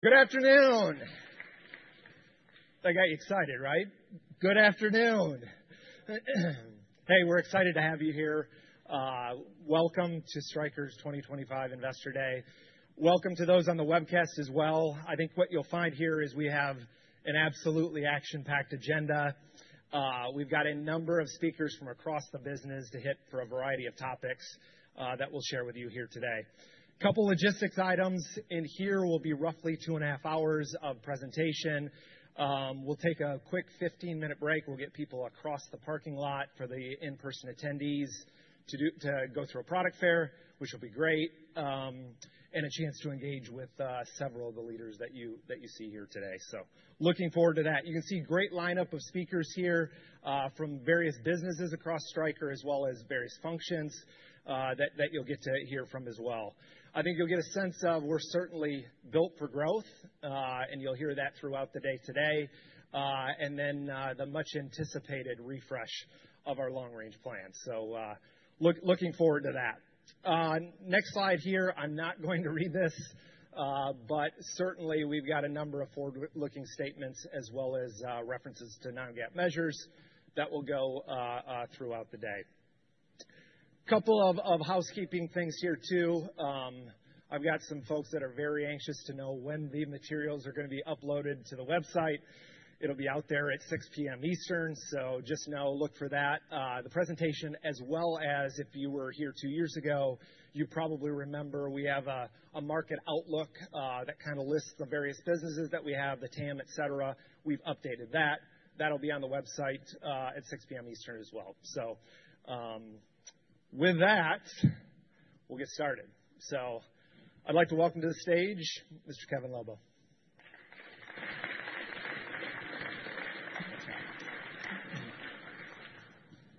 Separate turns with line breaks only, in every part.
Good afternoon.
That got you excited, right?
Good afternoon.
Hey, we're excited to have you here. Welcome to Stryker's 2025 Investor Day. Welcome to those on the webcast as well. I think what you'll find here is we have an absolutely action-packed agenda. We've got a number of speakers from across the business to hit for a variety of topics that we'll share with you here today. A couple of logistics items in here will be roughly two and a half hours of presentation. We'll take a quick 15-minute break. We'll get people across the parking lot for the in-person attendees to go through a product fair, which will be great, and a chance to engage with several of the leaders that you see here today. Looking forward to that. You can see a great lineup of speakers here from various businesses across Stryker, as well as various functions that you'll get to hear from as well. I think you'll get a sense of we're certainly built for growth, and you'll hear that throughout the day today, and then the much-anticipated refresh of our long-range plan. Looking forward to that. Next slide here. I'm not going to read this, but certainly we've got a number of forward-looking statements as well as references to non-GAAP measures that will go throughout the day. A couple of housekeeping things here too. I've got some folks that are very anxious to know when the materials are going to be uploaded to the website. It'll be out there at 6:00 P.M. Eastern, so just know, look for that. The presentation, as well as if you were here two years ago, you probably remember we have a market outlook that kind of lists the various businesses that we have, the TAM, etc. We have updated that. That will be on the website at 6:00 P.M. Eastern as well. With that, we will get started. I would like to welcome to the stage Mr. Kevin Lobo.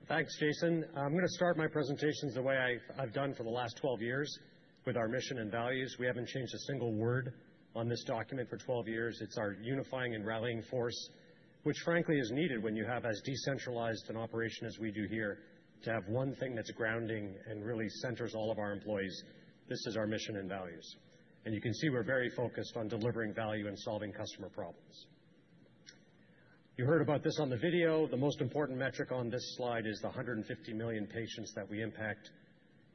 Thanks, Jason. I'm going to start my presentations the way I've done for the last 12 years with our mission and values. We haven't changed a single word on this document for 12 years. It's our unifying and rallying force, which frankly is needed when you have as decentralized an operation as we do here to have one thing that's grounding and really centers all of our employees. This is our mission and values. You can see we're very focused on delivering value and solving customer problems. You heard about this on the video. The most important metric on this slide is the 150 million patients that we impact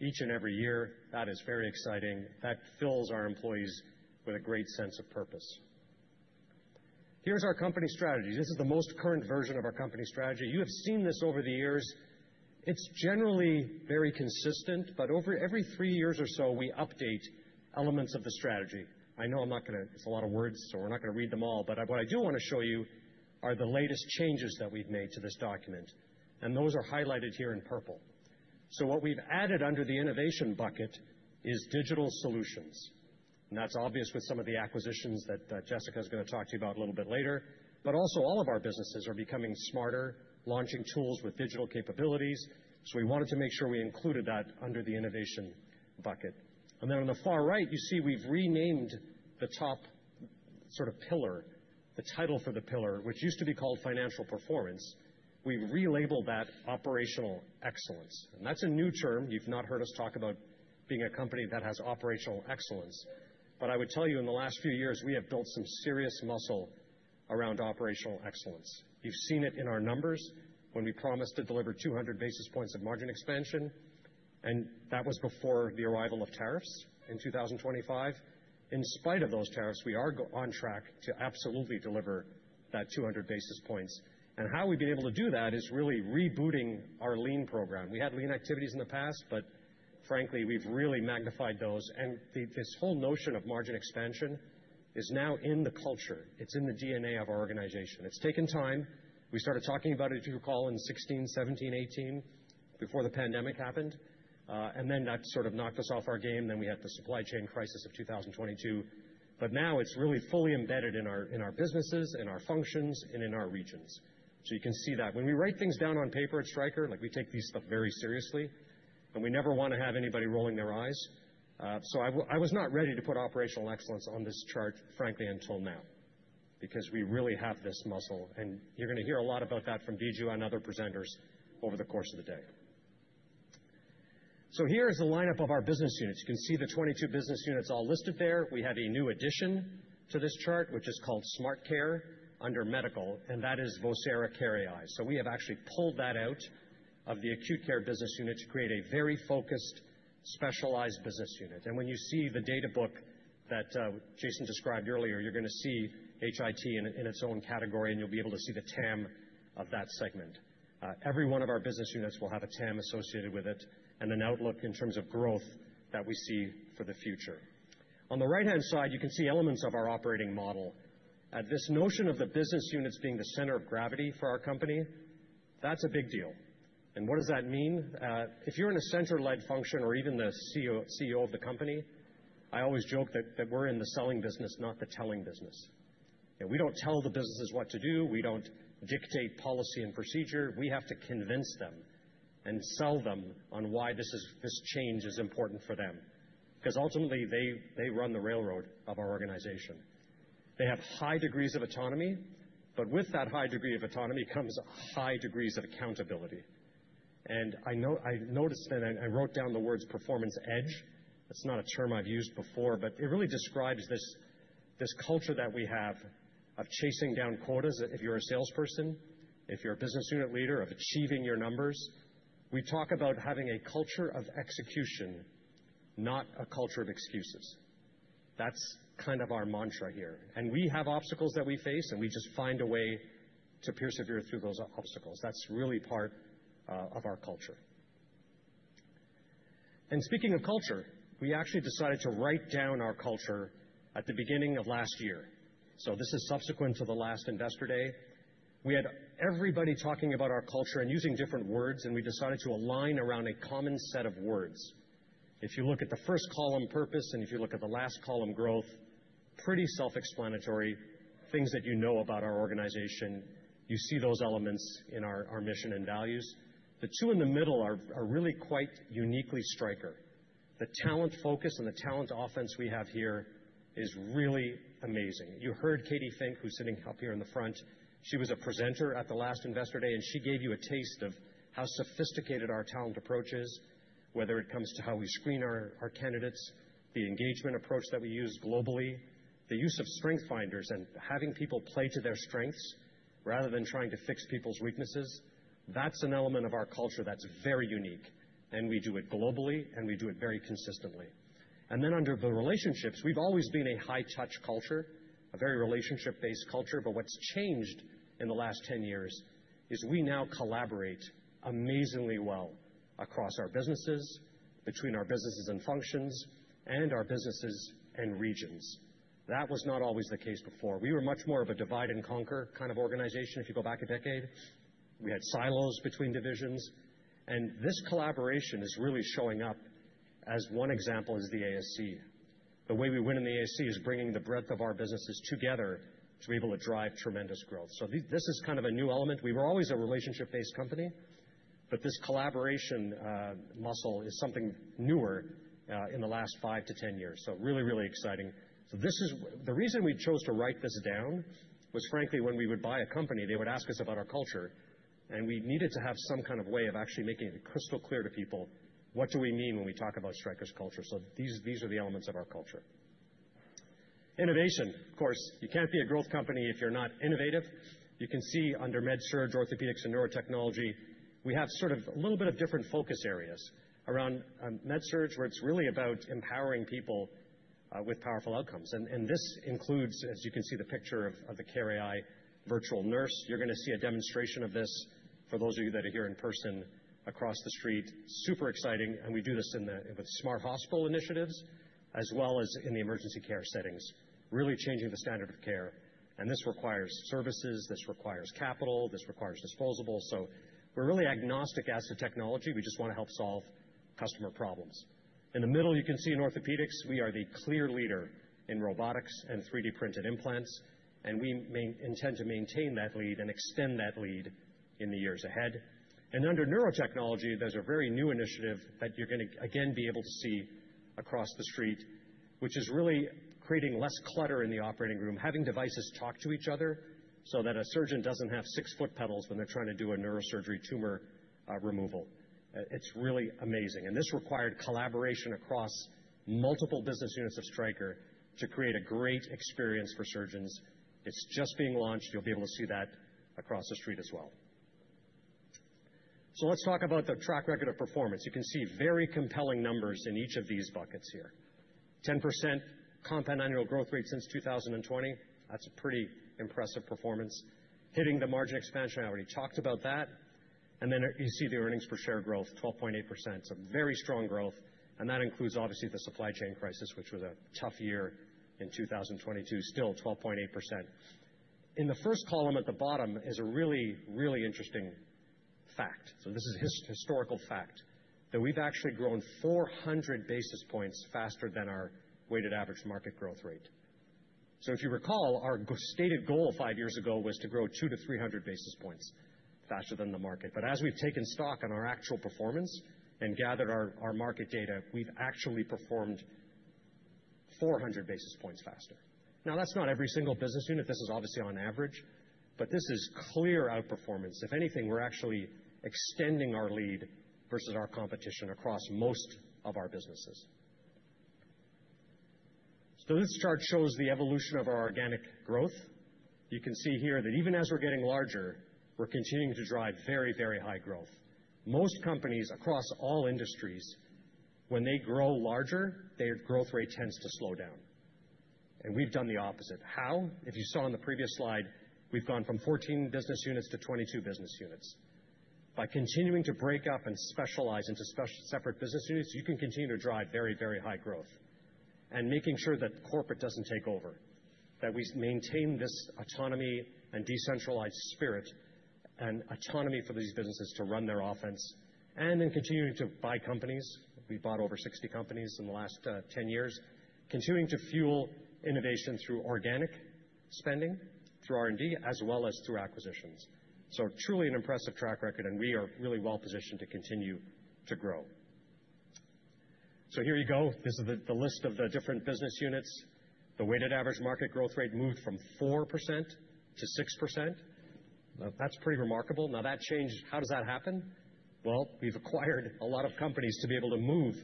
each and every year. That is very exciting. That fills our employees with a great sense of purpose. Here's our company strategy. This is the most current version of our company strategy. You have seen this over the years. It's generally very consistent, but over every three years or so, we update elements of the strategy. I know I'm not going to—it's a lot of words, so we're not going to read them all. What I do want to show you are the latest changes that we've made to this document, and those are highlighted here in purple. What we've added under the innovation bucket is digital solutions. That's obvious with some of the acquisitions that Jessica is going to talk to you about a little bit later. Also, all of our businesses are becoming smarter, launching tools with digital capabilities. We wanted to make sure we included that under the innovation bucket. On the far right, you see we've renamed the top sort of pillar, the title for the pillar, which used to be called financial performance. We've relabeled that operational excellence. And that's a new term. You've not heard us talk about being a company that has operational excellence. But I would tell you in the last few years, we have built some serious muscle around operational excellence. You've seen it in our numbers when we promised to deliver 200 basis points of margin expansion, and that was before the arrival of tariffs in 2025. In spite of those tariffs, we are on track to absolutely deliver that 200 basis points. And how we've been able to do that is really rebooting our lean program. We had lean activities in the past, but frankly, we've really magnified those. And this whole notion of margin expansion is now in the culture. It's in the DNA of our organization. It's taken time. We started talking about it, if you recall, in 2016, 2017, 2018, before the pandemic happened. That sort of knocked us off our game. Then we had the supply chain crisis of 2022. Now it's really fully embedded in our businesses, in our functions, and in our regions. You can see that. When we write things down on paper at Stryker, we take these stuff very seriously, and we never want to have anybody rolling their eyes. I was not ready to put operational excellence on this chart, frankly, until now, because we really have this muscle. You're going to hear a lot about that from Viju and other presenters over the course of the day. Here is the lineup of our business units. You can see the 22 business units all listed there. We have a new addition to this chart, which is called SmartCare under medical, and that is Vocera care.ai. We have actually pulled that out of the acute care business unit to create a very focused, specialized business unit. When you see the data book that Jason described earlier, you're going to see HIT in its own category, and you'll be able to see the TAM of that segment. Every one of our business units will have a TAM associated with it and an outlook in terms of growth that we see for the future. On the right-hand side, you can see elements of our operating model. This notion of the business units being the center of gravity for our company, that's a big deal. What does that mean? If you're in a centralized function or even the CEO of the company, I always joke that we're in the selling business, not the telling business. We don't tell the businesses what to do. We don't dictate policy and procedure. We have to convince them and sell them on why this change is important for them, because ultimately, they run the railroad of our organization. They have high degrees of autonomy, but with that high degree of autonomy comes high degrees of accountability. I noticed and I wrote down the words performance edge. That's not a term I've used before, but it really describes this culture that we have of chasing down quotas if you're a salesperson, if you're a business unit leader, of achieving your numbers. We talk about having a culture of execution, not a culture of excuses. That's kind of our mantra here. We have obstacles that we face, and we just find a way to persevere through those obstacles. That's really part of our culture. Speaking of culture, we actually decided to write down our culture at the beginning of last year. This is subsequent to the last Investor Day. We had everybody talking about our culture and using different words, and we decided to align around a common set of words. If you look at the first column, purpose, and if you look at the last column, growth, pretty self-explanatory, things that you know about our organization, you see those elements in our mission and values. The two in the middle are really quite uniquely Stryker. The talent focus and the talent offense we have here is really amazing. You heard Katy Fink, who's sitting up here in the front. She was a presenter at the last Investor Day, and she gave you a taste of how sophisticated our talent approach is, whether it comes to how we screen our candidates, the engagement approach that we use globally, the use of strength finders, and having people play to their strengths rather than trying to fix people's weaknesses. That is an element of our culture that is very unique, and we do it globally, and we do it very consistently. Under the relationships, we have always been a high-touch culture, a very relationship-based culture. What has changed in the last 10 years is we now collaborate amazingly well across our businesses, between our businesses and functions, and our businesses and regions. That was not always the case before. We were much more of a divide and conquer kind of organization. If you go back a decade, we had silos between divisions. This collaboration is really showing up as one example is the ASC. The way we win in the ASC is bringing the breadth of our businesses together to be able to drive tremendous growth. This is kind of a new element. We were always a relationship-based company, but this collaboration muscle is something newer in the last five to ten years. Really, really exciting. The reason we chose to write this down was, frankly, when we would buy a company, they would ask us about our culture, and we needed to have some kind of way of actually making it crystal clear to people what do we mean when we talk about Stryker's culture. These are the elements of our culture. Innovation, of course. You can't be a growth company if you're not innovative. You can see under MedSurg, Orthopaedics, and Neurotechnology, we have sort of a little bit of different focus areas around MedSurg, where it is really about empowering people with powerful outcomes. This includes, as you can see, the picture of the care.ai virtual nurse. You are going to see a demonstration of this for those of you that are here in person across the street. Super exciting. We do this with smart hospital initiatives as well as in the emergency care settings, really changing the standard of care. This requires services. This requires capital. This requires disposables. We are really agnostic as to technology. We just want to help solve customer problems. In the middle, you can see in Orthopaedics, we are the clear leader in robotics and 3D printed implants, and we intend to maintain that lead and extend that lead in the years ahead. Under Neurotechnology, there's a very new initiative that you're going to, again, be able to see across the street, which is really creating less clutter in the operating room, having devices talk to each other so that a surgeon doesn't have six foot pedals when they're trying to do a neurosurgery tumor removal. It's really amazing. This required collaboration across multiple business units of Stryker to create a great experience for surgeons. It's just being launched. You'll be able to see that across the street as well. Let's talk about the track record of performance. You can see very compelling numbers in each of these buckets here. 10% compound annual growth rate since 2020. That's a pretty impressive performance, hitting the margin expansion. I already talked about that. Then you see the earnings per share growth, 12.8%. It's a very strong growth. That includes, obviously, the supply chain crisis, which was a tough year in 2022. Still, 12.8%. In the first column at the bottom is a really, really interesting fact. This is a historical fact that we've actually grown 400 basis points faster than our weighted average market growth rate. If you recall, our stated goal five years ago was to grow 200-300 basis points faster than the market. As we've taken stock on our actual performance and gathered our market data, we've actually performed 400 basis points faster. Now, that's not every single business unit. This is obviously on average, but this is clear outperformance. If anything, we're actually extending our lead versus our competition across most of our businesses. This chart shows the evolution of our organic growth. You can see here that even as we're getting larger, we're continuing to drive very, very high growth. Most companies across all industries, when they grow larger, their growth rate tends to slow down. We've done the opposite. If you saw on the previous slide, we've gone from 14 business units to 22 business units. By continuing to break up and specialize into separate business units, you can continue to drive very, very high growth and making sure that corporate does not take over, that we maintain this autonomy and decentralized spirit and autonomy for these businesses to run their offense and then continue to buy companies. We bought over 60 companies in the last 10 years, continuing to fuel innovation through organic spending, through R&D, as well as through acquisitions. Truly an impressive track record, and we are really well positioned to continue to grow. Here you go. This is the list of the different business units. The weighted average market growth rate moved from 4% to 6%. That is pretty remarkable. Now, that changed. How does that happen? We have acquired a lot of companies to be able to move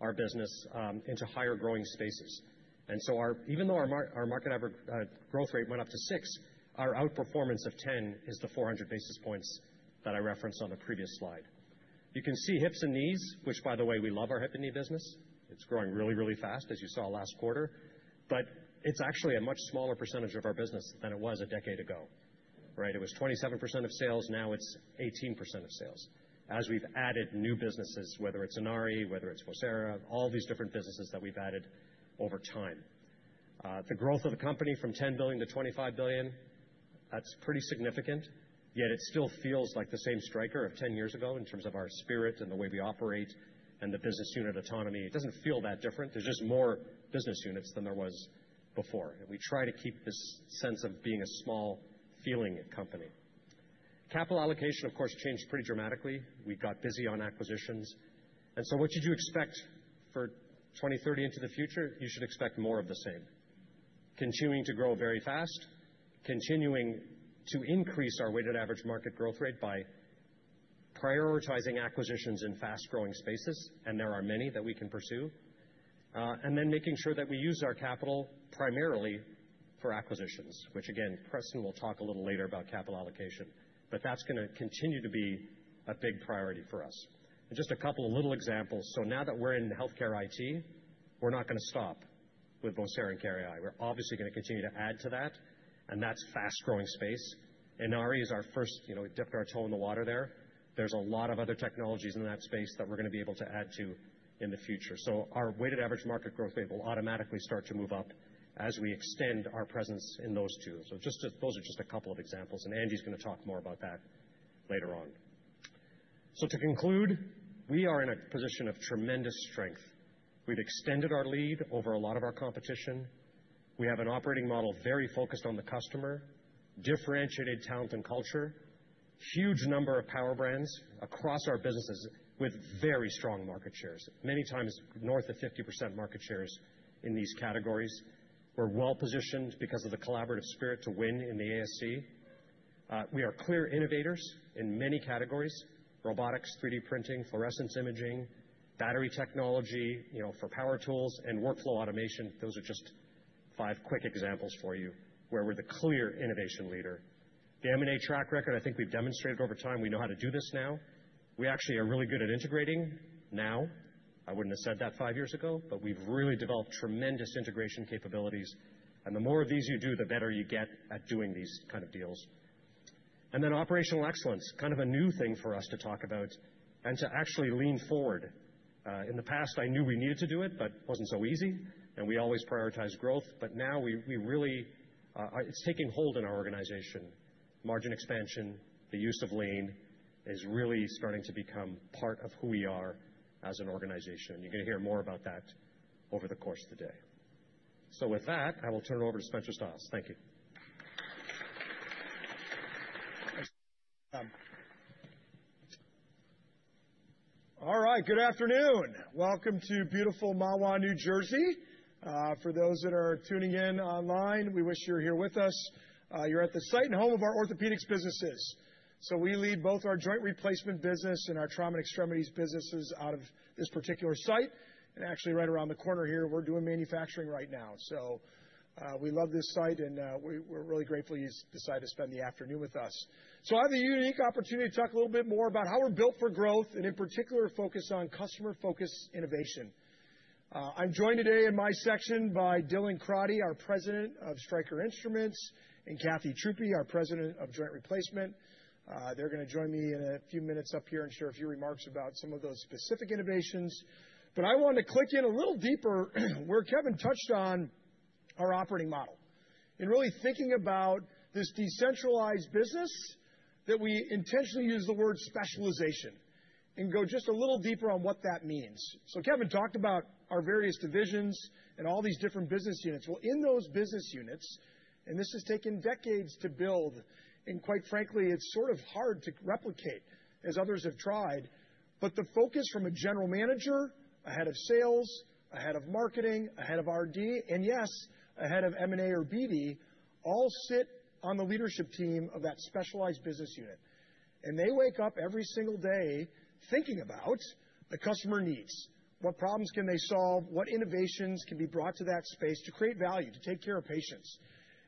our business into higher growing spaces. Even though our market growth rate went up to 6%, our outperformance of 10% is the 400 basis points that I referenced on the previous slide. You can see hips and knees, which, by the way, we love our hip and knee business. It is growing really, really fast, as you saw last quarter. It is actually a much smaller percentage of our business than it was a decade ago. Right? It was 27% of sales. Now it's 18% of sales as we've added new businesses, whether it's Inari, whether it's Vocera, all these different businesses that we've added over time. The growth of the company from $10 billion to $25 billion, that's pretty significant. Yet it still feels like the same Stryker of 10 years ago in terms of our spirit and the way we operate and the business unit autonomy. It doesn't feel that different. There's just more business units than there was before. We try to keep this sense of being a small-feeling company. Capital allocation, of course, changed pretty dramatically. We got busy on acquisitions. What should you expect for 2030 into the future? You should expect more of the same, continuing to grow very fast, continuing to increase our weighted average market growth rate by prioritizing acquisitions in fast-growing spaces, and there are many that we can pursue, and then making sure that we use our capital primarily for acquisitions, which, again, Preston will talk a little later about capital allocation, but that is going to continue to be a big priority for us. Just a couple of little examples. Now that we are in healthcare IT, we are not going to stop with Vocera and care.ai. We are obviously going to continue to add to that, and that is a fast-growing space. Inari is our first. We dipped our toe in the water there. There are a lot of other technologies in that space that we are going to be able to add to in the future. Our weighted average market growth rate will automatically start to move up as we extend our presence in those two. Those are just a couple of examples, and Andy's going to talk more about that later on. To conclude, we are in a position of tremendous strength. We've extended our lead over a lot of our competition. We have an operating model very focused on the customer, differentiated talent and culture, huge number of power brands across our businesses with very strong market shares, many times north of 50% market shares in these categories. We're well positioned because of the collaborative spirit to win in the ASC. We are clear innovators in many categories: robotics, 3D printing, fluorescence imaging, battery technology for power tools, and workflow automation. Those are just five quick examples for you where we're the clear innovation leader. The M&A track record, I think we've demonstrated over time. We know how to do this now. We actually are really good at integrating now. I wouldn't have said that five years ago, but we've really developed tremendous integration capabilities. The more of these you do, the better you get at doing these kinds of deals. Operational excellence, kind of a new thing for us to talk about and to actually lean forward. In the past, I knew we needed to do it, but it wasn't so easy, and we always prioritized growth. Now it's taking hold in our organization. Margin expansion, the use of lean is really starting to become part of who we are as an organization. You're going to hear more about that over the course of the day. With that, I will turn it over to Spencer Stiles. Thank you.
All right. Good afternoon. Welcome to beautiful Mahwah, New Jersey. For those that are tuning in online, we wish you were here with us. You're at the site and home of our orthopedics businesses. We lead both our joint replacement business and our trauma and extremities businesses out of this particular site. Actually, right around the corner here, we're doing manufacturing right now. We love this site, and we're really grateful you decided to spend the afternoon with us. I have the unique opportunity to talk a little bit more about how we're built for growth and, in particular, focus on customer-focused innovation. I'm joined today in my section by Dylan Crotty, our President of Stryker Instruments, and Kathy Truppi, our President of Joint Replacement. They're going to join me in a few minutes up here and share a few remarks about some of those specific innovations. I wanted to click in a little deeper where Kevin touched on our operating model and really thinking about this decentralized business that we intentionally use the word specialization and go just a little deeper on what that means. Kevin talked about our various divisions and all these different business units. In those business units, and this has taken decades to build, and quite frankly, it's sort of hard to replicate as others have tried, but the focus from a general manager, a head of sales, a head of marketing, a head of R&D, and yes, a head of M&A or BD all sit on the leadership team of that specialized business unit. They wake up every single day thinking about the customer needs. What problems can they solve? What innovations can be brought to that space to create value, to take care of patients?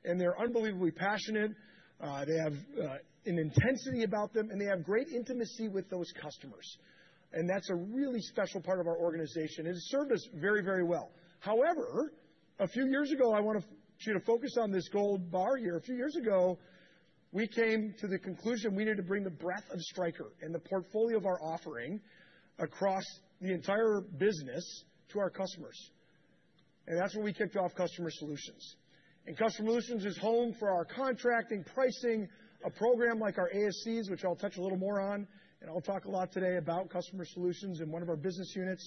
They're unbelievably passionate. They have an intensity about them, and they have great intimacy with those customers. That's a really special part of our organization and serves us very, very well. However, a few years ago, I want you to focus on this gold bar here. A few years ago, we came to the conclusion we needed to bring the breadth of Stryker and the portfolio of our offering across the entire business to our customers. That's where we kicked off Customer Solutions. Customer Solutions is home for our contracting, pricing, a program like our ASCs, which I'll touch a little more on, and I'll talk a lot today about Customer Solutions in one of our business units.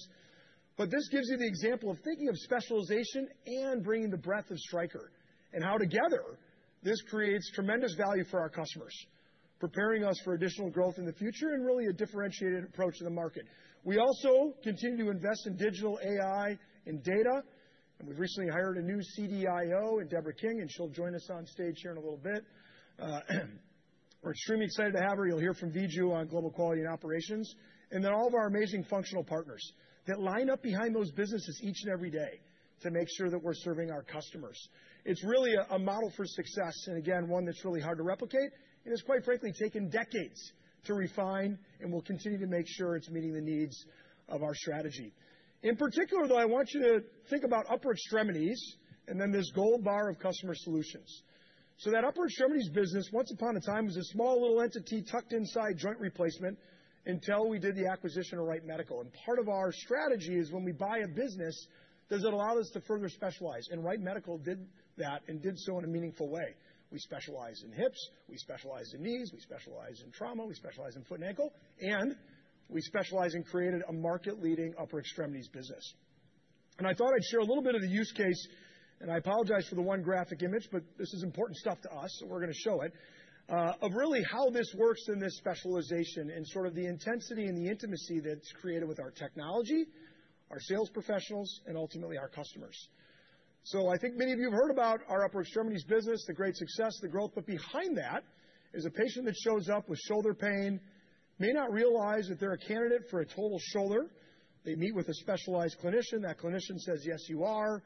This gives you the example of thinking of specialization and bringing the breadth of Stryker and how together this creates tremendous value for our customers, preparing us for additional growth in the future and really a differentiated approach to the market. We also continue to invest in digital AI and data. We have recently hired a new CDIO, Deborah King, and she will join us on stage here in a little bit. We are extremely excited to have her. You will hear from Viju on global quality and operations. All of our amazing functional partners line up behind those businesses each and every day to make sure that we are serving our customers. It is really a model for success and, again, one that is really hard to replicate. Quite frankly, it has taken decades to refine, and we will continue to make sure it is meeting the needs of our strategy. In particular, though, I want you to think about upper extremities and then this gold bar of Customer Solutions. That upper extremities business, once upon a time, was a small little entity tucked inside joint replacement until we did the acquisition of Wright Medical. Part of our strategy is when we buy a business, does it allow us to further specialize? Wright Medical did that and did so in a meaningful way. We specialize in hips. We specialize in knees. We specialize in trauma. We specialize in foot and ankle. We specialize in creating a market-leading upper extremities business. I thought I'd share a little bit of the use case, and I apologize for the one graphic image, but this is important stuff to us, so we're going to show it, of really how this works in this specialization and sort of the intensity and the intimacy that's created with our technology, our sales professionals, and ultimately our customers. I think many of you have heard about our upper extremities business, the great success, the growth. Behind that is a patient that shows up with shoulder pain, may not realize that they're a candidate for a total shoulder. They meet with a specialized clinician. That clinician says, "Yes, you are.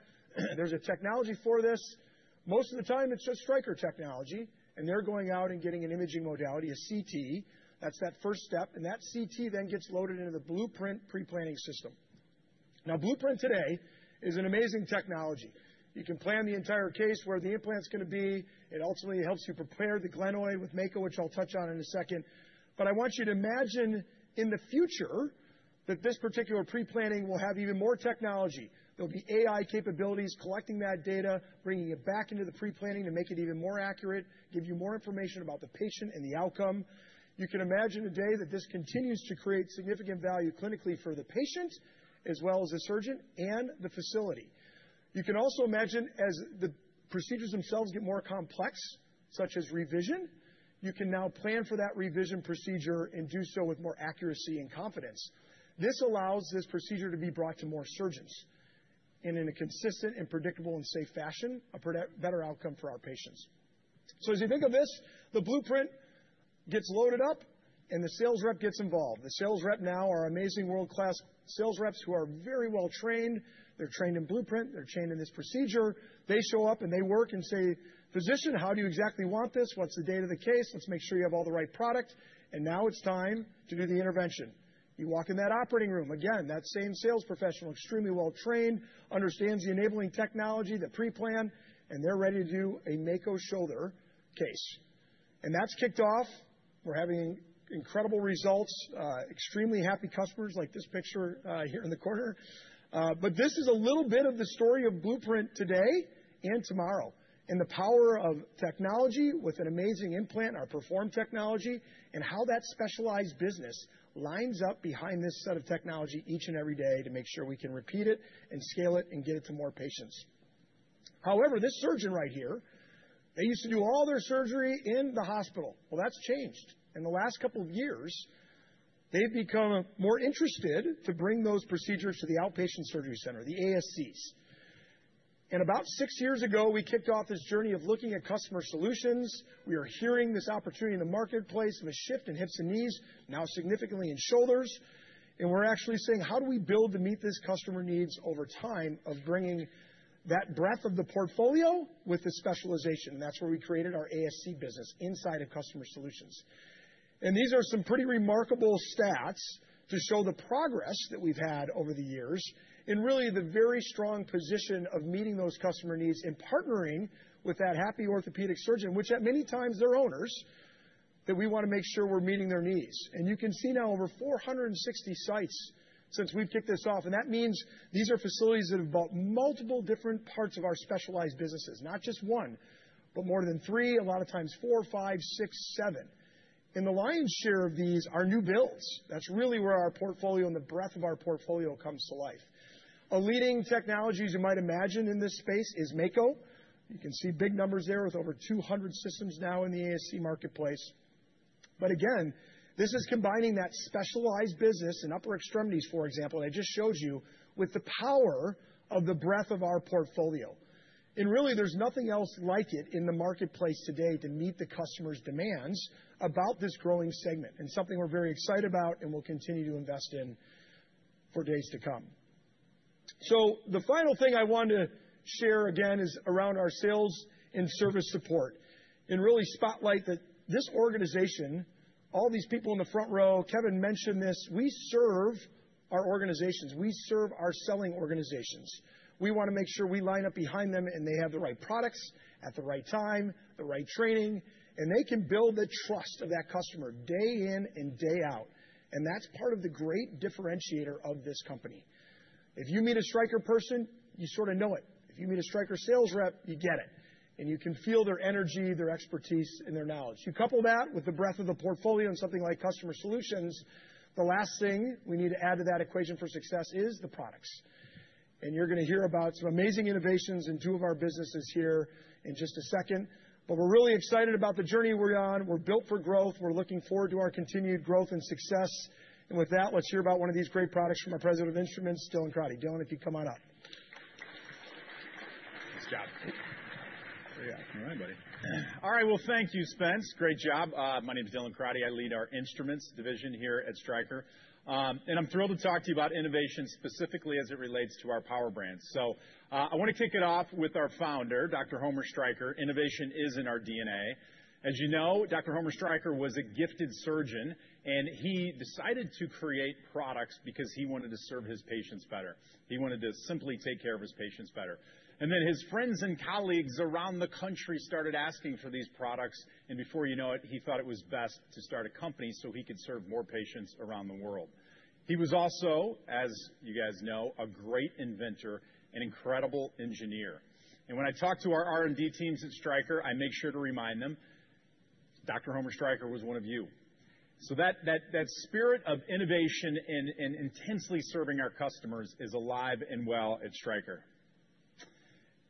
There's a technology for this." Most of the time, it's just Stryker technology, and they're going out and getting an imaging modality, a CT. That's that first step. That CT then gets loaded into the Blueprint pre-planning system. Now, Blueprint today is an amazing technology. You can plan the entire case where the implant's going to be. It ultimately helps you prepare the glenoid with Mako, which I'll touch on in a second. I want you to imagine in the future that this particular pre-planning will have even more technology. There will be AI capabilities collecting that data, bringing it back into the pre-planning to make it even more accurate, give you more information about the patient and the outcome. You can imagine today that this continues to create significant value clinically for the patient as well as the surgeon and the facility. You can also imagine as the procedures themselves get more complex, such as revision, you can now plan for that revision procedure and do so with more accuracy and confidence. This allows this procedure to be brought to more surgeons in a consistent and predictable and safe fashion, a better outcome for our patients. As you think of this, the Blueprint gets loaded up, and the sales rep gets involved. The sales rep now are amazing world-class sales reps who are very well trained. They're trained in Blueprint. They're trained in this procedure. They show up and they work and say, "Physician, how do you exactly want this? What's the date of the case? Let's make sure you have all the right product." Now it's time to do the intervention. You walk in that operating room. Again, that same sales professional, extremely well trained, understands the enabling technology, the pre-plan, and they're ready to do a Mako shoulder case. That's kicked off. We're having incredible results, extremely happy customers like this picture here in the corner. This is a little bit of the story of Blueprint today and tomorrow and the power of technology with an amazing implant, our Perform technology, and how that specialized business lines up behind this set of technology each and every day to make sure we can repeat it and scale it and get it to more patients. However, this surgeon right here, they used to do all their surgery in the hospital. That has changed. In the last couple of years, they have become more interested to bring those procedures to the outpatient surgery center, the ASCs. About six years ago, we kicked off this journey of looking at customer solutions. We are hearing this opportunity in the marketplace of a shift in hips and knees, now significantly in shoulders. We are actually saying, "How do we build to meet this customer needs over time of bringing that breadth of the portfolio with the specialization?" That is where we created our ASC business inside of Customer Solutions. These are some pretty remarkable stats to show the progress that we have had over the years in really the very strong position of meeting those customer needs and partnering with that happy orthopedic surgeon, which at many times they are owners, that we want to make sure we are meeting their needs. You can see now over 460 sites since we have kicked this off. That means these are facilities that have built multiple different parts of our specialized businesses, not just one, but more than three, a lot of times four, five, six, seven. The lion's share of these are new builds. That's really where our portfolio and the breadth of our portfolio comes to life. A leading technology, as you might imagine in this space, is Mako. You can see big numbers there with over 200 systems now in the ASC marketplace. Again, this is combining that specialized business and upper extremities, for example, that I just showed you with the power of the breadth of our portfolio. Really, there's nothing else like it in the marketplace today to meet the customer's demands about this growing segment and something we're very excited about and will continue to invest in for days to come. The final thing I want to share again is around our sales and service support and really spotlight that this organization, all these people in the front row, Kevin mentioned this, we serve our organizations. We serve our selling organizations. We want to make sure we line up behind them and they have the right products at the right time, the right training, and they can build the trust of that customer day in and day out. That is part of the great differentiator of this company. If you meet a Stryker person, you sort of know it. If you meet a Stryker sales rep, you get it. You can feel their energy, their expertise, and their knowledge. You couple that with the breadth of the portfolio and something like Customer Solutions, the last thing we need to add to that equation for success is the products. You are going to hear about some amazing innovations in two of our businesses here in just a second. We are really excited about the journey we are on. We are built for growth. We are looking forward to our continued growth and success. Let's hear about one of these great products from our President of Instruments, Dylan Crotty. Dylan, if you come on up.
Nice job.
All right, buddy.
All right. Thank you, Spence. Great job. My name is Dylan Crotty. I lead our Instruments division here at Stryker. I'm thrilled to talk to you about innovation specifically as it relates to our power brand. I want to kick it off with our founder, Dr. Homer Stryker. Innovation is in our DNA. As you know, Dr. Homer Stryker was a gifted surgeon, and he decided to create products because he wanted to serve his patients better. He wanted to simply take care of his patients better. His friends and colleagues around the country started asking for these products. Before you know it, he thought it was best to start a company so he could serve more patients around the world. He was also, as you guys know, a great inventor and incredible engineer. When I talk to our R&D teams at Stryker, I make sure to remind them, Dr. Homer Stryker was one of you. That spirit of innovation and intensely serving our customers is alive and well at Stryker.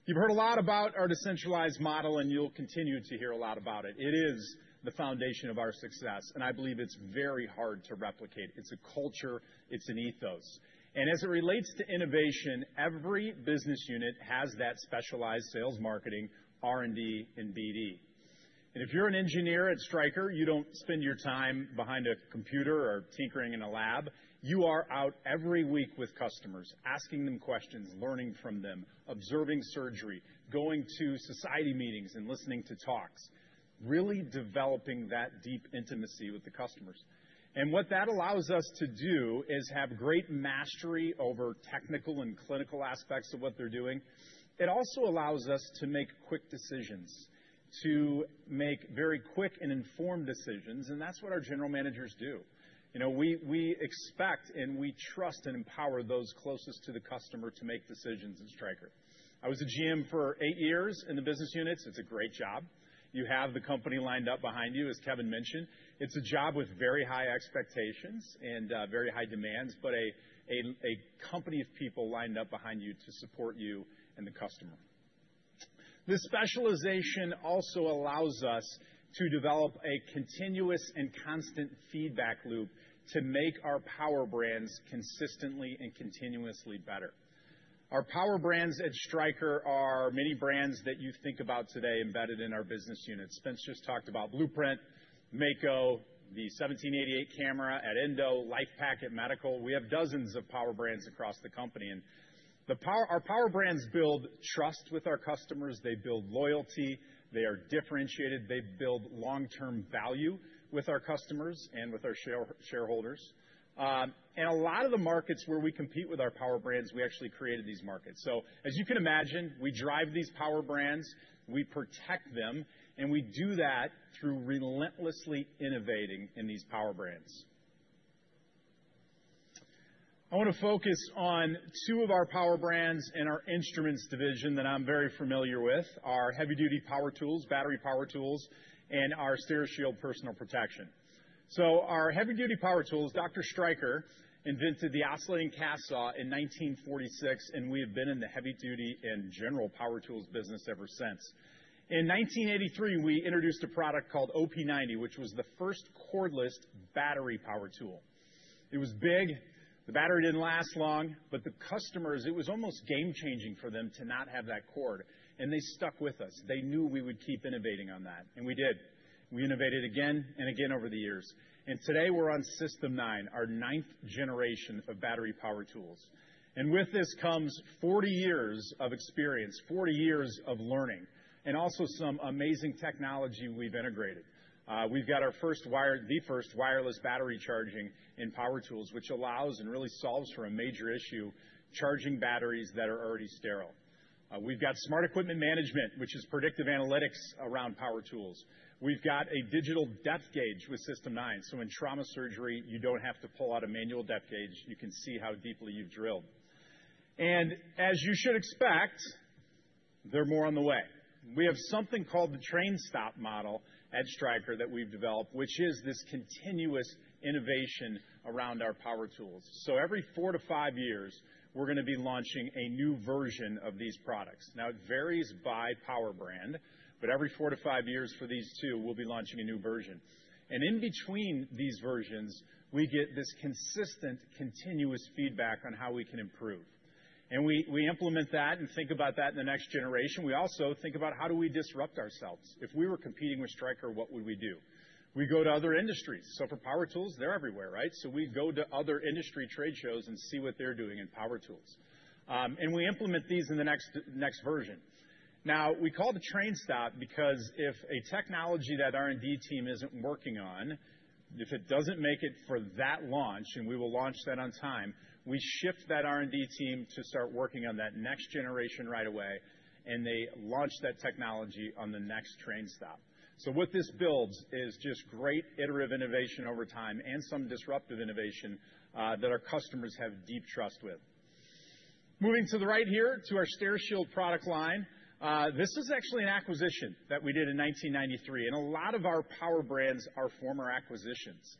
You've heard a lot about our decentralized model, and you'll continue to hear a lot about it. It is the foundation of our success, and I believe it's very hard to replicate. It's a culture. It's an ethos. As it relates to innovation, every business unit has that specialized sales, marketing, R&D, and BD. If you're an engineer at Stryker, you don't spend your time behind a computer or tinkering in a lab. You are out every week with customers, asking them questions, learning from them, observing surgery, going to society meetings and listening to talks, really developing that deep intimacy with the customers. What that allows us to do is have great mastery over technical and clinical aspects of what they are doing. It also allows us to make quick decisions, to make very quick and informed decisions. That is what our general managers do. We expect and we trust and empower those closest to the customer to make decisions at Stryker. I was a GM for eight years in the business units. It is a great job. You have the company lined up behind you, as Kevin mentioned. It is a job with very high expectations and very high demands, but a company of people lined up behind you to support you and the customer. This specialization also allows us to develop a continuous and constant feedback loop to make our power brands consistently and continuously better. Our power brands at Stryker are many brands that you think about today embedded in our business units. Spence just talked about Blueprint, Mako, the 1788 camera at Endo, LIFEPAK at Medical. We have dozens of power brands across the company. Our power brands build trust with our customers. They build loyalty. They are differentiated. They build long-term value with our customers and with our shareholders. A lot of the markets where we compete with our power brands, we actually created these markets. As you can imagine, we drive these power brands. We protect them. We do that through relentlessly innovating in these power brands. I want to focus on two of our power brands in our Instruments division that I'm very familiar with: our heavy-duty power tools, battery power tools, and our Steri-Shield personal protection. Our heavy-duty power tools, Dr. Stryker invented the oscillating cast saw in 1946, and we have been in the heavy-duty and general power tools business ever since. In 1983, we introduced a product called OP90, which was the first cordless battery power tool. It was big. The battery did not last long, but the customers, it was almost game-changing for them to not have that cord. They stuck with us. They knew we would keep innovating on that. We did. We innovated again and again over the years. Today, we are on System 9, our ninth generation of battery power tools. With this comes 40 years of experience, 40 years of learning, and also some amazing technology we have integrated. We have got our first, the first wireless battery charging in power tools, which allows and really solves for a major issue: charging batteries that are already sterile. We've got smart equipment management, which is predictive analytics around power tools. We've got a digital depth gauge with System 9. In trauma surgery, you don't have to pull out a manual depth gauge. You can see how deeply you've drilled. As you should expect, there are more on the way. We have something called the Train Stop model at Stryker that we've developed, which is this continuous innovation around our power tools. Every four to five years, we're going to be launching a new version of these products. It varies by power brand, but every four to five years for these two, we'll be launching a new version. In between these versions, we get this consistent continuous feedback on how we can improve. We implement that and think about that in the next generation. We also think about how do we disrupt ourselves. If we were competing with Stryker, what would we do? We go to other industries. For power tools, they're everywhere, right? We go to other industry trade shows and see what they're doing in power tools. We implement these in the next version. Now, we call it the Train Stop because if a technology that R&D team isn't working on, if it doesn't make it for that launch and we will launch that on time, we shift that R&D team to start working on that next generation right away, and they launch that technology on the next Train Stop. What this builds is just great iterative innovation over time and some disruptive innovation that our customers have deep trust with. Moving to the right here to our Steri-Shield product line, this is actually an acquisition that we did in 1993. A lot of our power brands are former acquisitions.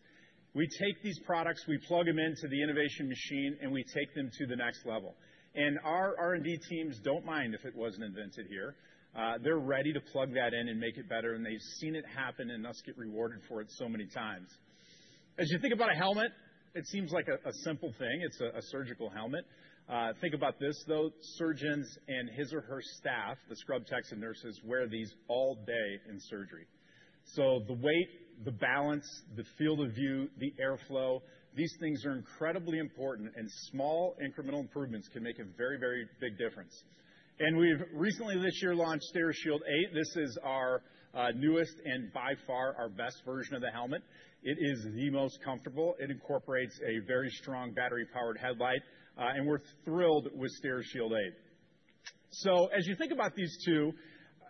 We take these products, we plug them into the innovation machine, and we take them to the next level. Our R&D teams do not mind if it was not invented here. They are ready to plug that in and make it better. They have seen it happen, and us get rewarded for it so many times. As you think about a helmet, it seems like a simple thing. It is a surgical helmet. Think about this, though. Surgeons and his or her staff, the scrub techs and nurses, wear these all day in surgery. The weight, the balance, the field of view, the airflow, these things are incredibly important, and small incremental improvements can make a very, very big difference. We have recently this year launched Steri-Shield 8. This is our newest and by far our best version of the helmet. It is the most comfortable. It incorporates a very strong battery-powered headlight. We are thrilled with Steri-Shield 8. As you think about these two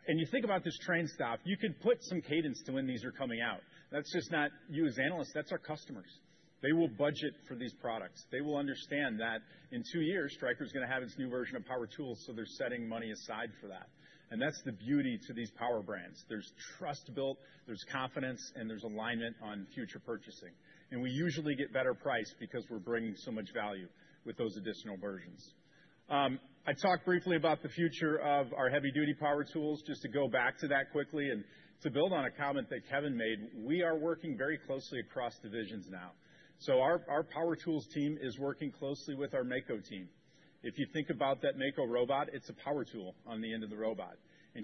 and you think about this train stop, you could put some cadence to when these are coming out. That is not just you as analysts. That is our customers. They will budget for these products. They will understand that in two years, Stryker is going to have its new version of power tools. They are setting money aside for that. That is the beauty to these power brands. There is trust built, there is confidence, and there is alignment on future purchasing. We usually get better price because we are bringing so much value with those additional versions. I talked briefly about the future of our heavy-duty power tools, just to go back to that quickly. To build on a comment that Kevin made, we are working very closely across divisions now. Our power tools team is working closely with our Mako team. If you think about that Mako robot, it is a power tool on the end of the robot.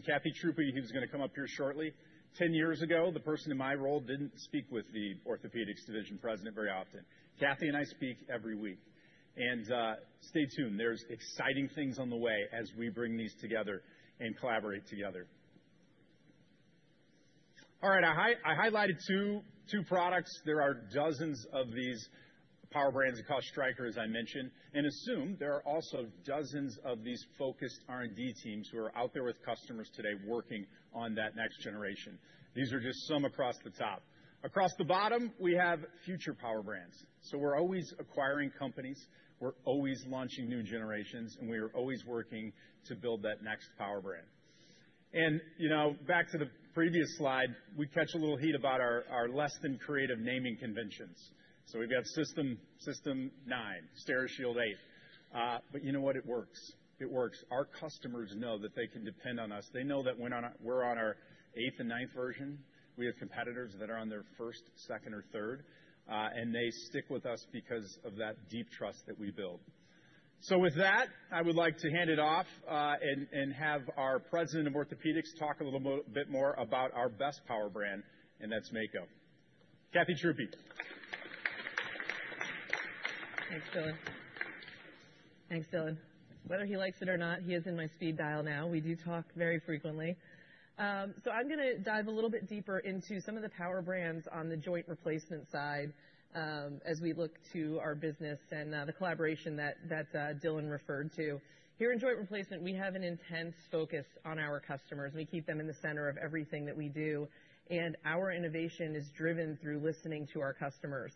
Kathy Truppi, who is going to come up here shortly, 10 years ago, the person in my role did not speak with the Orthopaedics division president very often. Kathy and I speak every week. Stay tuned. There are exciting things on the way as we bring these together and collaborate together. All right. I highlighted two products. There are dozens of these power brands called Stryker, as I mentioned. Assume there are also dozens of these focused R&D teams who are out there with customers today working on that next generation. These are just some across the top. Across the bottom, we have future power brands. We are always acquiring companies. We are always launching new generations, and we are always working to build that next power brand. Back to the previous slide, we catch a little heat about our less-than-creative naming conventions. We have System 9, Steri-Shield 8. You know what? It works. It works. Our customers know that they can depend on us. They know that we are on our eighth and ninth version. We have competitors that are on their first, second, or third. They stick with us because of that deep trust that we build. With that, I would like to hand it off and have our President of Orthopaedics talk a little bit more about our best power brand, and that is Mako. Kathy Truppi.
Thanks, Dylan. Whether he likes it or not, he is in my speed dial now. We do talk very frequently. I'm going to dive a little bit deeper into some of the power brands on the joint replacement side as we look to our business and the collaboration that Dylan referred to. Here in joint replacement, we have an intense focus on our customers. We keep them in the center of everything that we do. Our innovation is driven through listening to our customers,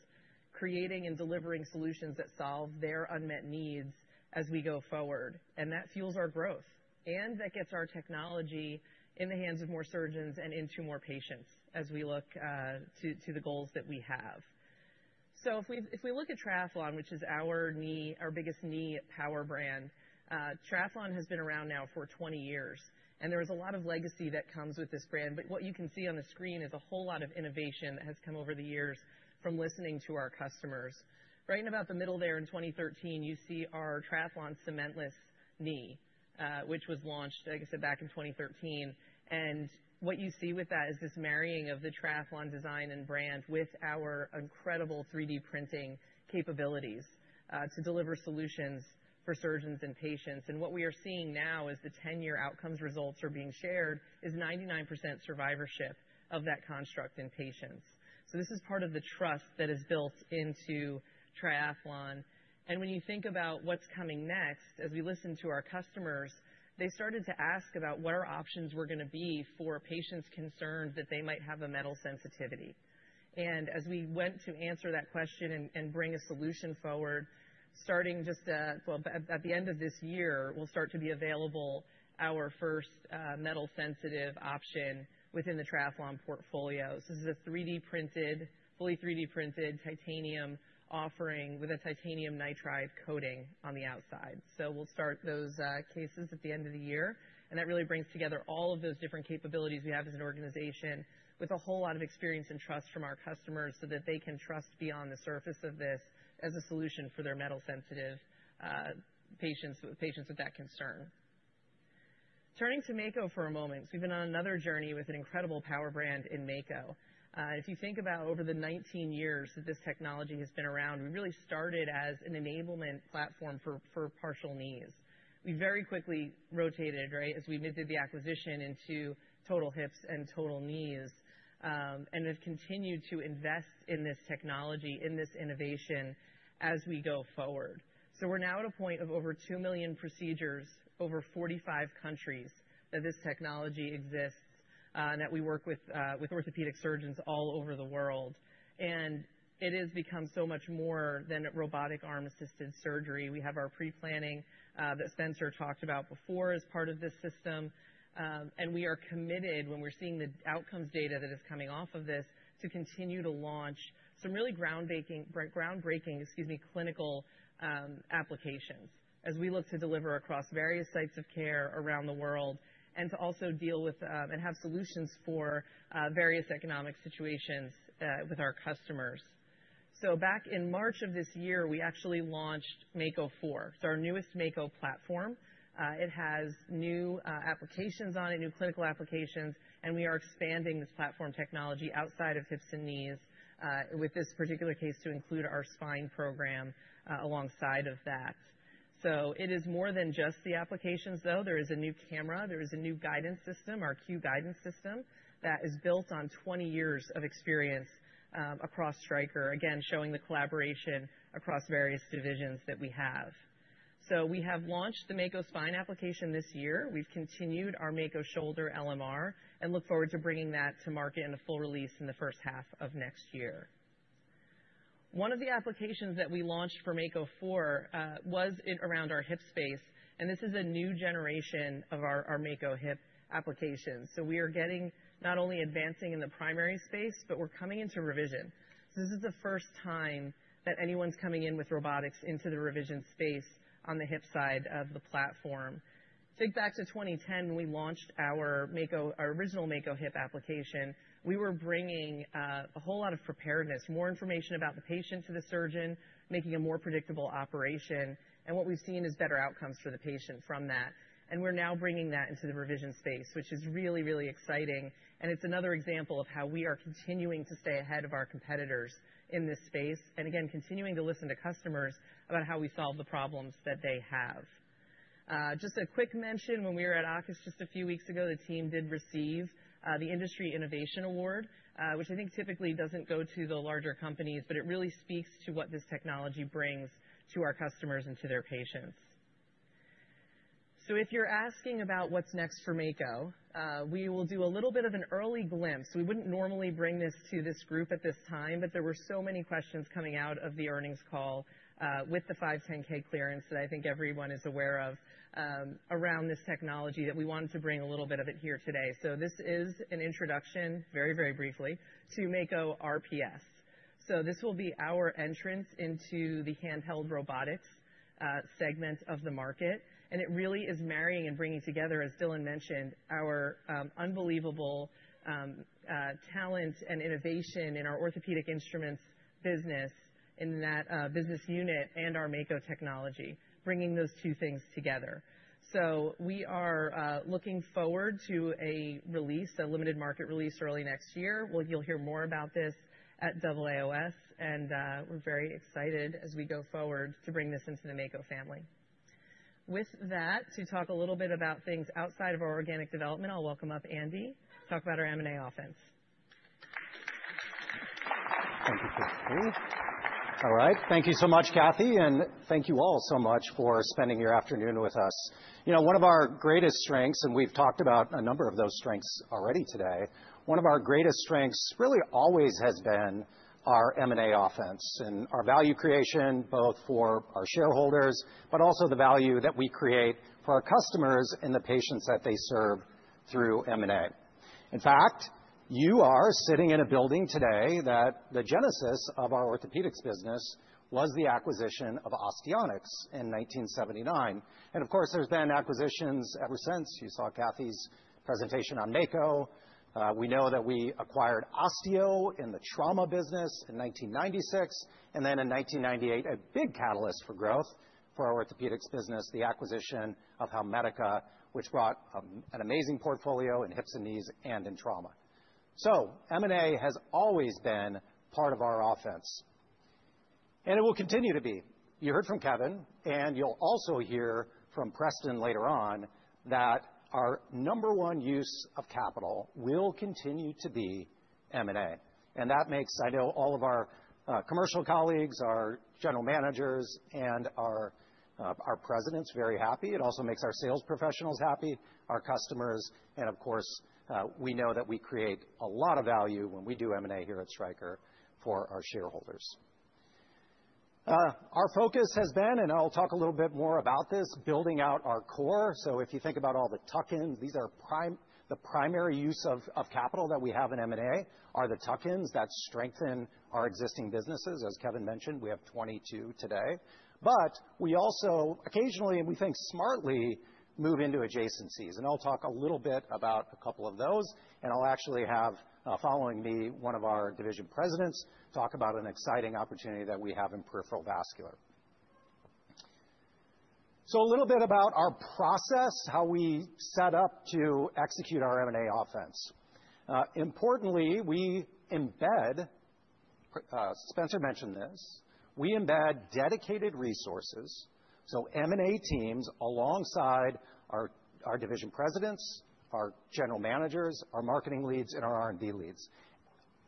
creating and delivering solutions that solve their unmet needs as we go forward. That fuels our growth. That gets our technology in the hands of more surgeons and into more patients as we look to the goals that we have. If we look at Triathlon, which is our biggest knee power brand, Triathlon has been around now for 20 years. There is a lot of legacy that comes with this brand. What you can see on the screen is a whole lot of innovation that has come over the years from listening to our customers. Right in about the middle there in 2013, you see our Triathlon cementless knee, which was launched, like I said, back in 2013. What you see with that is this marrying of the Triathlon design and brand with our incredible 3D printing capabilities to deliver solutions for surgeons and patients. What we are seeing now as the 10-year outcomes results are being shared is 99% survivorship of that construct in patients. This is part of the trust that is built into Triathlon. When you think about what's coming next, as we listen to our customers, they started to ask about what our options were going to be for patients concerned that they might have a metal sensitivity. As we went to answer that question and bring a solution forward, starting just at the end of this year, we'll start to be available our first metal-sensitive option within the Triathlon portfolio. This is a fully 3D printed titanium offering with a titanium nitride coating on the outside. We'll start those cases at the end of the year. That really brings together all of those different capabilities we have as an organization with a whole lot of experience and trust from our customers so that they can trust beyond the surface of this as a solution for their metal-sensitive patients with that concern. Turning to Mako for a moment, we've been on another journey with an incredible power brand in Mako. If you think about over the 19 years that this technology has been around, we really started as an enablement platform for partial knees. We very quickly rotated, right, as we did the acquisition into total hips and total knees. We have continued to invest in this technology, in this innovation as we go forward. We are now at a point of over 2 million procedures over 45 countries that this technology exists and that we work with orthopedic surgeons all over the world. It has become so much more than robotic arm-assisted surgery. We have our pre-planning that Spencer talked about before as part of this system. We are committed, when we're seeing the outcomes data that is coming off of this, to continue to launch some really groundbreaking clinical applications as we look to deliver across various sites of care around the world and to also deal with and have solutions for various economic situations with our customers. Back in March of this year, we actually launched Mako 4. It's our newest Mako platform. It has new applications on it, new clinical applications. We are expanding this platform technology outside of hips and knees with this particular case to include our spine program alongside of that. It is more than just the applications, though. There is a new camera. There is a new guidance system, our Q-guidance system that is built on 20 years of experience across Stryker, again, showing the collaboration across various divisions that we have. We have launched the Mako spine application this year. We've continued our Mako shoulder LMR and look forward to bringing that to market in a full release in the first half of next year. One of the applications that we launched for Mako 4 was around our hip space. This is a new generation of our Mako hip applications. We are not only advancing in the primary space, but we're coming into revision. This is the first time that anyone's coming in with robotics into the revision space on the hip side of the platform. Think back to 2010 when we launched our original Mako hip application. We were bringing a whole lot of preparedness, more information about the patient to the surgeon, making a more predictable operation. What we've seen is better outcomes for the patient from that. We are now bringing that into the revision space, which is really, really exciting. It is another example of how we are continuing to stay ahead of our competitors in this space and, again, continuing to listen to customers about how we solve the problems that they have. Just a quick mention, when we were at Aukus just a few weeks ago, the team did receive the Industry Innovation Award, which I think typically does not go to the larger companies, but it really speaks to what this technology brings to our customers and to their patients. If you are asking about what is next for Mako, we will do a little bit of an early glimpse. We would not normally bring this to this group at this time, but there were so many questions coming out of the earnings call with the 510(k) clearance that I think everyone is aware of around this technology that we wanted to bring a little bit of it here today. This is an introduction, very, very briefly, to Mako RPS. This will be our entrance into the handheld robotics segment of the market. It really is marrying and bringing together, as Dylan mentioned, our unbelievable talent and innovation in our orthopedic instruments business in that business unit and our Mako technology, bringing those two things together. We are looking forward to a release, a limited market release early next year. You will hear more about this at AAOS. We are very excited as we go forward to bring this into the Mako family. With that, to talk a little bit about things outside of our organic development, I'll welcome up Andy to talk about our M&A offense.
All right. Thank you so much, Kathy. Thank you all so much for spending your afternoon with us. One of our greatest strengths, and we've talked about a number of those strengths already today, one of our greatest strengths really always has been our M&A offense and our value creation both for our shareholders, but also the value that we create for our customers and the patients that they serve through M&A. In fact, you are sitting in a building today that the genesis of our orthopedics business was the acquisition of Osteonix in 1979. Of course, there have been acquisitions ever since. You saw Kathy's presentation on Mako. We know that we acquired Osteo in the trauma business in 1996. In 1998, a big catalyst for growth for our orthopedics business, the acquisition of Howmedica, which brought an amazing portfolio in hips and knees and in trauma. M&A has always been part of our offense. It will continue to be. You heard from Kevin. You'll also hear from Preston later on that our number one use of capital will continue to be M&A. That makes, I know, all of our commercial colleagues, our general managers, and our presidents very happy. It also makes our sales professionals happy, our customers. Of course, we know that we create a lot of value when we do M&A here at Stryker for our shareholders. Our focus has been, and I'll talk a little bit more about this, building out our core. If you think about all the tuck-ins, the primary use of capital that we have in M&A are the tuck-ins that strengthen our existing businesses. As Kevin mentioned, we have 22 today. We also occasionally, and we think smartly, move into adjacencies. I'll talk a little bit about a couple of those. I'll actually have following me, one of our division presidents talk about an exciting opportunity that we have in peripheral vascular. A little bit about our process, how we set up to execute our M&A offense. Importantly, we embed, Spencer mentioned this, we embed dedicated resources. M&A teams alongside our division presidents, our general managers, our marketing leads, and our R&D leads.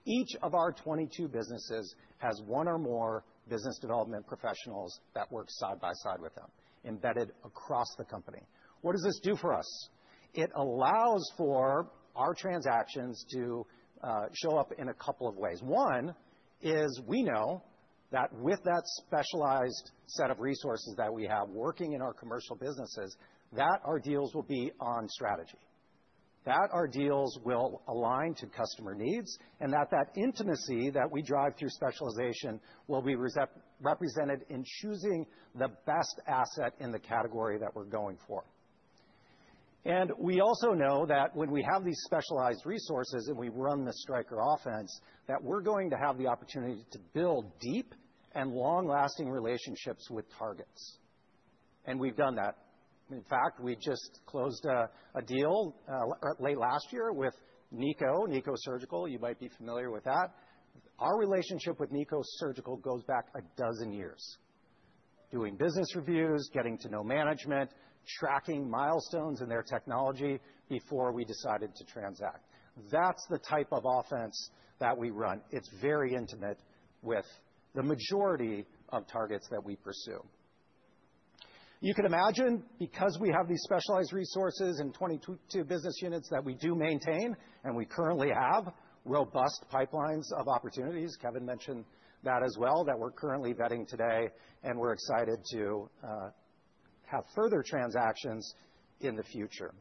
Each of our 22 businesses has one or more business development professionals that work side by side with them embedded across the company. What does this do for us? It allows for our transactions to show up in a couple of ways. One is we know that with that specialized set of resources that we have working in our commercial businesses, that our deals will be on strategy, that our deals will align to customer needs, and that that intimacy that we drive through specialization will be represented in choosing the best asset in the category that we're going for. We also know that when we have these specialized resources and we run the Stryker offense, that we're going to have the opportunity to build deep and long-lasting relationships with targets. We've done that. In fact, we just closed a deal late last year with NICO Surgical. You might be familiar with that. Our relationship with NICO Surgical goes back a dozen years, doing business reviews, getting to know management, tracking milestones in their technology before we decided to transact. That is the type of offense that we run. It is very intimate with the majority of targets that we pursue. You can imagine, because we have these specialized resources and 22 business units that we do maintain and we currently have robust pipelines of opportunities, Kevin mentioned that as well, that we are currently vetting today. We are excited to have further transactions in the future.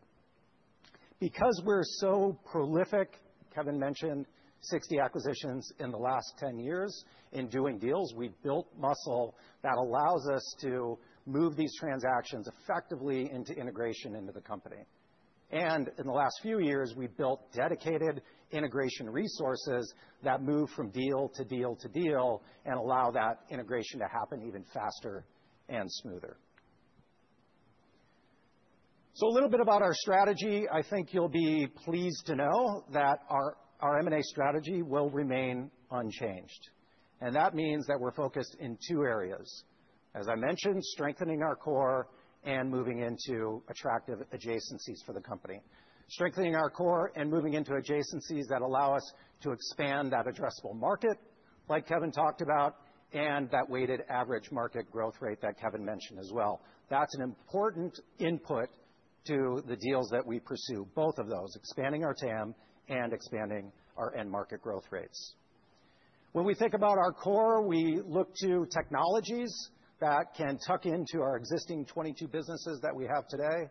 Because we are so prolific, Kevin mentioned 60 acquisitions in the last 10 years in doing deals, we have built muscle that allows us to move these transactions effectively into integration into the company. In the last few years, we've built dedicated integration resources that move from deal to deal to deal and allow that integration to happen even faster and smoother. A little bit about our strategy. I think you'll be pleased to know that our M&A strategy will remain unchanged. That means that we're focused in two areas. As I mentioned, strengthening our core and moving into attractive adjacencies for the company, strengthening our core and moving into adjacencies that allow us to expand that addressable market, like Kevin talked about, and that weighted average market growth rate that Kevin mentioned as well. That's an important input to the deals that we pursue, both of those, expanding our TAM and expanding our end market growth rates. When we think about our core, we look to technologies that can tuck into our existing 22 businesses that we have today,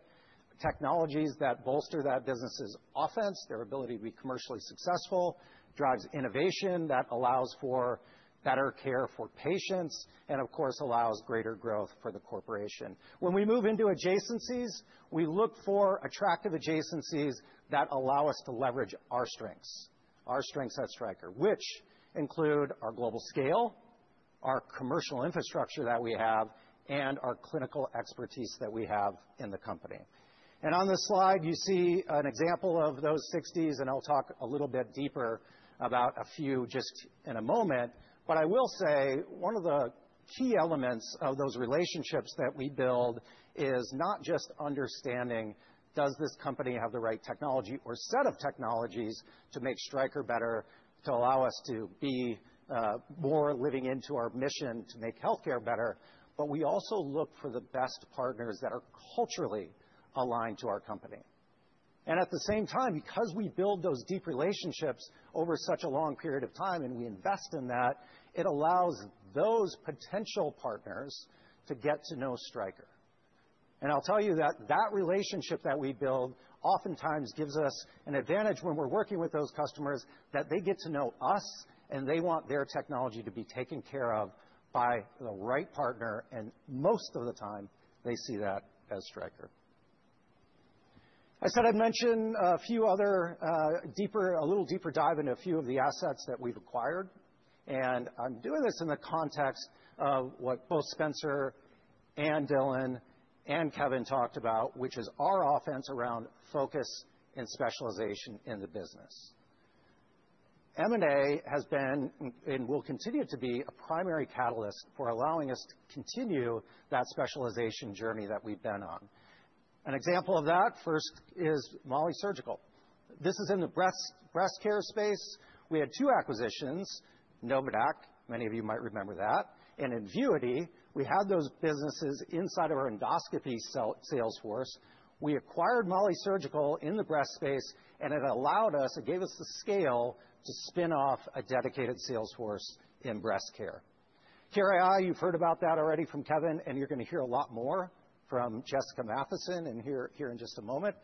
technologies that bolster that business's offense, their ability to be commercially successful, drives innovation that allows for better care for patients, and of course, allows greater growth for the corporation. When we move into adjacencies, we look for attractive adjacencies that allow us to leverage our strengths, our strengths at Stryker, which include our global scale, our commercial infrastructure that we have, and our clinical expertise that we have in the company. On this slide, you see an example of those 60s. I'll talk a little bit deeper about a few just in a moment. I will say one of the key elements of those relationships that we build is not just understanding, does this company have the right technology or set of technologies to make Stryker better to allow us to be more living into our mission to make healthcare better? We also look for the best partners that are culturally aligned to our company. At the same time, because we build those deep relationships over such a long period of time and we invest in that, it allows those potential partners to get to know Stryker. I'll tell you that that relationship that we build oftentimes gives us an advantage when we're working with those customers that they get to know us and they want their technology to be taken care of by the right partner. Most of the time, they see that as Stryker. I said I'd mention a few other deeper, a little deeper dive into a few of the assets that we've acquired. I'm doing this in the context of what both Spencer and Dylan and Kevin talked about, which is our offense around focus and specialization in the business. M&A has been and will continue to be a primary catalyst for allowing us to continue that specialization journey that we've been on. An example of that first is MOLLI Surgical. This is in the breast care space. We had two acquisitions, NOVADAQ, many of you might remember that, and Invuity. We had those businesses inside of our endoscopy sales force. We acquired MOLLI Surgical in the breast space. It allowed us, it gave us the scale to spin off a dedicated sales force in breast care. care.ai, you've heard about that already from Kevin. You're going to hear a lot more from Jessica Matheson here in just a moment.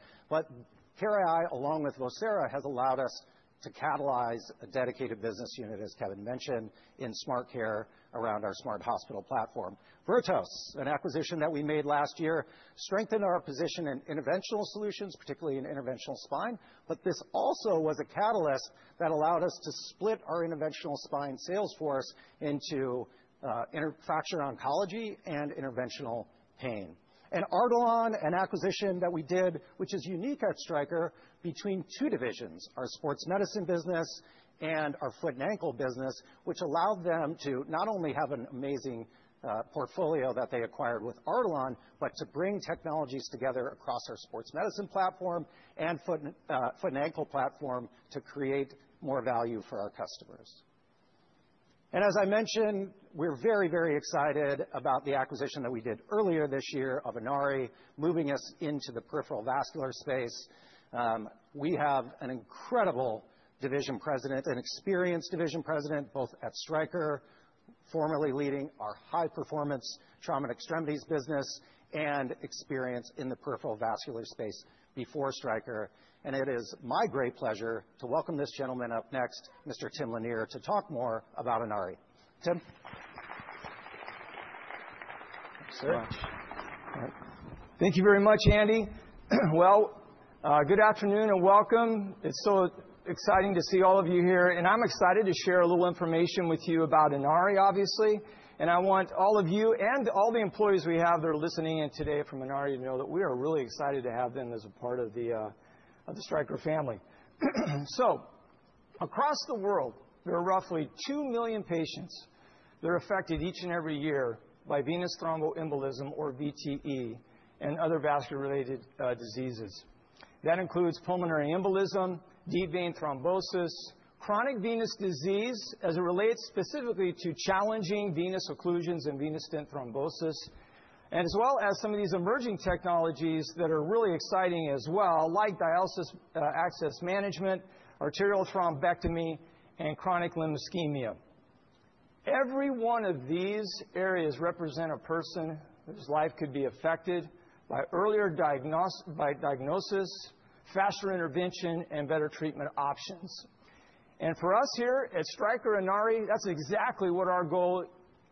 care.ai, along with Vocera, has allowed us to catalyze a dedicated business unit, as Kevin mentioned, in SmartCare around our smart hospital platform. Vertos, an acquisition that we made last year, strengthened our position in interventional solutions, particularly in interventional spine. This also was a catalyst that allowed us to split our interventional spine sales force into infracture oncology and interventional pain. Artelon is an acquisition that we did, which is unique at Stryker, between two divisions, our sports medicine business and our foot and ankle business, which allowed them to not only have an amazing portfolio that they acquired with Artelon, but to bring technologies together across our sports medicine platform and foot and ankle platform to create more value for our customers. As I mentioned, we're very, very excited about the acquisition that we did earlier this year of Inari, moving us into the peripheral vascular space. We have an incredible division president, an experienced division president, both at Stryker, formerly leading our high-performance trauma and extremities business, and experience in the peripheral vascular space before Stryker. It is my great pleasure to welcome this gentleman up next, Mr. Tim Lanier, to talk more about Inari. Tim.
Thank you very much, Andy. Good afternoon and welcome. It's so exciting to see all of you here. I'm excited to share a little information with you about Inari, obviously. I want all of you and all the employees we have that are listening in today from Inari to know that we are really excited to have them as a part of the Stryker family. Across the world, there are roughly 2 million patients that are affected each and every year by venous thromboembolism, or VTE, and other vascular-related diseases. That includes pulmonary embolism, deep vein thrombosis, chronic venous disease as it relates specifically to challenging venous occlusions and venous stent thrombosis, as well as some of these emerging technologies that are really exciting as well, like dialysis access management, arterial thrombectomy, and chronic limb ischemia. Every one of these areas represents a person whose life could be affected by earlier diagnosis, fascial intervention, and better treatment options. For us here at Stryker Inari, that's exactly what our goal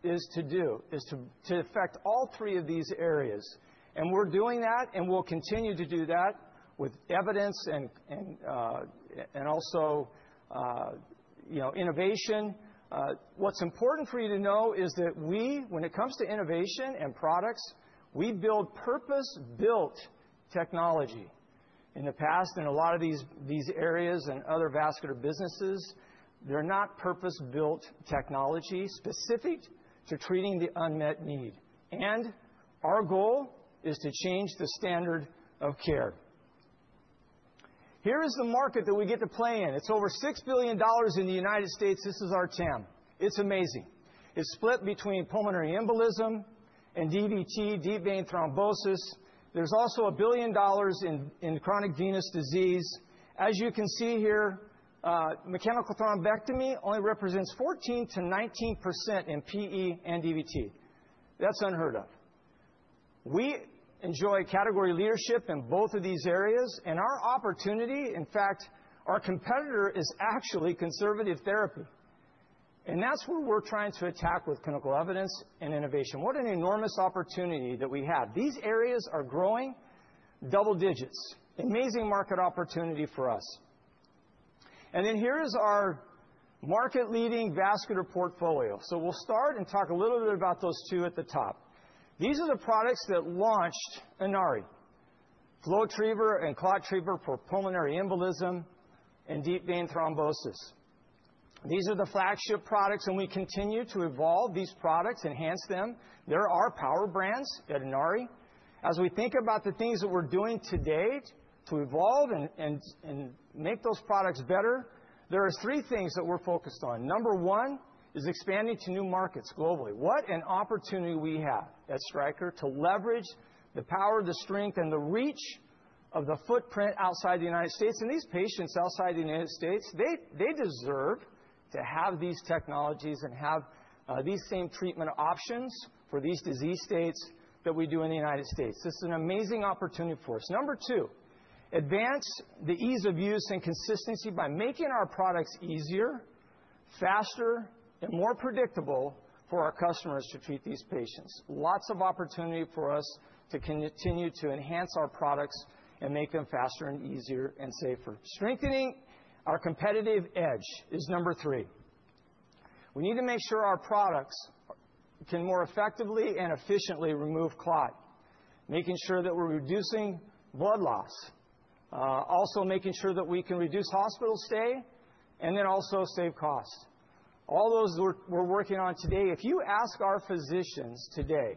is to do, is to affect all three of these areas. We're doing that, and we'll continue to do that with evidence and also innovation. What's important for you to know is that we, when it comes to innovation and products, we build purpose-built technology. In the past, in a lot of these areas and other vascular businesses, they're not purpose-built technology specific to treating the unmet need. Our goal is to change the standard of care. Here is the market that we get to play in. It's over $6 billion in the United States. This is our TAM. It's amazing. It's split between pulmonary embolism and DVT, deep vein thrombosis. There's also $1 billion in chronic venous disease. As you can see here, mechanical thrombectomy only represents 14%-19% in PE and DVT. That's unheard of. We enjoy category leadership in both of these areas. Our opportunity, in fact, our competitor is actually conservative therapy. That's where we're trying to attack with clinical evidence and innovation. What an enormous opportunity that we have. These areas are growing double digits, amazing market opportunity for us. Here is our market-leading vascular portfolio. We will start and talk a little bit about those two at the top. These are the products that launched Inari: FlowTriever and ClotTriever for pulmonary embolism and deep vein thrombosis. These are the flagship products. We continue to evolve these products, enhance them. There are power brands at Inari. As we think about the things that we're doing to date to evolve and make those products better, there are three things that we're focused on. Number one is expanding to new markets globally. What an opportunity we have at Stryker to leverage the power, the strength, and the reach of the footprint outside the United States. These patients outside the United States, they deserve to have these technologies and have these same treatment options for these disease states that we do in the United States. This is an amazing opportunity for us. Number two, advance the ease of use and consistency by making our products easier, faster, and more predictable for our customers to treat these patients. Lots of opportunity for us to continue to enhance our products and make them faster and easier and safer. Strengthening our competitive edge is number three. We need to make sure our products can more effectively and efficiently remove clot, making sure that we're reducing blood loss, also making sure that we can reduce hospital stay, and then also save cost. All those we're working on today. If you ask our physicians today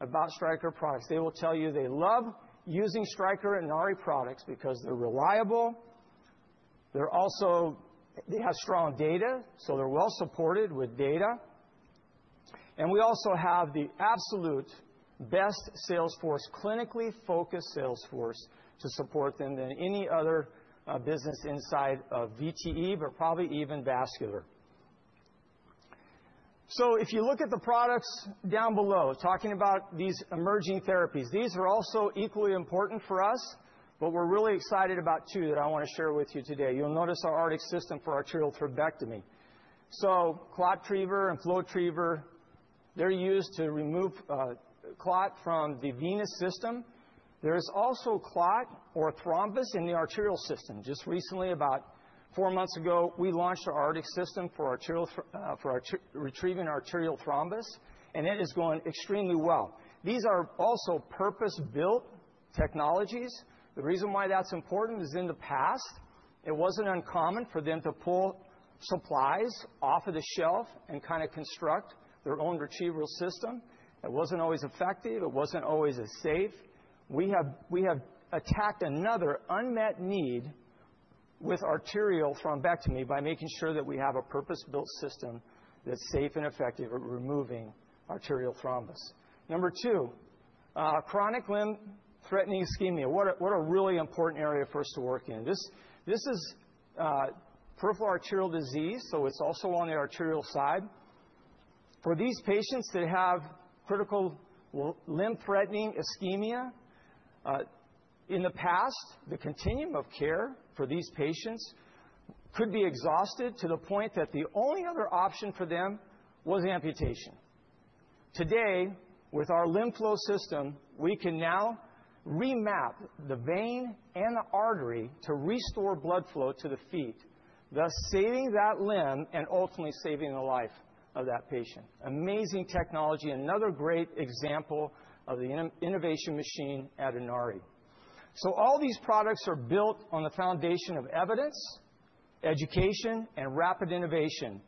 about Stryker products, they will tell you they love using Stryker Inari products because they're reliable. They have strong data, so they're well supported with data. We also have the absolute best sales force, clinically focused sales force to support them than any other business inside of VTE, but probably even vascular. If you look at the products down below, talking about these emerging therapies, these are also equally important for us, but we're really excited about two that I want to share with you today. You'll notice our Arctic System for arterial thrombectomy. ClotTriever and FlowTriever, they're used to remove clot from the venous system. There is also clot or thrombus in the arterial system. Just recently, about four months ago, we launched our Arctic System for retrieving arterial thrombus. It is going extremely well. These are also purpose-built technologies. The reason why that's important is in the past, it wasn't uncommon for them to pull supplies off of the shelf and kind of construct their own retrieval system. It wasn't always effective. It wasn't always as safe. We have attacked another unmet need with arterial thrombectomy by making sure that we have a purpose-built system that's safe and effective at removing arterial thrombus. Number two, chronic limb threatening ischemia. What a really important area for us to work in. This is peripheral arterial disease, so it's also on the arterial side. For these patients that have critical limb threatening ischemia, in the past, the continuum of care for these patients could be exhausted to the point that the only other option for them was amputation. Today, with our LimFlow system, we can now remap the vein and the artery to restore blood flow to the feet, thus saving that limb and ultimately saving the life of that patient. Amazing technology. Another great example of the innovation machine at Inari. All these products are built on the foundation of evidence, education, and rapid innovation.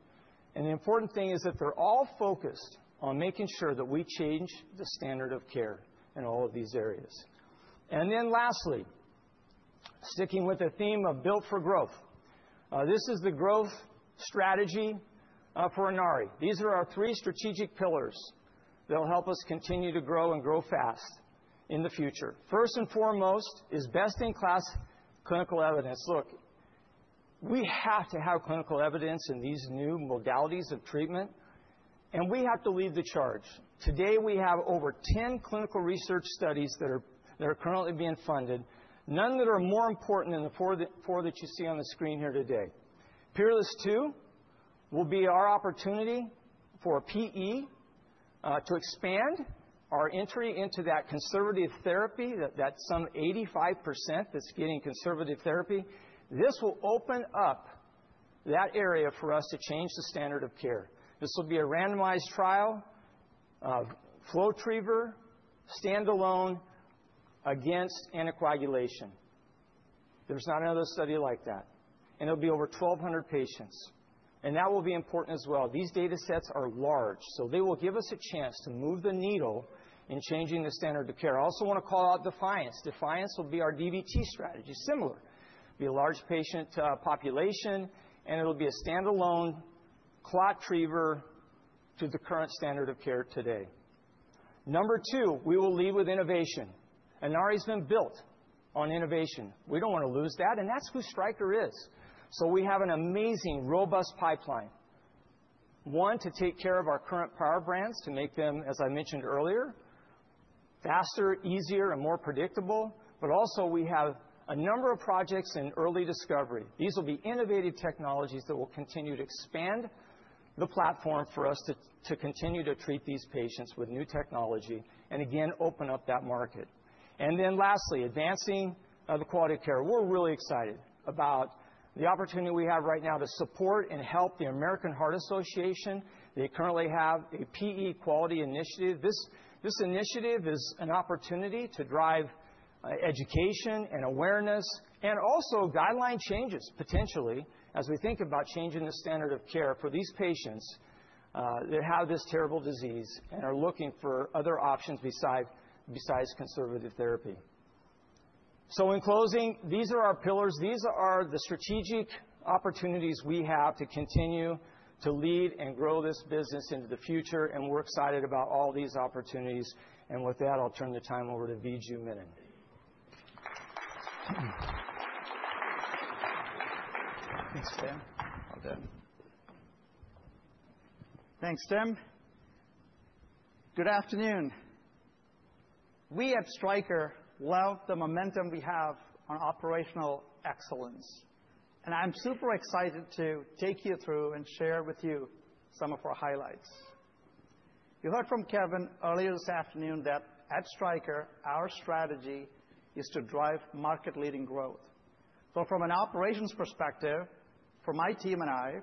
The important thing is that they're all focused on making sure that we change the standard of care in all of these areas. Lastly, sticking with the theme of built for growth, this is the growth strategy for Inari. These are our three strategic pillars that will help us continue to grow and grow fast in the future. First and foremost is best-in-class clinical evidence. Look, we have to have clinical evidence in these new modalities of treatment. We have to lead the charge. Today, we have over 10 clinical research studies that are currently being funded, none that are more important than the four that you see on the screen here today. PEERLESS II will be our opportunity for PE to expand our entry into that conservative therapy, that some 85% that's getting conservative therapy. This will open up that area for us to change the standard of care. This will be a randomized trial of FlowTriever, standalone against anticoagulation. There's not another study like that. It will be over 1,200 patients. That will be important as well. These data sets are large. They will give us a chance to move the needle in changing the standard of care. I also want to call out Defiance. Defiance will be our DVT strategy, similar. It'll be a large patient population. It'll be a standalone ClotTriever to the current standard of care today. Number two, we will lead with innovation. Inari has been built on innovation. We don't want to lose that. That's who Stryker is. We have an amazing, robust pipeline, one, to take care of our current power brands, to make them, as I mentioned earlier, faster, easier, and more predictable. We also have a number of projects in early discovery. These will be innovative technologies that will continue to expand the platform for us to continue to treat these patients with new technology and, again, open up that market. Lastly, advancing the quality of care. We're really excited about the opportunity we have right now to support and help the American Heart Association. They currently have a PE quality initiative. This initiative is an opportunity to drive education and awareness and also guideline changes, potentially, as we think about changing the standard of care for these patients that have this terrible disease and are looking for other options besides conservative therapy. In closing, these are our pillars. These are the strategic opportunities we have to continue to lead and grow this business into the future. We're excited about all these opportunities. With that, I'll turn the time over to Viju Menon.
Thanks, Tim. Well done.
Thanks, Tim. Good afternoon. We at Stryker love the momentum we have on operational excellence. I'm super excited to take you through and share with you some of our highlights. You heard from Kevin earlier this afternoon that at Stryker, our strategy is to drive market-leading growth. From an operations perspective, for my team and I,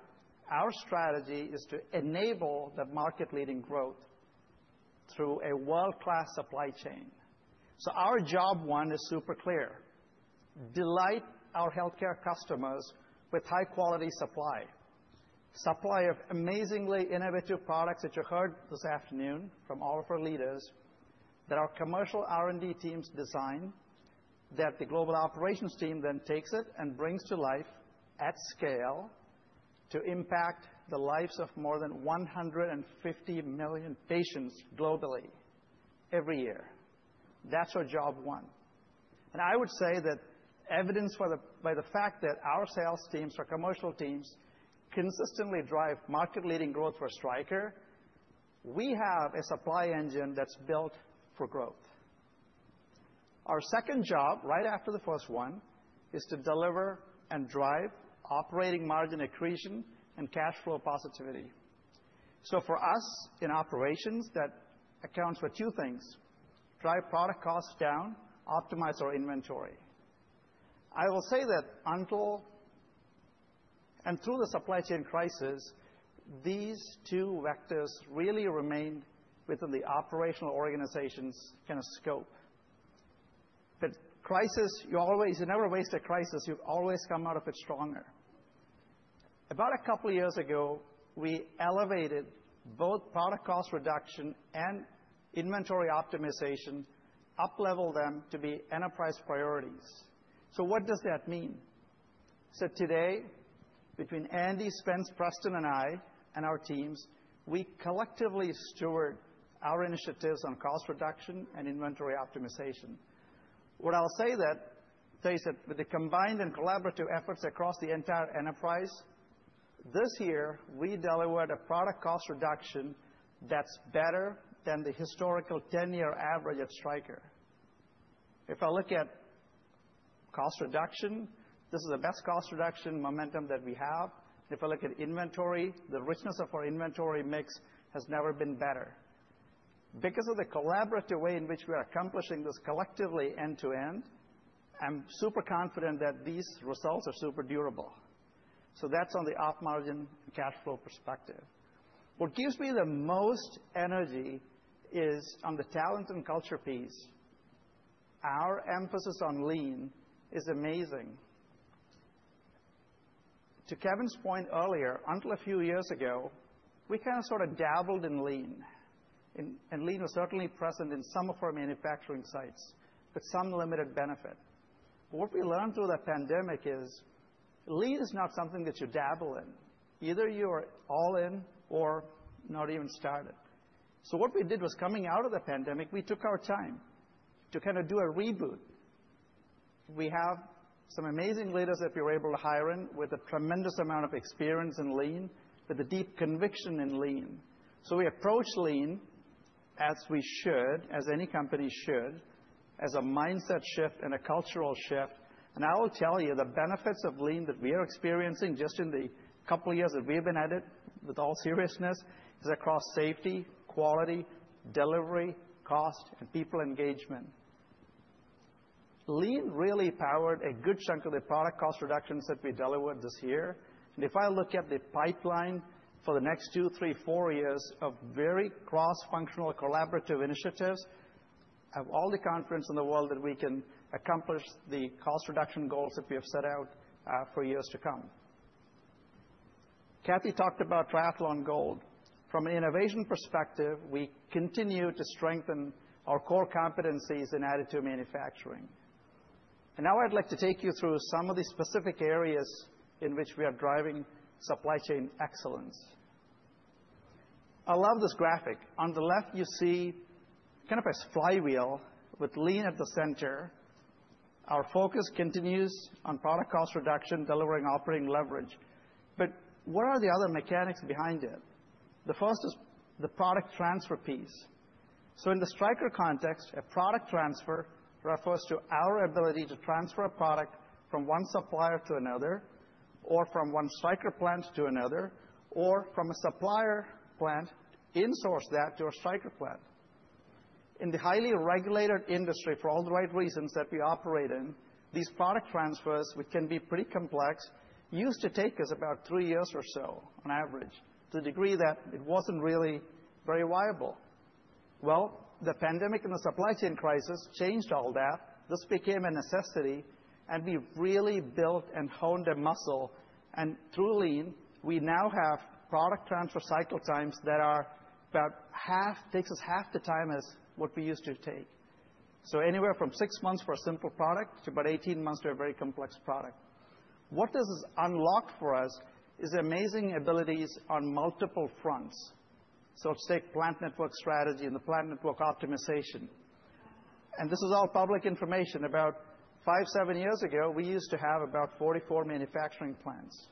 our strategy is to enable that market-leading growth through a world-class supply chain. Our job, one, is super clear: delight our healthcare customers with high-quality supply, supply of amazingly innovative products that you heard this afternoon from all of our leaders that our commercial R&D teams design, that the global operations team then takes and brings to life at scale to impact the lives of more than 150 million patients globally every year. That's our job, one. I would say that evidenced by the fact that our sales teams or commercial teams consistently drive market-leading growth for Stryker, we have a supply engine that's built for growth. Our second job, right after the first one, is to deliver and drive operating margin accretion and cash flow positivity. For us in operations, that accounts for two things: drive product costs down, optimize our inventory. I will say that until and through the supply chain crisis, these two vectors really remained within the operational organization's kind of scope. Crisis, you never waste a crisis. You always come out of it stronger. About a couple of years ago, we elevated both product cost reduction and inventory optimization, up-leveled them to be enterprise priorities. What does that mean? Today, between Andy, Spence, Preston, and I, and our teams, we collectively steward our initiatives on cost reduction and inventory optimization. What I'll say is that, with the combined and collaborative efforts across the entire enterprise, this year, we delivered a product cost reduction that's better than the historical 10-year average at Stryker. If I look at cost reduction, this is the best cost reduction momentum that we have. If I look at inventory, the richness of our inventory mix has never been better. Because of the collaborative way in which we are accomplishing this collectively end-to-end, I'm super confident that these results are super durable. That's on the off-margin cash flow perspective. What gives me the most energy is on the talent and culture piece. Our emphasis on lean is amazing. To Kevin's point earlier, until a few years ago, we kind of sort of dabbled in lean. Lean was certainly present in some of our manufacturing sites, with some limited benefit. What we learned through the pandemic is lean is not something that you dabble in. Either you're all in or not even started. What we did was, coming out of the pandemic, we took our time to kind of do a reboot. We have some amazing leaders that we were able to hire in with a tremendous amount of experience in lean, with a deep conviction in lean. We approached lean as we should, as any company should, as a mindset shift and a cultural shift. I will tell you the benefits of lean that we are experiencing just in the couple of years that we have been at it, with all seriousness, is across safety, quality, delivery, cost, and people engagement. Lean really powered a good chunk of the product cost reductions that we delivered this year. If I look at the pipeline for the next two, three, four years of very cross-functional collaborative initiatives, I have all the confidence in the world that we can accomplish the cost reduction goals that we have set out for years to come. Kathy talked about Triathlon Gold. From an innovation perspective, we continue to strengthen our core competencies in additive manufacturing. Now I'd like to take you through some of the specific areas in which we are driving supply chain excellence. I love this graphic. On the left, you see kind of a flywheel with Lean at the center. Our focus continues on product cost reduction, delivering operating leverage. What are the other mechanics behind it? The first is the product transfer piece. In the Stryker context, a product transfer refers to our ability to transfer a product from one supplier to another, or from one Stryker plant to another, or from a supplier plant to insource that to a Stryker plant. In the highly regulated industry, for all the right reasons that we operate in, these product transfers, which can be pretty complex, used to take us about three years or so on average, to the degree that it was not really very viable. The pandemic and the supply chain crisis changed all that. This became a necessity. We really built and honed a muscle. Through lean, we now have product transfer cycle times that are about half, takes us half the time as what we used to take. Anywhere from six months for a simple product to about 18 months for a very complex product. What this has unlocked for us is amazing abilities on multiple fronts. Let's take plant network strategy and the plant network optimization. This is all public information. About five to seven years ago, we used to have about 44 manufacturing plants.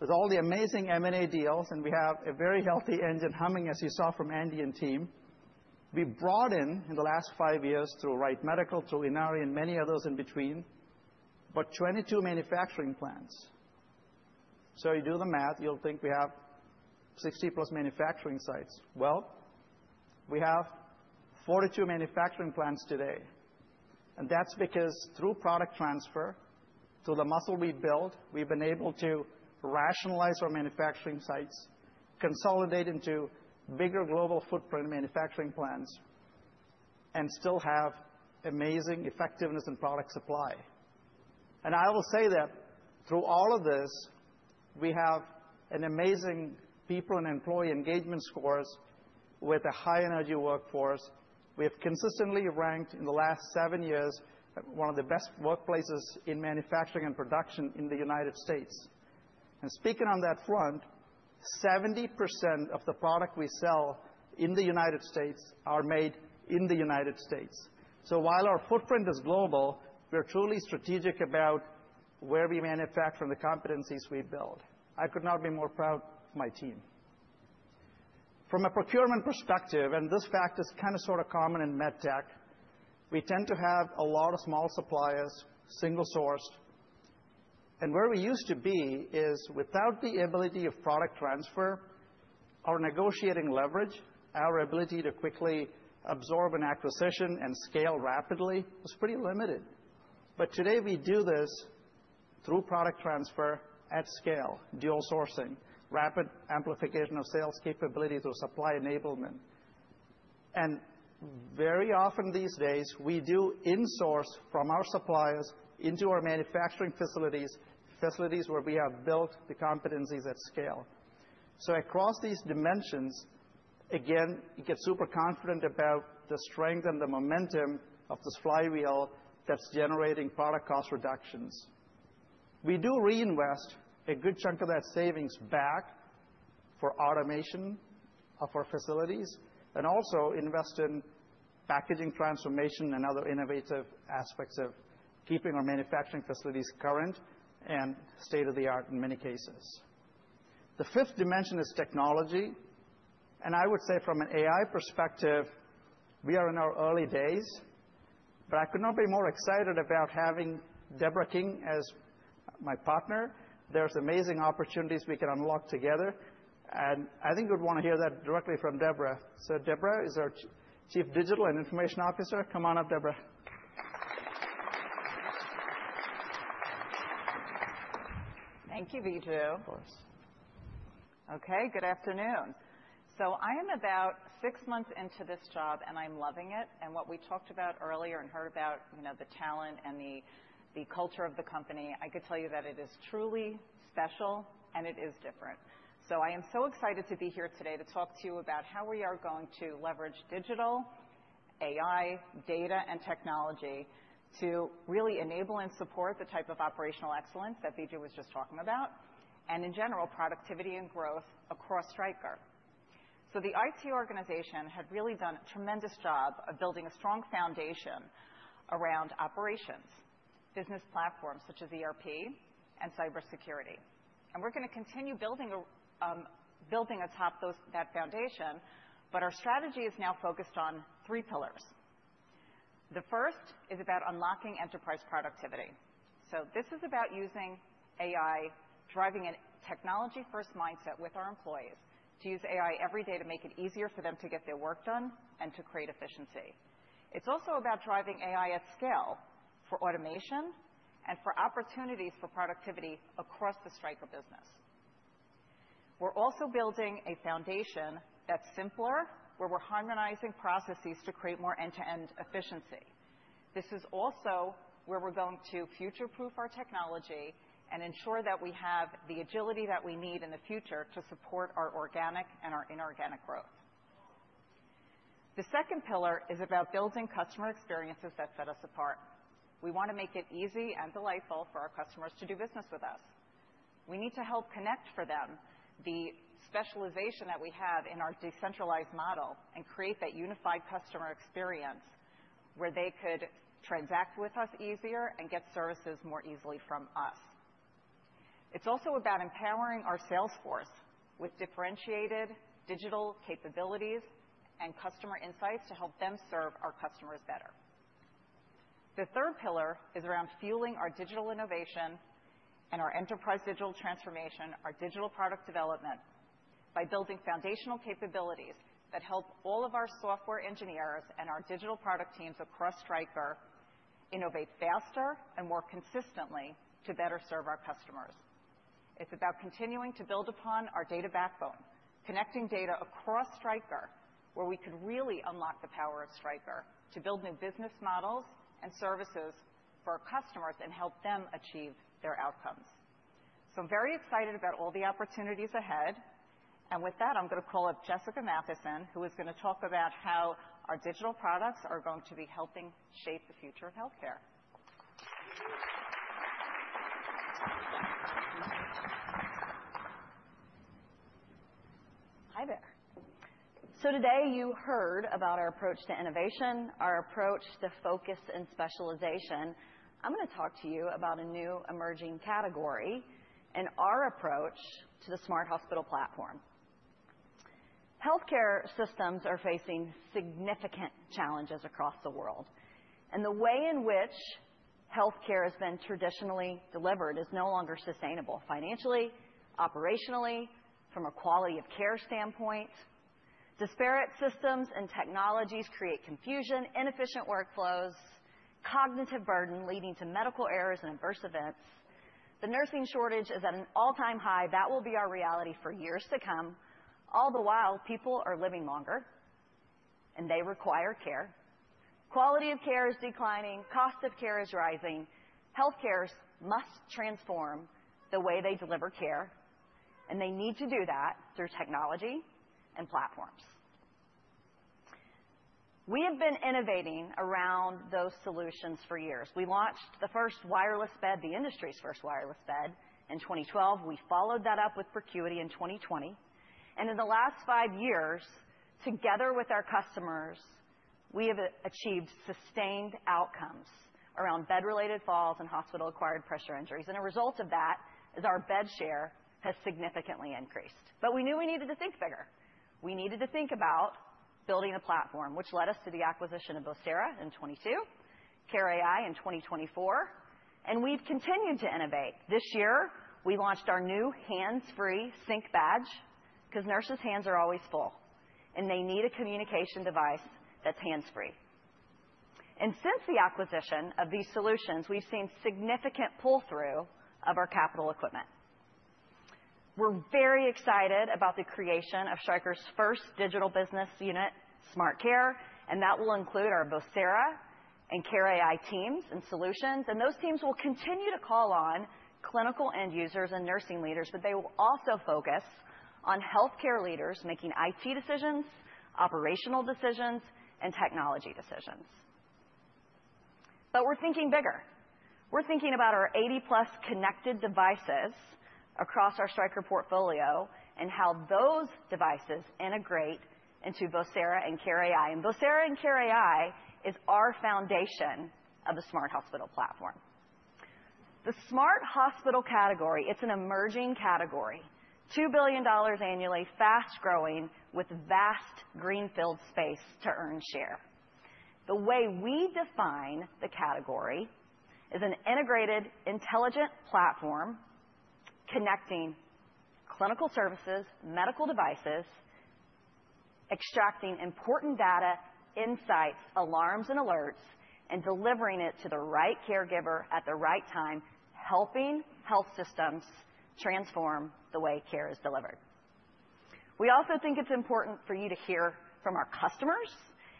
With all the amazing M&A deals, and we have a very healthy engine humming, as you saw from Andy and team, we brought in, in the last five years, through Wright Medical, through Inari, and many others in between, about 22 manufacturing plants. You do the math. You'd think we have +60 manufacturing sites. We have 42 manufacturing plants today. That's because, through product transfer, through the muscle we built, we've been able to rationalize our manufacturing sites, consolidate into bigger global footprint manufacturing plants, and still have amazing effectiveness in product supply. I will say that, through all of this, we have amazing people and employee engagement scores with a high-energy workforce. We have consistently ranked, in the last seven years, one of the best workplaces in manufacturing and production in the United States. Speaking on that front, 70% of the product we sell in the United States. are made in the United States. While our footprint is global, we're truly strategic about where we manufacture and the competencies we build. I could not be more proud of my team. From a procurement perspective, and this fact is kind of sort of common in med tech, we tend to have a lot of small suppliers, single-sourced. Where we used to be is, without the ability of product transfer, our negotiating leverage, our ability to quickly absorb an acquisition and scale rapidly was pretty limited. Today, we do this through product transfer at scale, dual sourcing, rapid amplification of sales capability through supply enablement. Very often these days, we do insource from our suppliers into our manufacturing facilities, facilities where we have built the competencies at scale. Across these dimensions, again, you get super confident about the strength and the momentum of this flywheel that is generating product cost reductions. We do reinvest a good chunk of that savings back for automation of our facilities and also invest in packaging transformation and other innovative aspects of keeping our manufacturing facilities current and state-of-the-art in many cases. The fifth dimension is technology. I would say, from an AI perspective, we are in our early days. I could not be more excited about having Deborah King as my partner. There are amazing opportunities we can unlock together. I think you'd want to hear that directly from Deborah. Deborah is our Chief Digital and Information Officer. Come on up, Deborah.
Thank you, Viju.
Of course.
OK, good afternoon. I am about six months into this job, and I'm loving it. What we talked about earlier and heard about the talent and the culture of the company, I could tell you that it is truly special, and it is different. I am so excited to be here today to talk to you about how we are going to leverage digital, AI, data, and technology to really enable and support the type of operational excellence that Viju was just talking about, and, in general, productivity and growth across Stryker. The IT organization had really done a tremendous job of building a strong foundation around operations, business platforms such as ERP and cybersecurity. We are going to continue building atop that foundation. Our strategy is now focused on three pillars. The first is about unlocking enterprise productivity. This is about using AI, driving a technology-first mindset with our employees, to use AI every day to make it easier for them to get their work done and to create efficiency. It's also about driving AI at scale for automation and for opportunities for productivity across the Stryker business. We're also building a foundation that's simpler, where we're harmonizing processes to create more end-to-end efficiency. This is also where we're going to future-proof our technology and ensure that we have the agility that we need in the future to support our organic and our inorganic growth. The second pillar is about building customer experiences that set us apart. We want to make it easy and delightful for our customers to do business with us. We need to help connect for them the specialization that we have in our decentralized model and create that unified customer experience where they could transact with us easier and get services more easily from us. It's also about empowering our salesforce with differentiated digital capabilities and customer insights to help them serve our customers better. The third pillar is around fueling our digital innovation and our enterprise digital transformation, our digital product development, by building foundational capabilities that help all of our software engineers and our digital product teams across Stryker innovate faster and more consistently to better serve our customers. It's about continuing to build upon our data backbone, connecting data across Stryker, where we could really unlock the power of Stryker to build new business models and services for our customers and help them achieve their outcomes. I am very excited about all the opportunities ahead. With that, I'm going to call up Jessica Matheson, who is going to talk about how our digital products are going to be helping shape the future of health care.
Hi there. Today, you heard about our approach to innovation, our approach to focus and specialization. I'm going to talk to you about a new emerging category and our approach to the smart hospital platform. Health care systems are facing significant challenges across the world. The way in which health care has been traditionally delivered is no longer sustainable financially, operationally, from a quality of care standpoint. Disparate systems and technologies create confusion, inefficient workflows, cognitive burden leading to medical errors and adverse events. The nursing shortage is at an all-time high. That will be our reality for years to come. All the while, people are living longer, and they require care. Quality of care is declining. Cost of care is rising. Health cares must transform the way they deliver care. They need to do that through technology and platforms. We have been innovating around those solutions for years. We launched the first wireless bed, the industry's first wireless bed, in 2012. We followed that up with Procuity in 2020. In the last five years, together with our customers, we have achieved sustained outcomes around bed-related falls and hospital-acquired pressure injuries. A result of that is our bed share has significantly increased. We knew we needed to think bigger. We needed to think about building a platform, which led us to the acquisition of Vocera in 2022, care.ai in 2024. We have continued to innovate. This year, we launched our new hands-free Sync Badge because nurses' hands are always full, and they need a communication device that's hands-free. Since the acquisition of these solutions, we've seen significant pull-through of our capital equipment. We're very excited about the creation of Stryker's first digital business unit, SmartCare. That will include our Vocera and care.ai teams and solutions. Those teams will continue to call on clinical end users and nursing leaders, but they will also focus on health care leaders making IT decisions, operational decisions, and technology decisions. We're thinking bigger. We're thinking about our +80 connected devices across our Stryker portfolio and how those devices integrate into Vocera and care.ai. Vocera and care.ai is our foundation of a smart hospital platform. The smart hospital category is an emerging category, $2 billion annually, fast-growing, with vast greenfield space to earn share. The way we define the category is an integrated, intelligent platform connecting clinical services, medical devices, extracting important data, insights, alarms, and alerts, and delivering it to the right caregiver at the right time, helping health systems transform the way care is delivered. We also think it's important for you to hear from our customers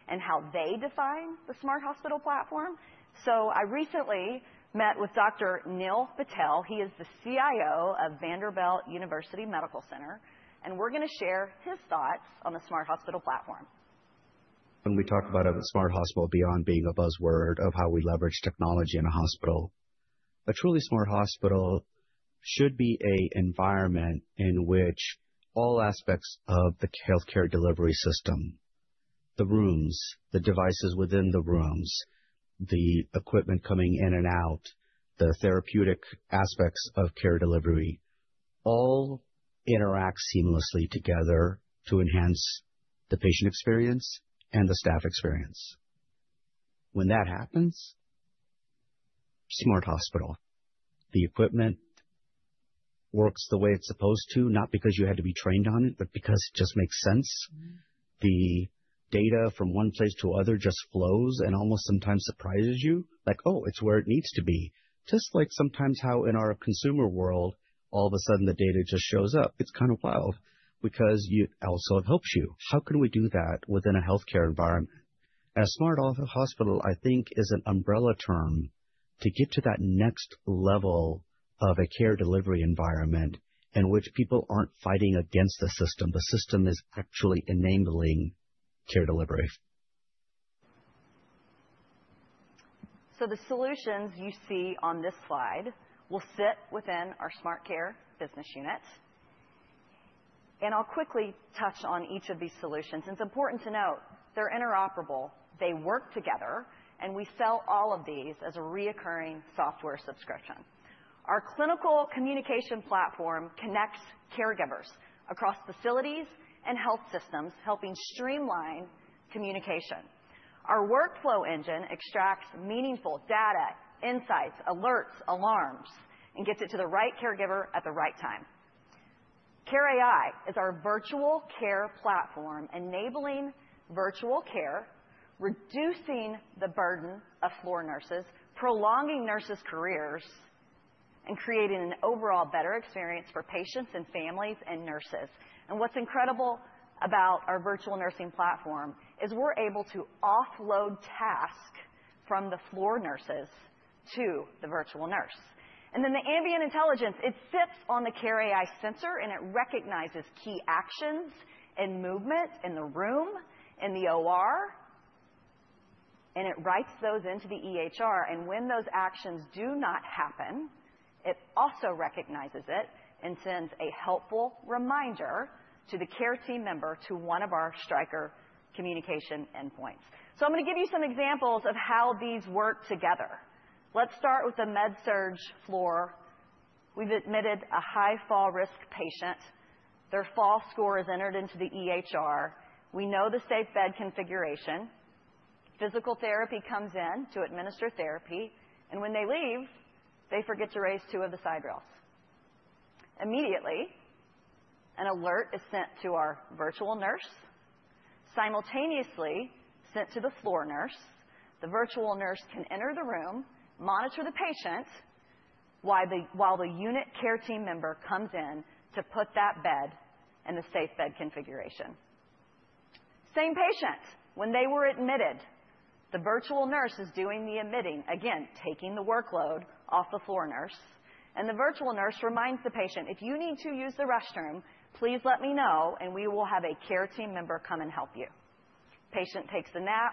and how they define the smart hospital platform. I recently met with Dr. Neil Patel. He is the CIO of Vanderbilt University Medical Center. We're going to share his thoughts on the smart hospital platform.
[unintelligible] When we talk about a smart hospital beyond being a buzzword of how we leverage technology in a hospital, a truly smart hospital should be an environment in which all aspects of the health care delivery system, the rooms, the devices within the rooms, the equipment coming in and out, the therapeutic aspects of care delivery, all interact seamlessly together to enhance the patient experience and the staff experience. When that happens, smart hospital. The equipment works the way it's supposed to, not because you had to be trained on it, but because it just makes sense. The data from one place to another just flows and almost sometimes surprises you, like, oh, it's where it needs to be. Just like sometimes how, in our consumer world, all of a sudden, the data just shows up. It's kind of wild because it also helps you. How can we do that within a health care environment? A smart hospital, I think, is an umbrella term to get to that next level of a care delivery environment in which people aren't fighting against the system. The system is actually enabling care delivery.
The solutions you see on this slide will sit within our SmartCare business unit. I'll quickly touch on each of these solutions. It's important to note they're interoperable. They work together. We sell all of these as a recurring software subscription. Our clinical communication platform connects caregivers across facilities and health systems, helping streamline communication. Our workflow engine extracts meaningful data, insights, alerts, alarms, and gets it to the right caregiver at the right time. care.ai is our virtual care platform, enabling virtual care, reducing the burden of floor nurses, prolonging nurses' careers, and creating an overall better experience for patients and families and nurses. What's incredible about our virtual nursing platform is we're able to offload tasks from the floor nurses to the virtual nurse. The ambient intelligence, it sits on the care.ai sensor, and it recognizes key actions and movement in the room, in the OR, and it writes those into the EHR. When those actions do not happen, it also recognizes it and sends a helpful reminder to the care team member to one of our Stryker communication endpoints. I'm going to give you some examples of how these work together. Let's start with the MedSurg floor. We've admitted a high fall risk patient. Their fall score is entered into the EHR. We know the safe bed configuration. Physical therapy comes in to administer therapy. When they leave, they forget to raise two of the side rails. Immediately, an alert is sent to our virtual nurse, simultaneously sent to the floor nurse. The virtual nurse can enter the room, monitor the patient while the unit care team member comes in to put that bed in the safe bed configuration. Same patient. When they were admitted, the virtual nurse is doing the admitting, again, taking the workload off the floor nurse. The virtual nurse reminds the patient, if you need to use the restroom, please let me know, and we will have a care team member come and help you. Patient takes a nap.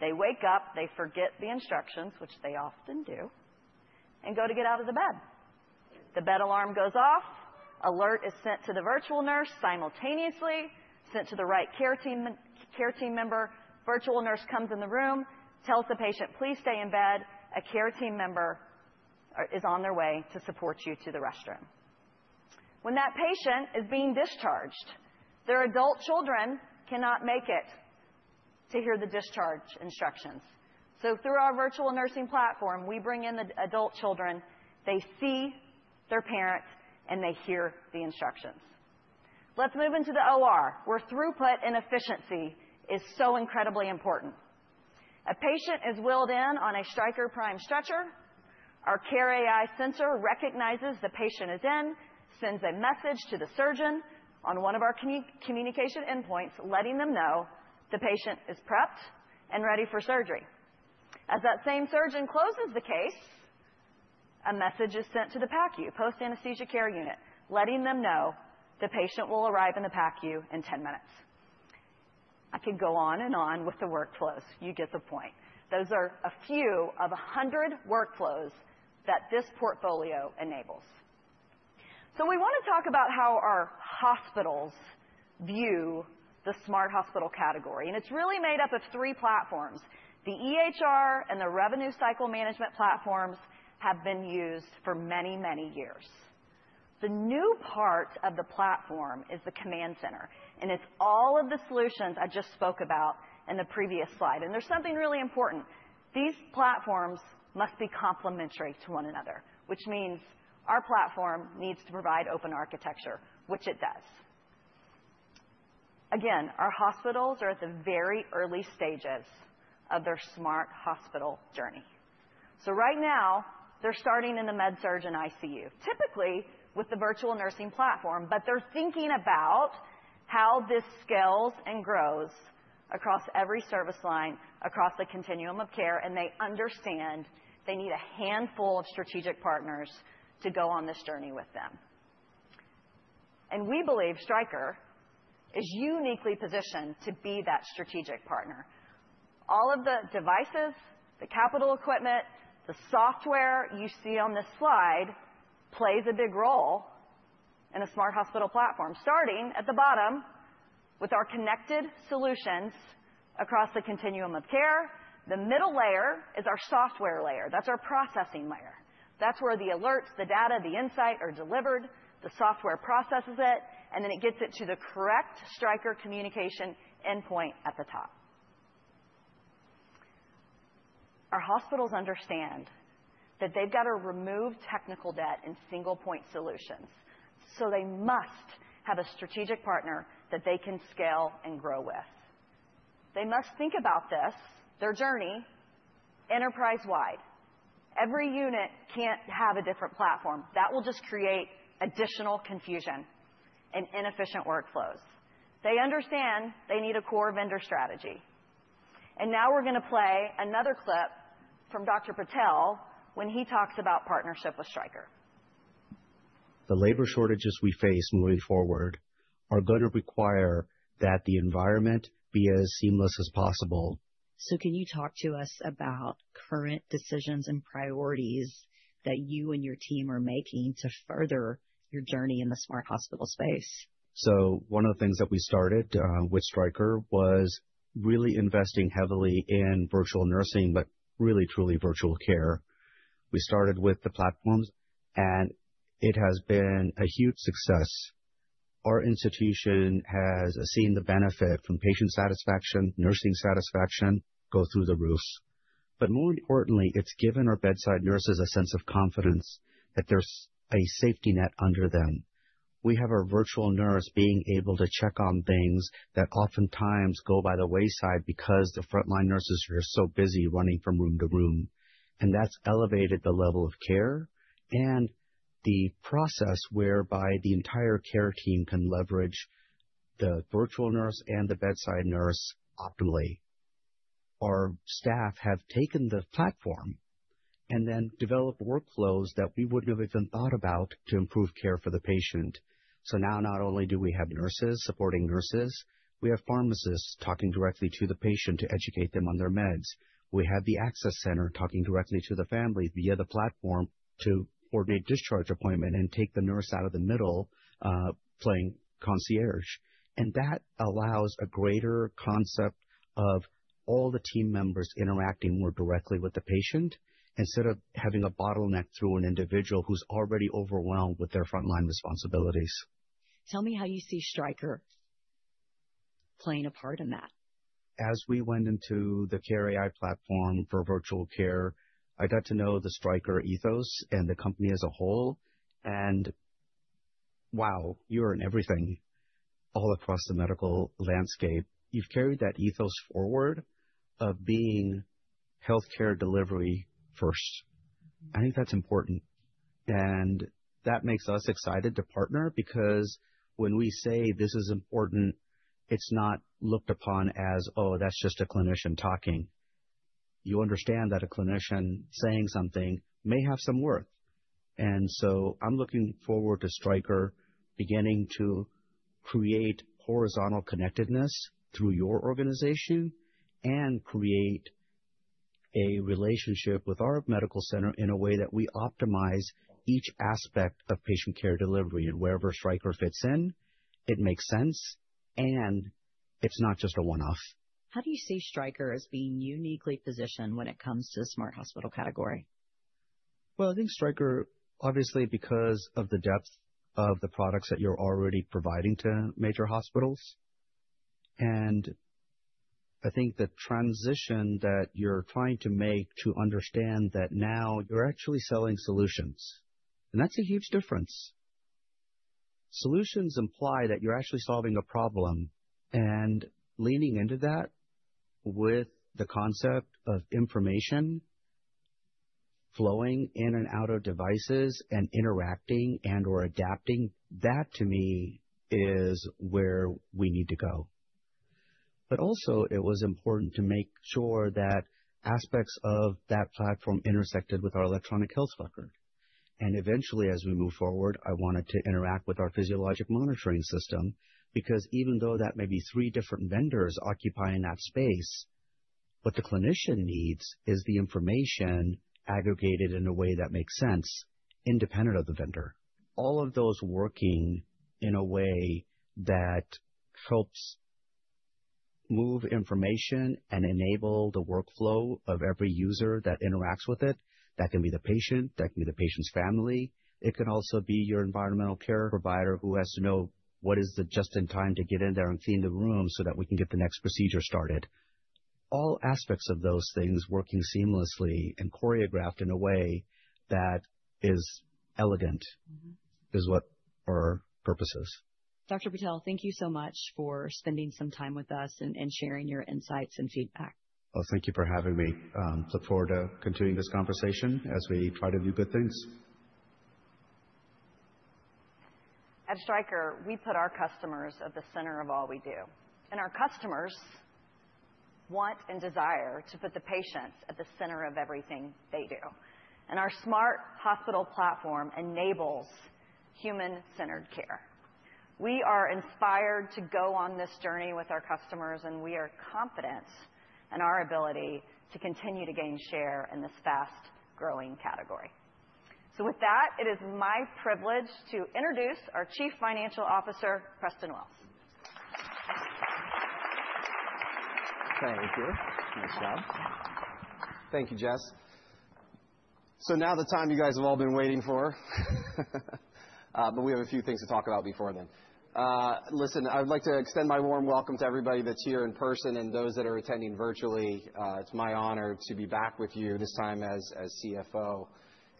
They wake up. They forget the instructions, which they often do, and go to get out of the bed. The bed alarm goes off. Alert is sent to the virtual nurse simultaneously, sent to the right care team member. Virtual nurse comes in the room, tells the patient, please stay in bed. A care team member is on their way to support you to the restroom. When that patient is being discharged, their adult children cannot make it to hear the discharge instructions. So through our virtual nursing platform, we bring in the adult children. They see their parent, and they hear the instructions. Let's move into the OR, where throughput and efficiency is so incredibly important. A patient is wheeled in on a Stryker Prime stretcher. Our care.ai sensor recognizes the patient is in, sends a message to the surgeon on one of our communication endpoints, letting them know the patient is prepped and ready for surgery. As that same surgeon closes the case, a message is sent to the PACU, post-anesthesia care unit, letting them know the patient will arrive in the PACU in 10 minutes. I could go on and on with the workflows. You get the point. Those are a few of 100 workflows that this portfolio enables. We want to talk about how our hospitals view the smart hospital category. It is really made up of three platforms. The EHR and the revenue cycle management platforms have been used for many, many years. The new part of the platform is the command center. It is all of the solutions I just spoke about in the previous slide. There is something really important. These platforms must be complementary to one another, which means our platform needs to provide open architecture, which it does. Again, our hospitals are at the very early stages of their smart hospital journey. Right now, they are starting in the MedSurg and ICU, typically with the virtual nursing platform. They are thinking about how this scales and grows across every service line, across the continuum of care. They understand they need a handful of strategic partners to go on this journey with them. We believe Stryker is uniquely positioned to be that strategic partner. All of the devices, the capital equipment, the software you see on this slide plays a big role in a smart hospital platform, starting at the bottom with our connected solutions across the continuum of care. The middle layer is our software layer. That is our processing layer. That is where the alerts, the data, the insight are delivered. The software processes it, and then it gets it to the correct Stryker communication endpoint at the top. Our hospitals understand that they have got to remove technical debt in single-point solutions. They must have a strategic partner that they can scale and grow with. They must think about this, their journey, enterprise-wide. Every unit cannot have a different platform. That will just create additional confusion and inefficient workflows. They understand they need a core vendor strategy. Now we're going to play another clip from Dr. Patel when he talks about partnership with Stryker.
[unintelligible] The labor shortages we face moving forward are going to require that the environment be as seamless as possible.
Can you talk to us about current decisions and priorities that you and your team are making to further your journey in the smart hospital space?
One of the things that we started with Stryker was really investing heavily in virtual nursing, but really, truly virtual care. We started with the platforms, and it has been a huge success. Our institution has seen the benefit from patient satisfaction, nursing satisfaction go through the roof. More importantly, it's given our bedside nurses a sense of confidence that there's a safety net under them. We have our virtual nurse being able to check on things that oftentimes go by the wayside because the frontline nurses are so busy running from room to room. That's elevated the level of care and the process whereby the entire care team can leverage the virtual nurse and the bedside nurse optimally. Our staff have taken the platform and then developed workflows that we wouldn't have even thought about to improve care for the patient. Now not only do we have nurses supporting nurses, we have pharmacists talking directly to the patient to educate them on their meds. We have the access center talking directly to the family via the platform to coordinate discharge appointment and take the nurse out of the middle playing concierge. That allows a greater concept of all the team members interacting more directly with the patient instead of having a bottleneck through an individual who's already overwhelmed with their frontline responsibilities.
Tell me how you see Stryker playing a part in that.
As we went into the care.ai platform for virtual care, I got to know the Stryker ethos and the company as a whole. Wow, you're in everything all across the medical landscape. You've carried that ethos forward of being health care delivery first. I think that's important. That makes us excited to partner because when we say this is important, it's not looked upon as, oh, that's just a clinician talking. You understand that a clinician saying something may have some worth. I'm looking forward to Stryker beginning to create horizontal connectedness through your organization and create a relationship with our medical center in a way that we optimize each aspect of patient care delivery. Wherever Stryker fits in, it makes sense. It's not just a one-off.
How do you see Stryker as being uniquely positioned when it comes to the smart hospital category?
I think Stryker, obviously, because of the depth of the products that you're already providing to major hospitals. I think the transition that you're trying to make to understand that now you're actually selling solutions. That's a huge difference. Solutions imply that you're actually solving a problem and leaning into that with the concept of information flowing in and out of devices and interacting and/or adapting. That, to me, is where we need to go. It was also important to make sure that aspects of that platform intersected with our electronic health record. Eventually, as we move forward, I wanted to interact with our physiologic monitoring system because even though that may be three different vendors occupying that space, what the clinician needs is the information aggregated in a way that makes sense independent of the vendor. All of those working in a way that helps move information and enable the workflow of every user that interacts with it. That can be the patient. That can be the patient's family. It can also be your environmental care provider who has to know what is the just-in-time to get in there and clean the room so that we can get the next procedure started. All aspects of those things working seamlessly and choreographed in a way that is elegant is what our purpose is.
Dr. Patel, thank you so much for spending some time with us and sharing your insights and feedback.
Thank you for having me. Look forward to continuing this conversation as we try to do good things.
At Stryker, we put our customers at the center of all we do. Our customers want and desire to put the patients at the center of everything they do. Our smart hospital platform enables human-centered care. We are inspired to go on this journey with our customers, and we are confident in our ability to continue to gain share in this fast-growing category. It is my privilege to introduce our Chief Financial Officer, Preston Wells. Thank you. Nice job.
Thank you, Jess. Now the time you guys have all been waiting for. We have a few things to talk about before then. Listen, I would like to extend my warm welcome to everybody that's here in person and those that are attending virtually. It's my honor to be back with you this time as CFO.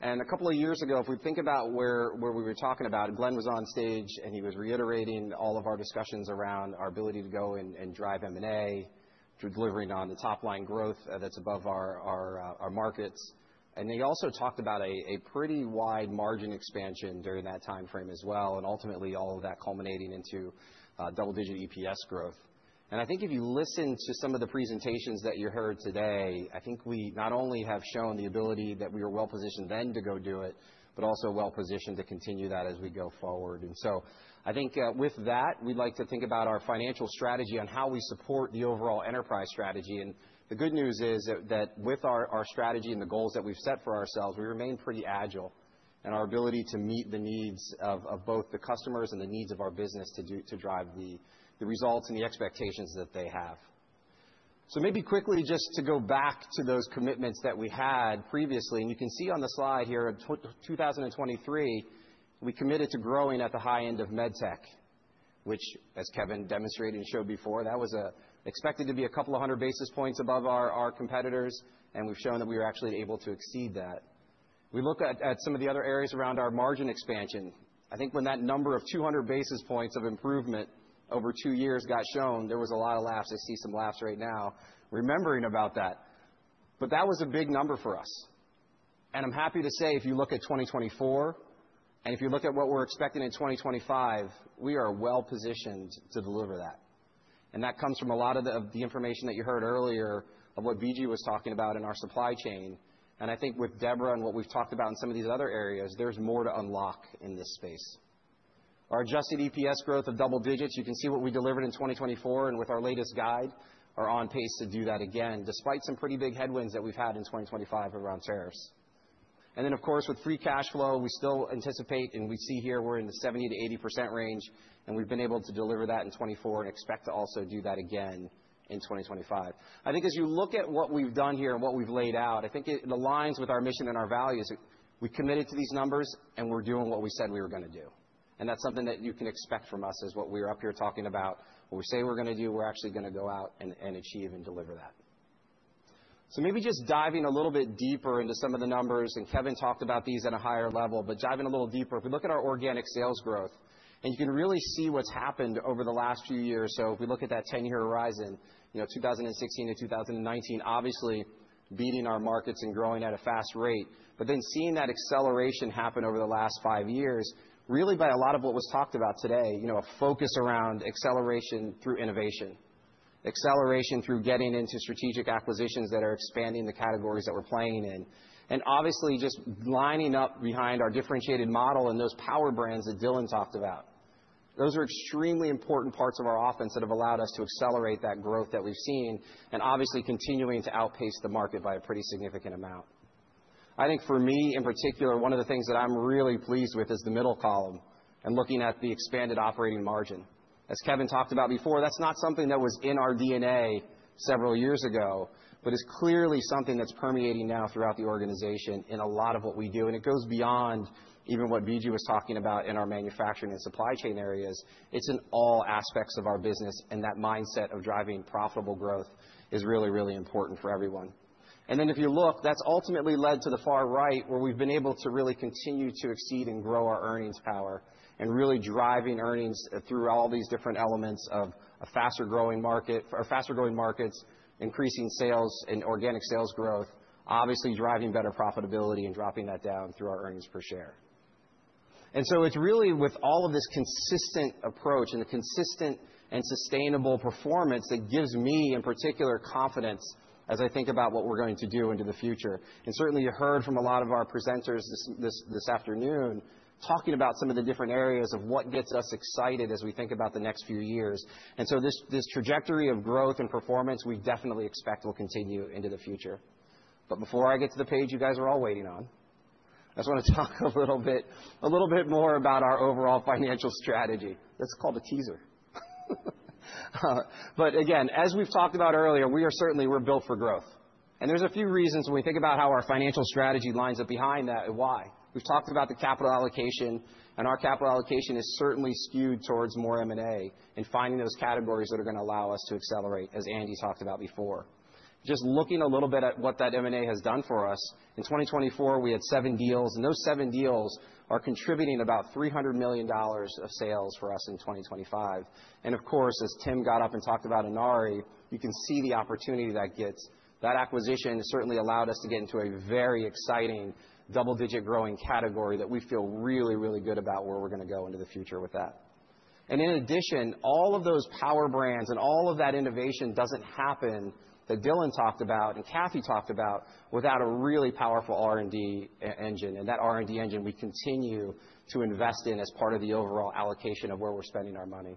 A couple of years ago, if we think about where we were talking about, Glenn was on stage, and he was reiterating all of our discussions around our ability to go and drive M&A, through delivering on the top-line growth that's above our markets. He also talked about a pretty wide margin expansion during that time frame as well, and ultimately all of that culminating into double-digit EPS growth. I think if you listen to some of the presentations that you heard today, I think we not only have shown the ability that we were well-positioned then to go do it, but also well-positioned to continue that as we go forward. I think with that, we'd like to think about our financial strategy on how we support the overall enterprise strategy. The good news is that with our strategy and the goals that we've set for ourselves, we remain pretty agile in our ability to meet the needs of both the customers and the needs of our business to drive the results and the expectations that they have. Maybe quickly just to go back to those commitments that we had previously. You can see on the slide here, in 2023, we committed to growing at the high end of med tech, which, as Kevin demonstrated and showed before, that was expected to be a couple of hundred basis points above our competitors. We have shown that we were actually able to exceed that. We look at some of the other areas around our margin expansion. I think when that number of 200 basis points of improvement over two years got shown, there was a lot of laughs. I see some laughs right now remembering about that. That was a big number for us. I am happy to say if you look at 2024 and if you look at what we are expecting in 2025, we are well-positioned to deliver that. That comes from a lot of the information that you heard earlier of what Viju was talking about in our supply chain. I think with Deborah and what we've talked about in some of these other areas, there's more to unlock in this space. Our adjusted EPS growth of double digits, you can see what we delivered in 2024. With our latest guide, we're on pace to do that again, despite some pretty big headwinds that we've had in 2025 around tariffs. Of course, with free cash flow, we still anticipate and we see here we're in the 70%-80% range. We've been able to deliver that in 2024 and expect to also do that again in 2025. I think as you look at what we've done here and what we've laid out, I think it aligns with our mission and our values. We committed to these numbers, and we're doing what we said we were going to do. That's something that you can expect from us is what we're up here talking about. What we say we're going to do, we're actually going to go out and achieve and deliver that. Maybe just diving a little bit deeper into some of the numbers. Kevin talked about these at a higher level. Diving a little deeper, if we look at our organic sales growth, you can really see what's happened over the last few years. If we look at that 10-year horizon, 2016 to 2019, obviously beating our markets and growing at a fast rate. Then seeing that acceleration happen over the last five years, really by a lot of what was talked about today, a focus around acceleration through innovation, acceleration through getting into strategic acquisitions that are expanding the categories that we're playing in. Obviously just lining up behind our differentiated model and those power brands that Dylan talked about. Those are extremely important parts of our offense that have allowed us to accelerate that growth that we've seen and obviously continuing to outpace the market by a pretty significant amount. I think for me in particular, one of the things that I'm really pleased with is the middle column and looking at the expanded operating margin. As Kevin talked about before, that's not something that was in our DNA several years ago, but it's clearly something that's permeating now throughout the organization in a lot of what we do. It goes beyond even what Viju was talking about in our manufacturing and supply chain areas. It is in all aspects of our business. That mindset of driving profitable growth is really, really important for everyone. If you look, that has ultimately led to the far right where we have been able to really continue to exceed and grow our earnings power and really driving earnings through all these different elements of a faster-growing market or faster-growing markets, increasing sales and organic sales growth, obviously driving better profitability and dropping that down through our earnings per share. It is really with all of this consistent approach and the consistent and sustainable performance that gives me in particular confidence as I think about what we are going to do into the future. Certainly you heard from a lot of our presenters this afternoon talking about some of the different areas of what gets us excited as we think about the next few years. This trajectory of growth and performance, we definitely expect will continue into the future. Before I get to the page you guys are all waiting on, I just want to talk a little bit more about our overall financial strategy. That is called a teaser. Again, as we have talked about earlier, we are certainly built for growth. There are a few reasons when we think about how our financial strategy lines up behind that and why. We have talked about the capital allocation. Our capital allocation is certainly skewed towards more M&A and finding those categories that are going to allow us to accelerate, as Andy talked about before. Just looking a little bit at what that M&A has done for us, in 2024, we had seven deals. Those seven deals are contributing about $300 million of sales for us in 2025. Of course, as Tim got up and talked about Inari, you can see the opportunity that gets. That acquisition certainly allowed us to get into a very exciting double-digit growing category that we feel really, really good about where we're going to go into the future with that. In addition, all of those power brands and all of that innovation does not happen that Dylan talked about and Kathy talked about without a really powerful R&D engine. That R&D engine we continue to invest in as part of the overall allocation of where we're spending our money.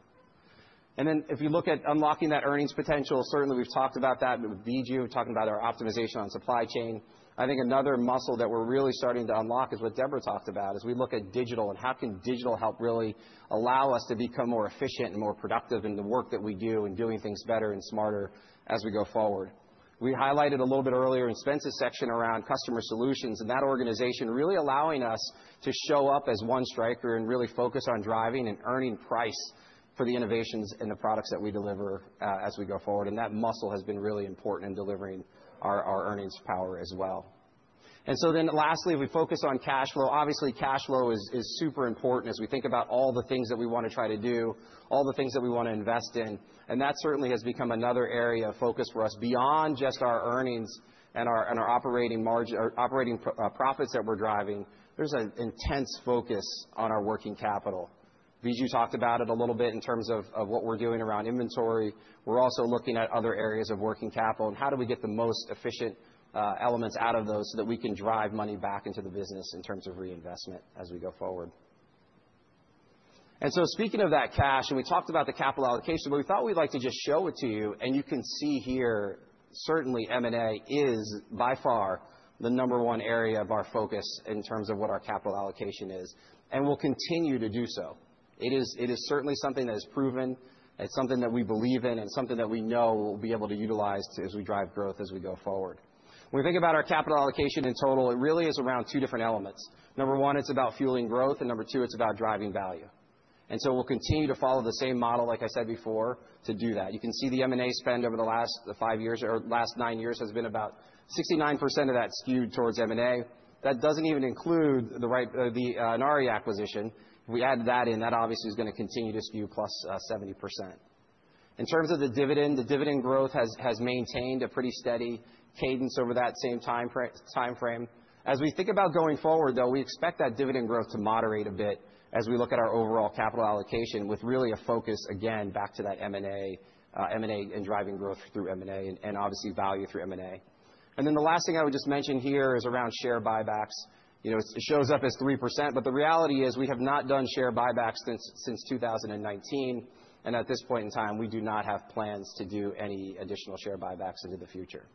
If you look at unlocking that earnings potential, certainly we've talked about that with Viju were talking about our optimization on supply chain. I think another muscle that we're really starting to unlock is what Deborah talked about as we look at digital and how can digital help really allow us to become more efficient and more productive in the work that we do and doing things better and smarter as we go forward. We highlighted a little bit earlier in Spencer's section around customer solutions and that organization really allowing us to show up as one Stryker and really focus on driving and earning price for the innovations and the products that we deliver as we go forward. That muscle has been really important in delivering our earnings power as well. Lastly, we focus on cash flow. Obviously, cash flow is super important as we think about all the things that we want to try to do, all the things that we want to invest in. That certainly has become another area of focus for us beyond just our earnings and our operating profits that we're driving. There's an intense focus on our working capital. Viju talked about it a little bit in terms of what we're doing around inventory. We're also looking at other areas of working capital and how do we get the most efficient elements out of those so that we can drive money back into the business in terms of reinvestment as we go forward. Speaking of that cash, and we talked about the capital allocation, we thought we'd like to just show it to you. You can see here, certainly M&A is by far the number one area of our focus in terms of what our capital allocation is. We'll continue to do so. It is certainly something that is proven. It is something that we believe in and something that we know we'll be able to utilize as we drive growth as we go forward. When we think about our capital allocation in total, it really is around two different elements. Number one, it is about fueling growth. Number two, it is about driving value. We'll continue to follow the same model, like I said before, to do that. You can see the M&A spend over the last five years or last nine years has been about 69% of that skewed towards M&A. That does not even include the Inari acquisition. If we add that in, that obviously is going to continue to skew plus 70%. In terms of the dividend, the dividend growth has maintained a pretty steady cadence over that same time frame. As we think about going forward, though, we expect that dividend growth to moderate a bit as we look at our overall capital allocation with really a focus, again, back to that M&A and driving growth through M&A and obviously value through M&A. The last thing I would just mention here is around share buybacks. It shows up as 3%. The reality is we have not done share buybacks since 2019. At this point in time, we do not have plans to do any additional share buybacks into the future.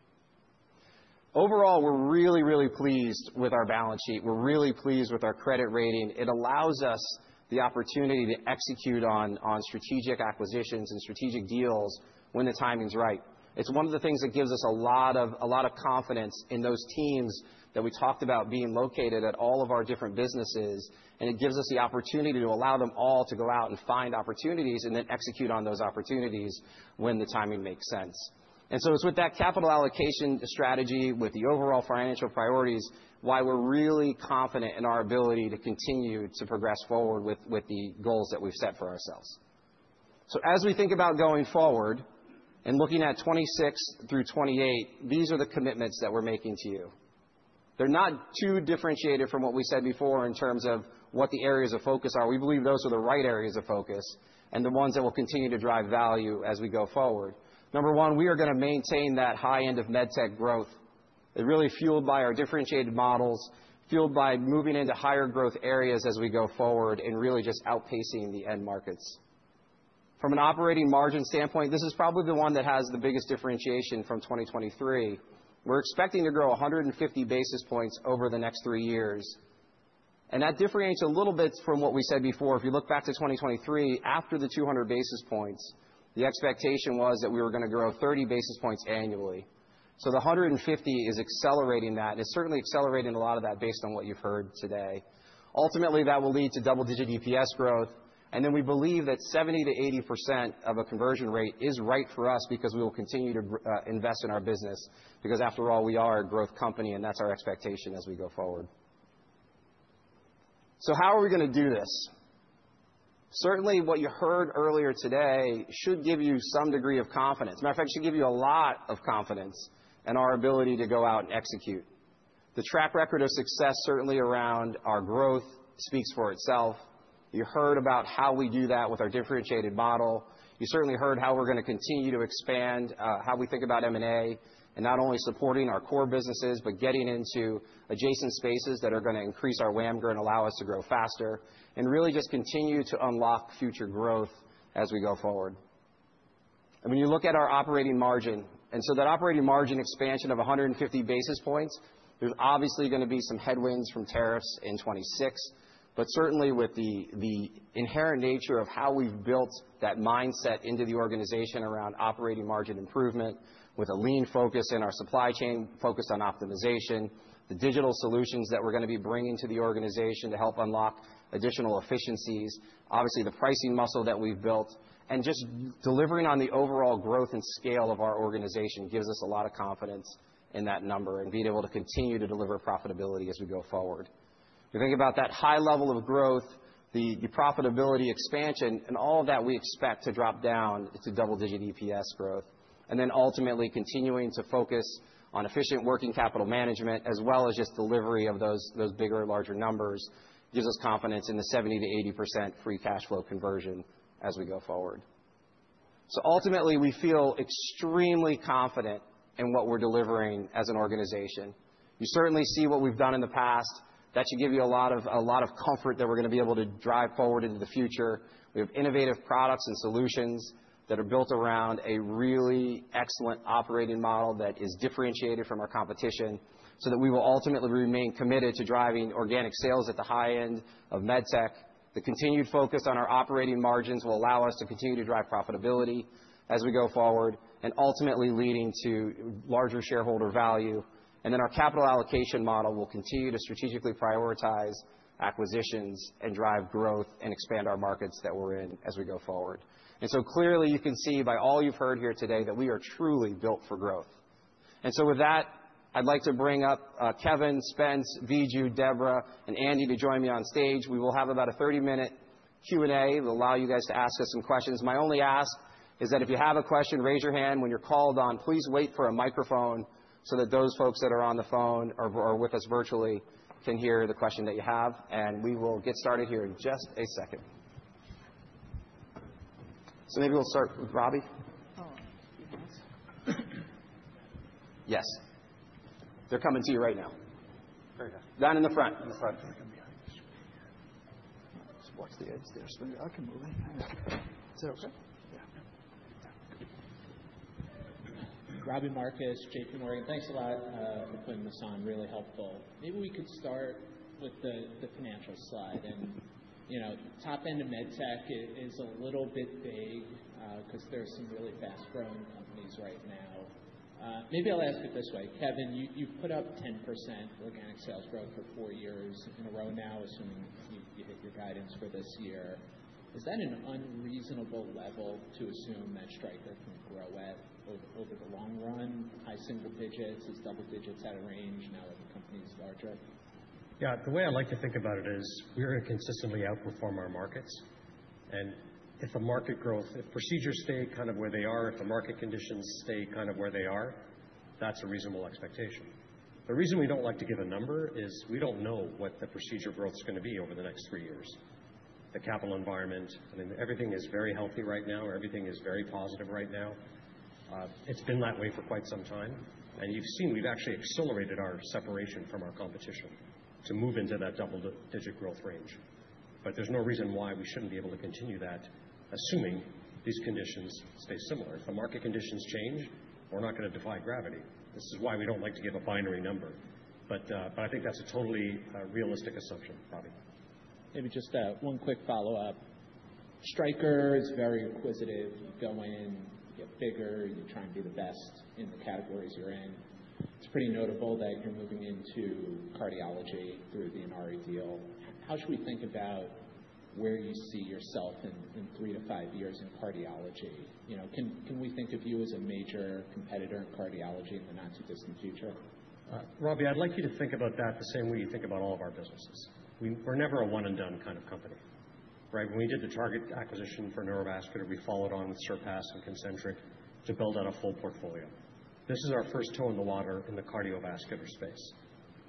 Overall, we're really, really pleased with our balance sheet. We're really pleased with our credit rating. It allows us the opportunity to execute on strategic acquisitions and strategic deals when the timing's right. It's one of the things that gives us a lot of confidence in those teams that we talked about being located at all of our different businesses. It gives us the opportunity to allow them all to go out and find opportunities and then execute on those opportunities when the timing makes sense. It is with that capital allocation strategy with the overall financial priorities why we're really confident in our ability to continue to progress forward with the goals that we've set for ourselves. As we think about going forward and looking at 2026 through 2028, these are the commitments that we're making to you. They're not too differentiated from what we said before in terms of what the areas of focus are. We believe those are the right areas of focus and the ones that will continue to drive value as we go forward. Number one, we are going to maintain that high end of med tech growth. It's really fueled by our differentiated models, fueled by moving into higher growth areas as we go forward and really just outpacing the end markets. From an operating margin standpoint, this is probably the one that has the biggest differentiation from 2023. We're expecting to grow 150 basis points over the next three years. That differentiates a little bit from what we said before. If you look back to 2023, after the 200 basis points, the expectation was that we were going to grow 30 basis points annually. The 150 is accelerating that. It's certainly accelerating a lot of that based on what you've heard today. Ultimately, that will lead to double-digit EPS growth. We believe that 70%-80% of a conversion rate is right for us because we will continue to invest in our business because, after all, we are a growth company. That is our expectation as we go forward. How are we going to do this? Certainly, what you heard earlier today should give you some degree of confidence. Matter of fact, it should give you a lot of confidence in our ability to go out and execute. The track record of success certainly around our growth speaks for itself. You heard about how we do that with our differentiated model. You certainly heard how we're going to continue to expand how we think about M&A and not only supporting our core businesses, but getting into adjacent spaces that are going to increase our WAMGR and allow us to grow faster and really just continue to unlock future growth as we go forward. When you look at our operating margin, and so that operating margin expansion of 150 basis points, there's obviously going to be some headwinds from tariffs in 2026. Certainly, with the inherent nature of how we've built that mindset into the organization around operating margin improvement with a lean focus in our supply chain focused on optimization, the digital solutions that we're going to be bringing to the organization to help unlock additional efficiencies, obviously the pricing muscle that we've built, and just delivering on the overall growth and scale of our organization gives us a lot of confidence in that number and being able to continue to deliver profitability as we go forward. If you think about that high level of growth, the profitability expansion, and all of that we expect to drop down to double-digit EPS growth. Ultimately, continuing to focus on efficient working capital management as well as just delivery of those bigger and larger numbers gives us confidence in the 70%-80% free cash flow conversion as we go forward. Ultimately, we feel extremely confident in what we're delivering as an organization. You certainly see what we've done in the past. That should give you a lot of comfort that we're going to be able to drive forward into the future. We have innovative products and solutions that are built around a really excellent operating model that is differentiated from our competition so that we will ultimately remain committed to driving organic sales at the high end of med tech. The continued focus on our operating margins will allow us to continue to drive profitability as we go forward and ultimately leading to larger shareholder value. Our capital allocation model will continue to strategically prioritize acquisitions and drive growth and expand our markets that we're in as we go forward. Clearly, you can see by all you've heard here today that we are truly built for growth. With that, I'd like to bring up Kevin, Spence, Viju, Deborah, and Andy to join me on stage. We will have about a 30-minute Q&A that will allow you guys to ask us some questions. My only ask is that if you have a question, raise your hand. When you're called on, please wait for a microphone so that those folks that are on the phone or with us virtually can hear the question that you have. We will get started here in just a second.
Maybe we'll start with Robbie.
Yes. They're coming to you right now. There you go. Down in the front.
In the front. They're coming behind you. Sporks the edge there. Spurgeon, I can move it. Is that okay?
Yeah. Robbie Marcus, JP Morgan, thanks a lot for putting this on. Really helpful. Maybe we could start with the financial slide. And top end of med tech is a little bit vague because there are some really fast-growing companies right now. Maybe I'll ask it this way. Kevin, you've put up 10% organic sales growth for four years in a row now, assuming you hit your guidance for this year. Is that an unreasonable level to assume that Stryker can grow at over the long run? High single digits, double digits at a range now that the company is larger?
Yeah. The way I like to think about it is we're going to consistently outperform our markets. If the market growth, if procedures stay kind of where they are, if the market conditions stay kind of where they are, that's a reasonable expectation. The reason we do not like to give a number is we do not know what the procedure growth is going to be over the next three years. The capital environment, I mean, everything is very healthy right now. Everything is very positive right now. It has been that way for quite some time. You have seen we have actually accelerated our separation from our competition to move into that double-digit growth range. There is no reason why we should not be able to continue that assuming these conditions stay similar. If the market conditions change, we are not going to defy gravity. This is why we do not like to give a binary number. I think that is a totally realistic assumption, Robbie.
Maybe just one quick follow-up. Stryker is very inquisitive. You go in, you get bigger, you try and be the best in the categories you're in. It's pretty notable that you're moving into cardiology through the Inari deal. How should we think about where you see yourself in three to five years in cardiology? Can we think of you as a major competitor in cardiology in the not-too-distant future?
Robbie, I'd like you to think about that the same way you think about all of our businesses. We're never a one-and-done kind of company. When we did the target acquisition for neurovascular, we followed on with Surpass and Concentric to build out a full portfolio. This is our first toe in the water in the cardiovascular space.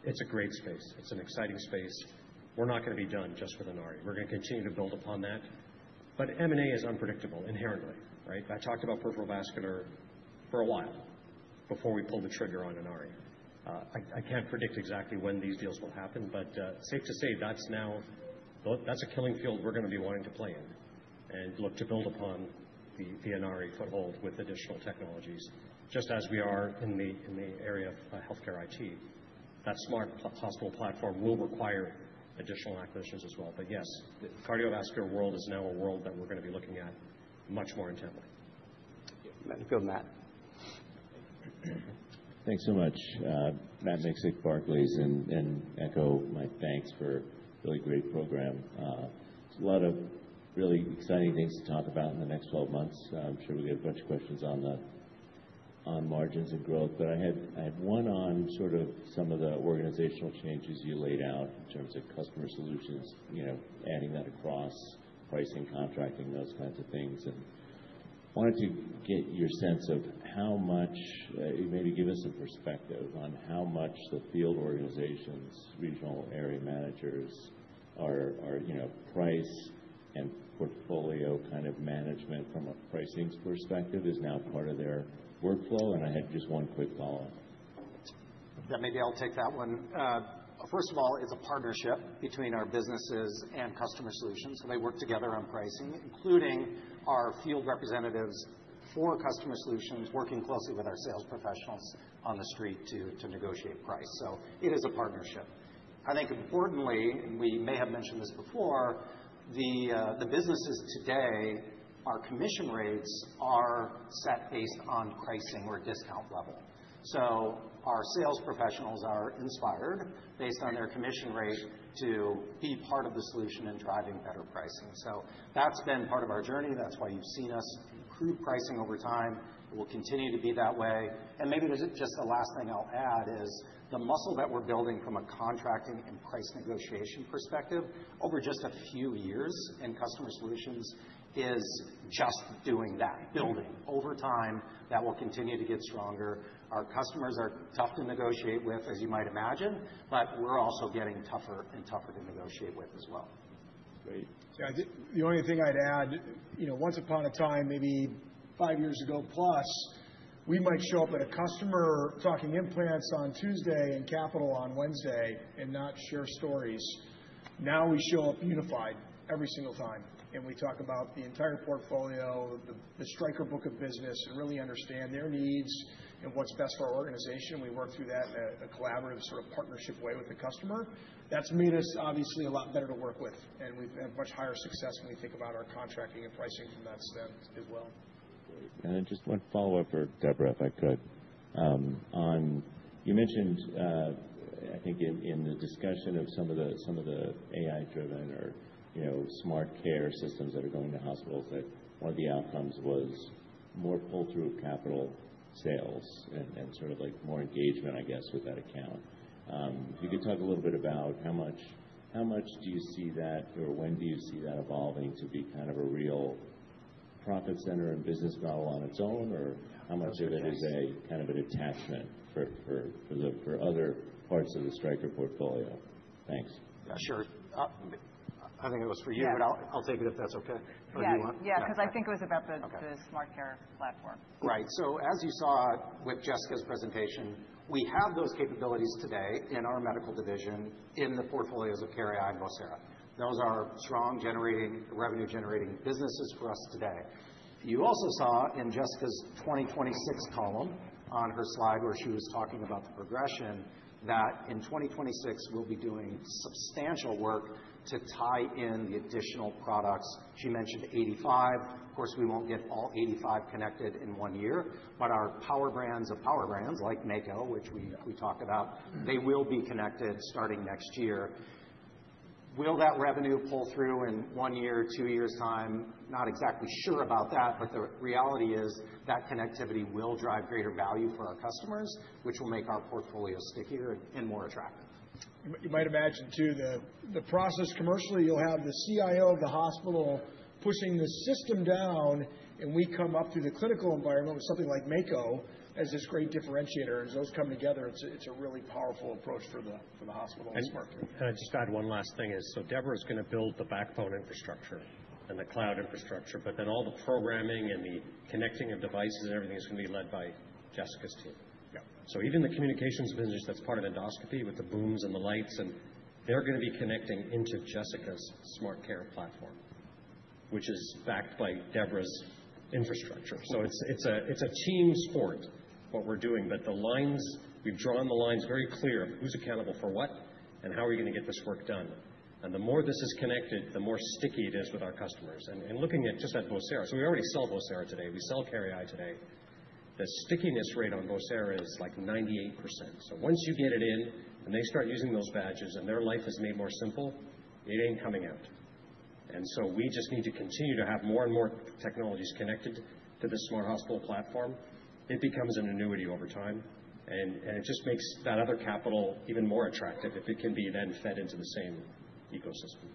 It's a great space. It's an exciting space. We're not going to be done just with Inari. We're going to continue to build upon that. M&A is unpredictable inherently. I talked about peripheral vascular for a while before we pulled the trigger on Inari. I can't predict exactly when these deals will happen. Safe to say that's a killing field we're going to be wanting to play in and look to build upon the Inari foothold with additional technologies. Just as we are in the area of healthcare IT, that smart hospital platform will require additional acquisitions as well. Yes, the cardiovascular world is now a world that we're going to be looking at much more intently.
Matt, you'll go, Matt.
Thanks so much. Matt Miksic Barclays and Echo, my thanks for a really great program. There's a lot of really exciting things to talk about in the next 12 months. I'm sure we'll get a bunch of questions on margins and growth. I had one on sort of some of the organizational changes you laid out in terms of customer solutions, adding that across pricing, contracting, those kinds of things. I wanted to get your sense of how much you maybe give us some perspective on how much the field organizations, regional area managers, are price and portfolio kind of management from a pricing perspective is now part of their workflow. I had just one quick follow-up.
Yeah. Maybe I'll take that one. First of all, it's a partnership between our businesses and customer solutions. They work together on pricing, including our field representatives for customer solutions working closely with our sales professionals on the street to negotiate price. It is a partnership. I think importantly, and we may have mentioned this before, the businesses today, our commission rates are set based on pricing or discount level. Our sales professionals are inspired based on their commission rate to be part of the solution and driving better pricing. That has been part of our journey. That is why you have seen us improve pricing over time. We will continue to be that way. Maybe just the last thing I will add is the muscle that we are building from a contracting and price negotiation perspective over just a few years in customer solutions is just doing that, building over time that will continue to get stronger. Our customers are tough to negotiate with, as you might imagine. We are also getting tougher and tougher to negotiate with as well.
Great.
Yeah. The only thing I would add, once upon a time, maybe five years ago plus, we might show up at a customer talking implants on Tuesday and capital on Wednesday and not share stories. Now we show up unified every single time. We talk about the entire portfolio, the Stryker book of business, and really understand their needs and what's best for our organization. We work through that in a collaborative sort of partnership way with the customer. That has made us obviously a lot better to work with. We have had much higher success when we think about our contracting and pricing from that stem as well.
Great. Just one follow-up for Deborah, if I could. You mentioned, I think in the discussion of some of the AI-driven or smart care systems that are going to hospitals, that one of the outcomes was more pull-through capital sales and sort of more engagement, I guess, with that account. If you could talk a little bit about how much do you see that or when do you see that evolving to be kind of a real profit center and business model on its own, or how much of it is kind of an attachment for other parts of the Stryker portfolio? Thanks.
Yeah. Sure. I think it was for you, but I'll take it if that's okay. Whatever you want.
Yeah. Because I think it was about the smart care platform.
Right. As you saw with Jessica's presentation, we have those capabilities today in our medical division, in the portfolios of care.ai and Vocera. Those are strong revenue-generating businesses for us today. You also saw in Jessica's 2026 column on her slide where she was talking about the progression that in 2026, we'll be doing substantial work to tie in the additional products. She mentioned 85. Of course, we won't get all 85 connected in one year. But our power brands of power brands like Mako, which we talk about, they will be connected starting next year. Will that revenue pull through in one year, two years' time? Not exactly sure about that. But the reality is that connectivity will drive greater value for our customers, which will make our portfolio stickier and more attractive.
You might imagine, too, the process commercially, you'll have the CIO of the hospital pushing the system down, and we come up through the clinical environment with something like Mako as this great differentiator. As those come together, it's a really powerful approach for the hospital and smart care.
I just add one last thing is, so Deborah is going to build the backbone infrastructure and the cloud infrastructure. All the programming and the connecting of devices and everything is going to be led by Jessica's team. Even the communications business that's part of endoscopy with the booms and the lights, they're going to be connecting into Jessica's SmartCare platform, which is backed by Deborah's infrastructure. It is a team sport, what we're doing. We have drawn the lines very clear of who's accountable for what and how we are going to get this work done. The more this is connected, the more sticky it is with our customers. Looking at just at Vocera, we already sell Vocera today. We sell care.ai today. The stickiness rate on Vocera is like 98%. Once you get it in and they start using those badges and their life is made more simple, it ain't coming out. We just need to continue to have more and more technologies connected to the smart hospital platform. It becomes an annuity over time. It just makes that other capital even more attractive if it can be then fed into the same ecosystem.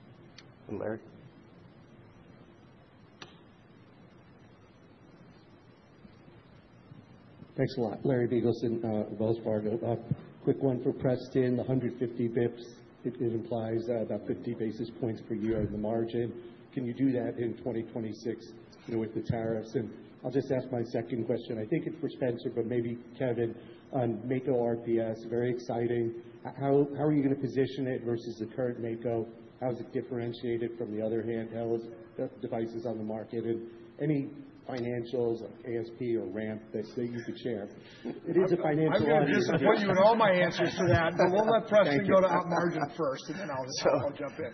Larry?
Thanks a lot. Larry Biegelsen from Wells Fargo. Quick one for Preston. The 150 bps, it implies about 50 basis points per year in the margin. Can you do that in 2026 with the tariffs? I'll just ask my second question. I think it's for Spencer, but maybe Kevin. Mako RPS, very exciting. How are you going to position it versus the current Mako? How is it differentiated from the other handheld devices on the market? Any financials, ASP or ramp that you could share? It is a financial. I'm going to disappoint you in all my answers to that.
We'll let Preston go to up margin first, and then I'll jump in.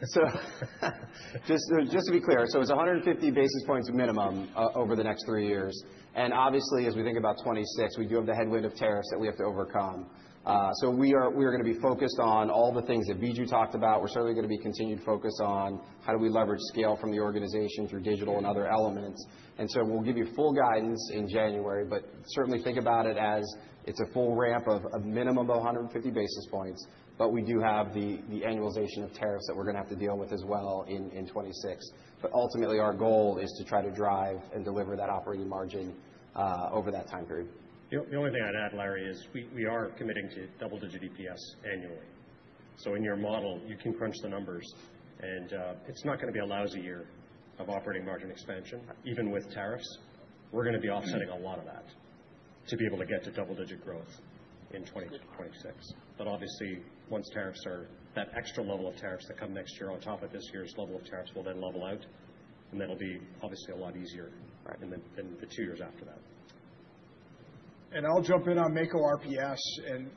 Just to be clear, it's 150 basis points minimum over the next three years. Obviously, as we think about 2026, we do have the headwind of tariffs that we have to overcome. We are going to be focused on all the things that Viju talked about. We're certainly going to be continued focused on how do we leverage scale from the organization through digital and other elements. We'll give you full guidance in January. Certainly think about it as it's a full ramp of a minimum of 150 basis points. We do have the annualization of tariffs that we're going to have to deal with as well in 2026. Ultimately, our goal is to try to drive and deliver that operating margin over that time period.
The only thing I'd add, Larry, is we are committing to double-digit EPS annually. In your model, you can crunch the numbers. It is not going to be a lousy year of operating margin expansion. Even with tariffs, we are going to be offsetting a lot of that to be able to get to double-digit growth in 2026. Obviously, once tariffs are that extra level of tariffs that come next year on top of this year's level of tariffs, they will then level out. That will be a lot easier in the two years after that.
I'll jump in on Mako RPS.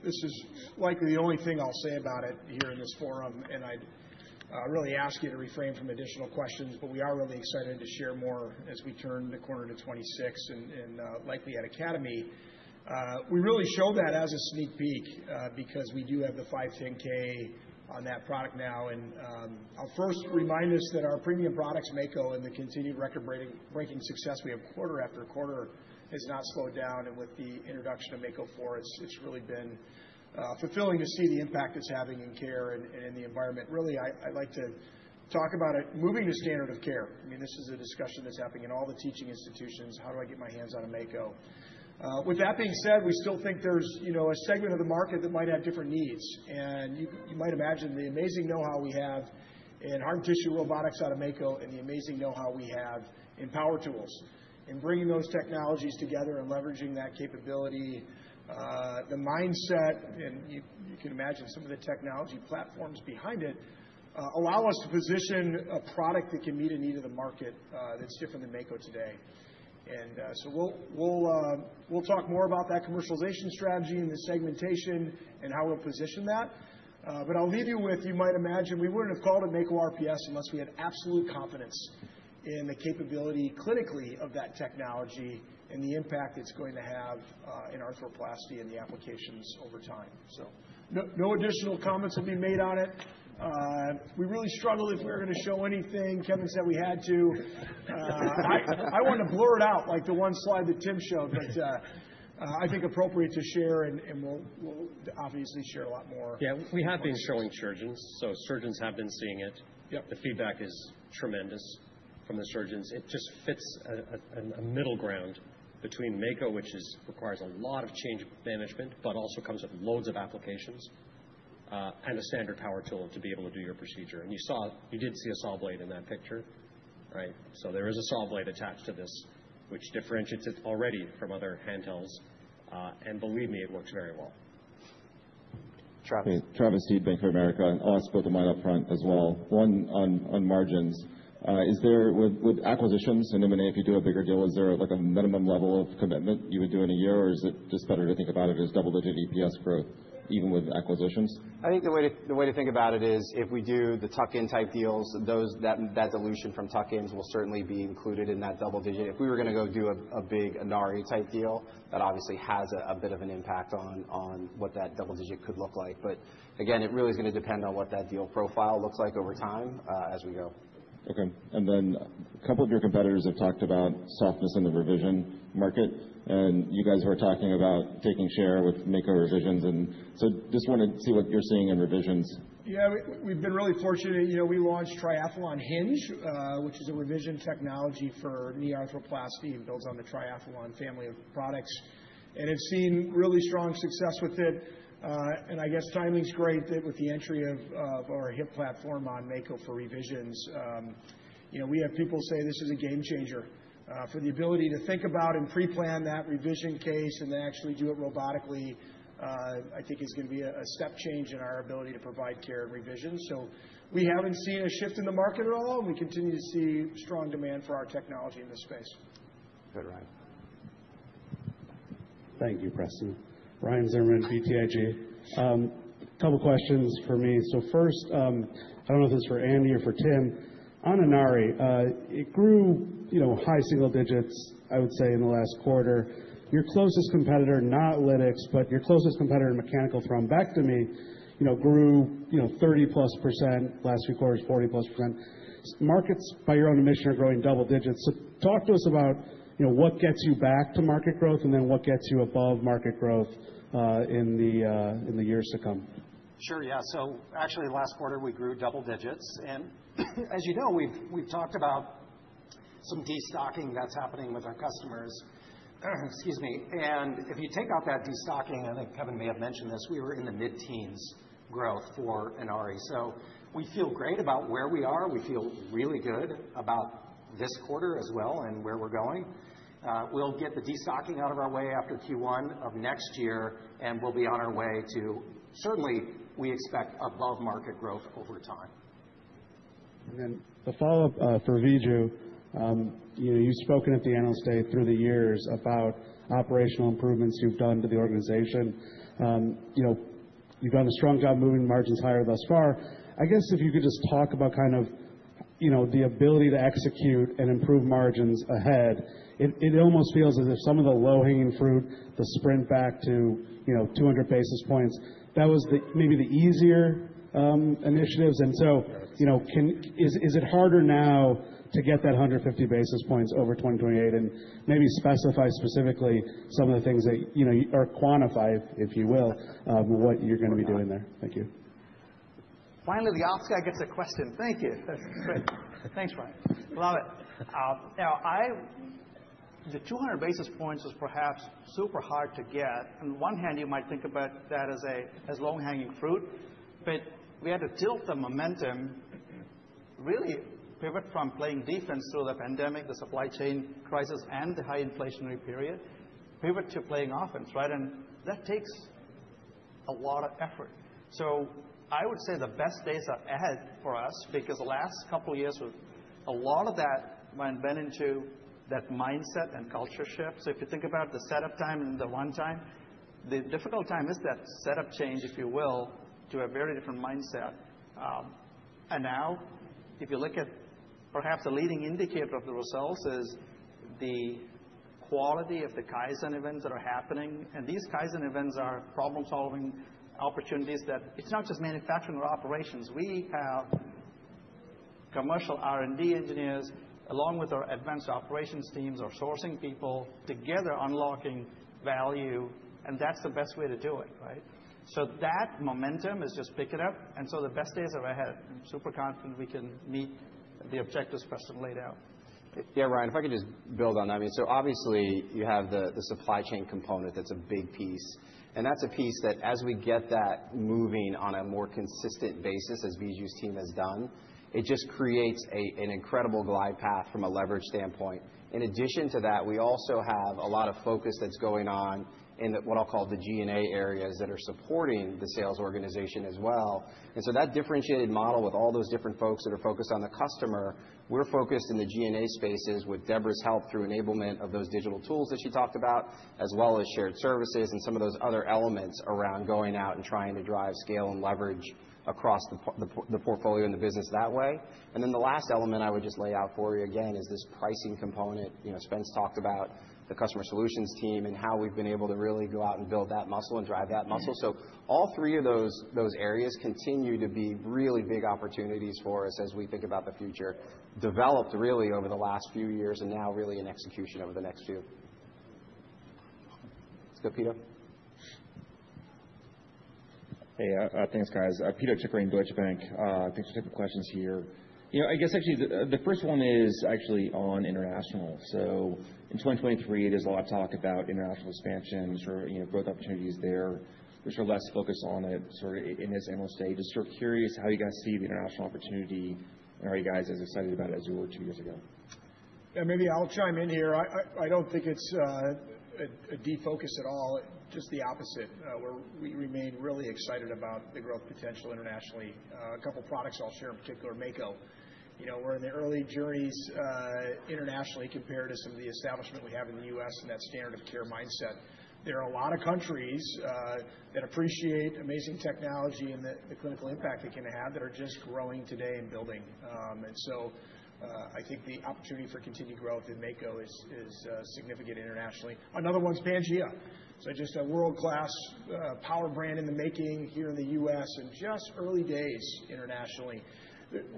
This is likely the only thing I'll say about it here in this forum. I would really ask you to refrain from additional questions. We are really excited to share more as we turn the corner to 2026 and likely at Academy. We really show that as a sneak peek because we do have the 510(k) on that product now. I'll first remind us that our premium products, Mako, and the continued record-breaking success we have quarter after quarter has not slowed down. With the introduction of Mako 4, it's really been fulfilling to see the impact it's having in care and in the environment. Really, I'd like to talk about it moving to standard of care. I mean, this is a discussion that's happening in all the teaching institutions. How do I get my hands on a Mako? With that being said, we still think there's a segment of the market that might have different needs. You might imagine the amazing know-how we have in hard tissue robotics out of Mako and the amazing know-how we have in power tools. Bringing those technologies together and leveraging that capability, the mindset, and you can imagine some of the technology platforms behind it allow us to position a product that can meet a need of the market that's different than Mako today. We will talk more about that commercialization strategy and the segmentation and how we will position that. I'll leave you with, you might imagine we wouldn't have called it Mako RPS unless we had absolute confidence in the capability clinically of that technology and the impact it's going to have in arthroplasty and the applications over time. No additional comments will be made on it. We really struggled if we were going to show anything. Kevin said we had to. I wanted to blur it out like the one slide that Tim showed, but I think appropriate to share. We will obviously share a Mako ot more.
Yeah. We have been showing surgeons. Surgeons have been seeing it. The feedback is tremendous from the surgeons. It just fits a middle ground between Mako, which requires a lot of change management, but also comes with loads of applications, and a standard power tool to be able to do your procedure. You did see a saw blade in that picture. There is a saw blade attached to this, which differentiates it already from other handhelds. Believe me, it works very well.
Travis Steed from Bank of America. I'll ask both of mine upfront as well. One on margins. With acquisitions and M&A, if you do a bigger deal, is there a minimum level of commitment you would do in a year? Or is it just better to think about it as double-digit EPS growth, even with acquisitions?
I think the way to think about it is if we do the tuck-in type deals, that dilution from tuck-ins will certainly be included in that double-digit. If we were going to go do a big Inari type deal, that obviously has a bit of an impact on what that double-digit could look like. Again, it really is going to depend on what that deal profile looks like over time as we go.
Okay. A couple of your competitors have talked about softness in the revision market. You guys were talking about taking share with Mako revisions. I just wanted to see what you're seeing in revisions.
Yeah. We've been really fortunate. We launched Triathlon Hinge, which is a revision technology for knee arthroplasty and builds on the Triathlon family of products. It's seen really strong success with it. I guess timing's great with the entry of our hip platform on Mako for revisions. We have people say this is a game changer for the ability to think about and pre-plan that revision case and then actually do it robotically. I think it's going to be a step change in our ability to provide care and revisions. We haven't seen a shift in the market at all. We continue to see strong demand for our technology in this space.
Good. Ryan.
Thank you, Preston. Ryan Zimmerman, BTIG. A couple of questions for me. First, I don't know if this is for Andy or for Tim. On Inari, it grew high single digits, I would say, in the last quarter. Your closest competitor, not Inari, but your closest competitor, Mechanical Thrombectomy, grew +30%. Last few quarters, +40%. Markets, by your own admission, are growing double digits. Talk to us about what gets you back to market growth and then what gets you above market growth in the years to come.
Sure. Yeah. Actually, last quarter, we grew double digits. As you know, we've talked about some destocking that's happening with our customers. Excuse me. If you take out that destocking, I think Kevin may have mentioned this, we were in the mid-teens growth for Inari. We feel great about where we are. We feel really good about this quarter as well and where we're going. We'll get the destocking out of our way after Q1 of next year. We'll be on our way to, certainly, we expect above market growth over time.
A follow-up for Viju. You've spoken at the Analyst Day through the years about operational improvements you've done to the organization. You've done a strong job moving margins higher thus far. I guess if you could just talk about kind of the ability to execute and improve margins ahead, it almost feels as if some of the low-hanging fruit, the sprint back to 200 basis points, that was maybe the easier initiatives. Is it harder now to get that 150 basis points over 2028 and maybe specify specifically some of the things that are quantified, if you will, what you're going to be doing there? Thank you.
Finally, the off-skuy gets a question. Thank you. That's great. Thanks, Ryan. Love it. Now, the 200 basis points was perhaps super hard to get. On one hand, you might think about that as low-hanging fruit. We had to tilt the momentum, really pivot from playing defense through the pandemic, the supply chain crisis, and the high inflationary period, pivot to playing offense. That takes a lot of effort. I would say the best days are ahead for us because the last couple of years with a lot of that went into that mindset and culture shift. If you think about the setup time and the run time, the difficult time is that setup change, if you will, to a very different mindset. Now, if you look at perhaps a leading indicator of the results, it is the quality of the Kaizen events that are happening. These Kaizen events are problem-solving opportunities that it is not just manufacturing or operations. We have commercial R&D engineers along with our advanced operations teams, our sourcing people together unlocking value. That's the best way to do it. That momentum is just picking up. The best days are ahead. I'm super confident we can meet the objectives Preston laid out.
Yeah, Ryan, if I could just build on that. I mean, obviously, you have the supply chain component that's a big piece. That's a piece that as we get that moving on a more consistent basis, as Viju's team has done, it just creates an incredible glide path from a leverage standpoint. In addition to that, we also have a lot of focus that's going on in what I'll call the G&A areas that are supporting the sales organization as well. That differentiated model with all those different folks that are focused on the customer, we're focused in the G&A spaces with Deborah's help through enablement of those digital tools that she talked about, as well as shared services and some of those other elements around going out and trying to drive scale and leverage across the portfolio and the business that way. The last element I would just lay out for you again is this pricing component. Spence talked about the customer solutions team and how we've been able to really go out and build that muscle and drive that muscle. All three of those areas continue to be really big opportunities for us as we think about the future developed really over the last few years and now really in execution over the next few.
Let's go Peter.
Hey, thanks, guys. Thanks for taking questions here. I guess actually the first one is actually on international. In 2023, there was a lot of talk about international expansion, sort of growth opportunities there, which are less focused on in this analyst stage. Just sort of curious how you guys see the international opportunity and are you guys as excited about it as you were two years ago?
Yeah, maybe I'll chime in here. I don't think it's a defocus at all. Just the opposite. We remain really excited about the growth potential internationally. A couple of products I'll share in particular, Mako. We're in the early journeys internationally compared to some of the establishment we have in the U.S. and that standard of care mindset. There are a lot of countries that appreciate amazing technology and the clinical impact it can have that are just growing today and building. I think the opportunity for continued growth in Mako is significant internationally. Another one is Pangea. Just a world-class power brand in the making here in the U.S. and just early days internationally.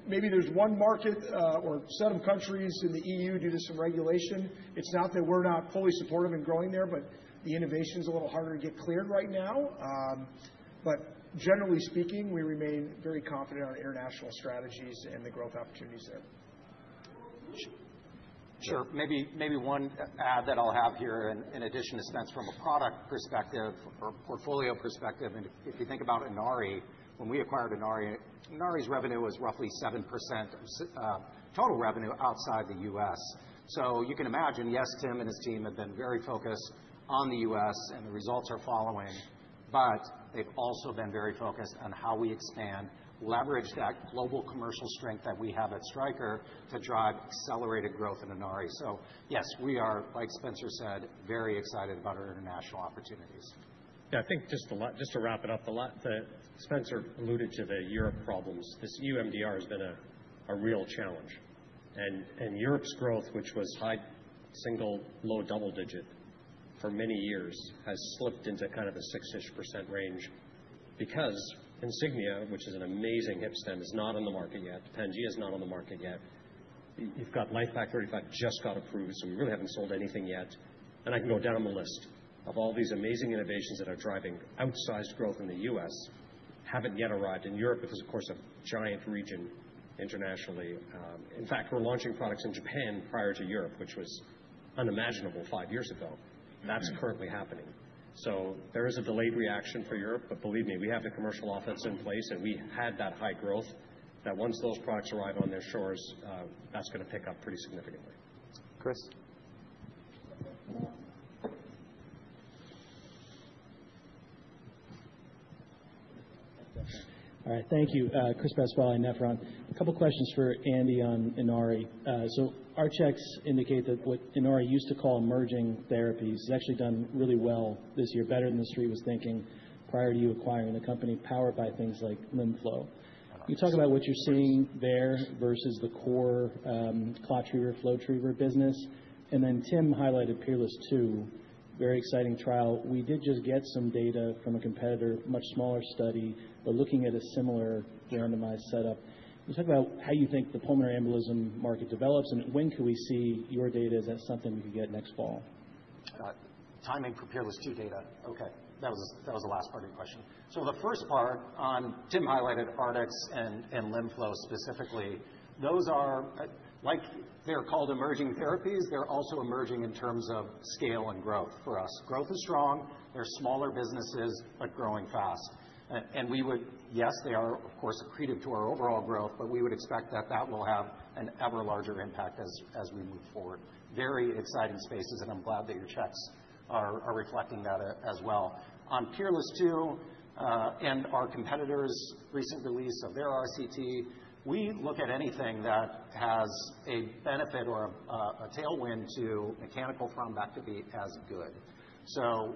Maybe there is one market or set of countries in the EU due to some regulation. It is not that we are not fully supportive and growing there, but the innovation is a little harder to get cleared right now. Generally speaking, we remain very confident in our international strategies and the growth opportunities there.
Sure. Maybe one add that I will have here in addition to Spence from a product perspective or portfolio perspective. If you think about Inari, when we acquired Inari, Inari's revenue was roughly 7% of total revenue outside the U.S. You can imagine, yes, Tim and his team have been very focused on the U.S. and the results are following. They have also been very focused on how we expand, leverage that global commercial strength that we have at Stryker to drive accelerated growth in Inari. Yes, we are, like Spencer said, very excited about our international opportunities.
I think just to wrap it up, Spencer alluded to the Europe problems. This EU MDR has been a real challenge. Europe's growth, which was high single to low double digit for many years, has slipped into kind of a 6% range because Insignia, which is an amazing hip stem, is not on the market yet. Pangea is not on the market yet. You've got LIFEPAK 35 just got approved. So we really haven't sold anything yet. I can go down the list of all these amazing innovations that are driving outsized growth in the U.S., haven't yet arrived in Europe because, of course, a giant region internationally. In fact, we're launching products in Japan prior to Europe, which was unimaginable five years ago. That's currently happening. There is a delayed reaction for Europe. Believe me, we have the commercial offense in place. We had that high growth that once those products arrive on their shores, that's going to pick up pretty significantly.
Chris.
All right. Thank you. Chris Pasquale in Nephron. A couple of questions for Andy on Inari. Our checks indicate that what Inari used to call emerging therapies has actually done really well this year, better than the street was thinking prior to you acquiring the company, powered by things like LimFlow. You talk about what you're seeing there versus the core ClotTriever, FlowTriever business. Tim highlighted PEERLESS I2, very exciting trial. We did just get some data from a competitor, much smaller study, but looking at a similar randomized setup. You talk about how you think the pulmonary embolism market develops. When can we see your data? Is that something we could get next fall?
Timing for PEERLESS II data. Okay. That was the last part of your question. The first part on Tim highlighted Arctic System and LimFlow specifically. They're called emerging therapies. They're also emerging in terms of scale and growth for us. Growth is strong. They're smaller businesses, but growing fast. Yes, they are, of course, accretive to our overall growth, but we would expect that that will have an ever larger impact as we move forward. Very exciting spaces. I'm glad that your checks are reflecting that as well. On PEERLESS II and our competitors' recent release of their RCT, we look at anything that has a benefit or a tailwind to Mechanical Thrombectomy as good.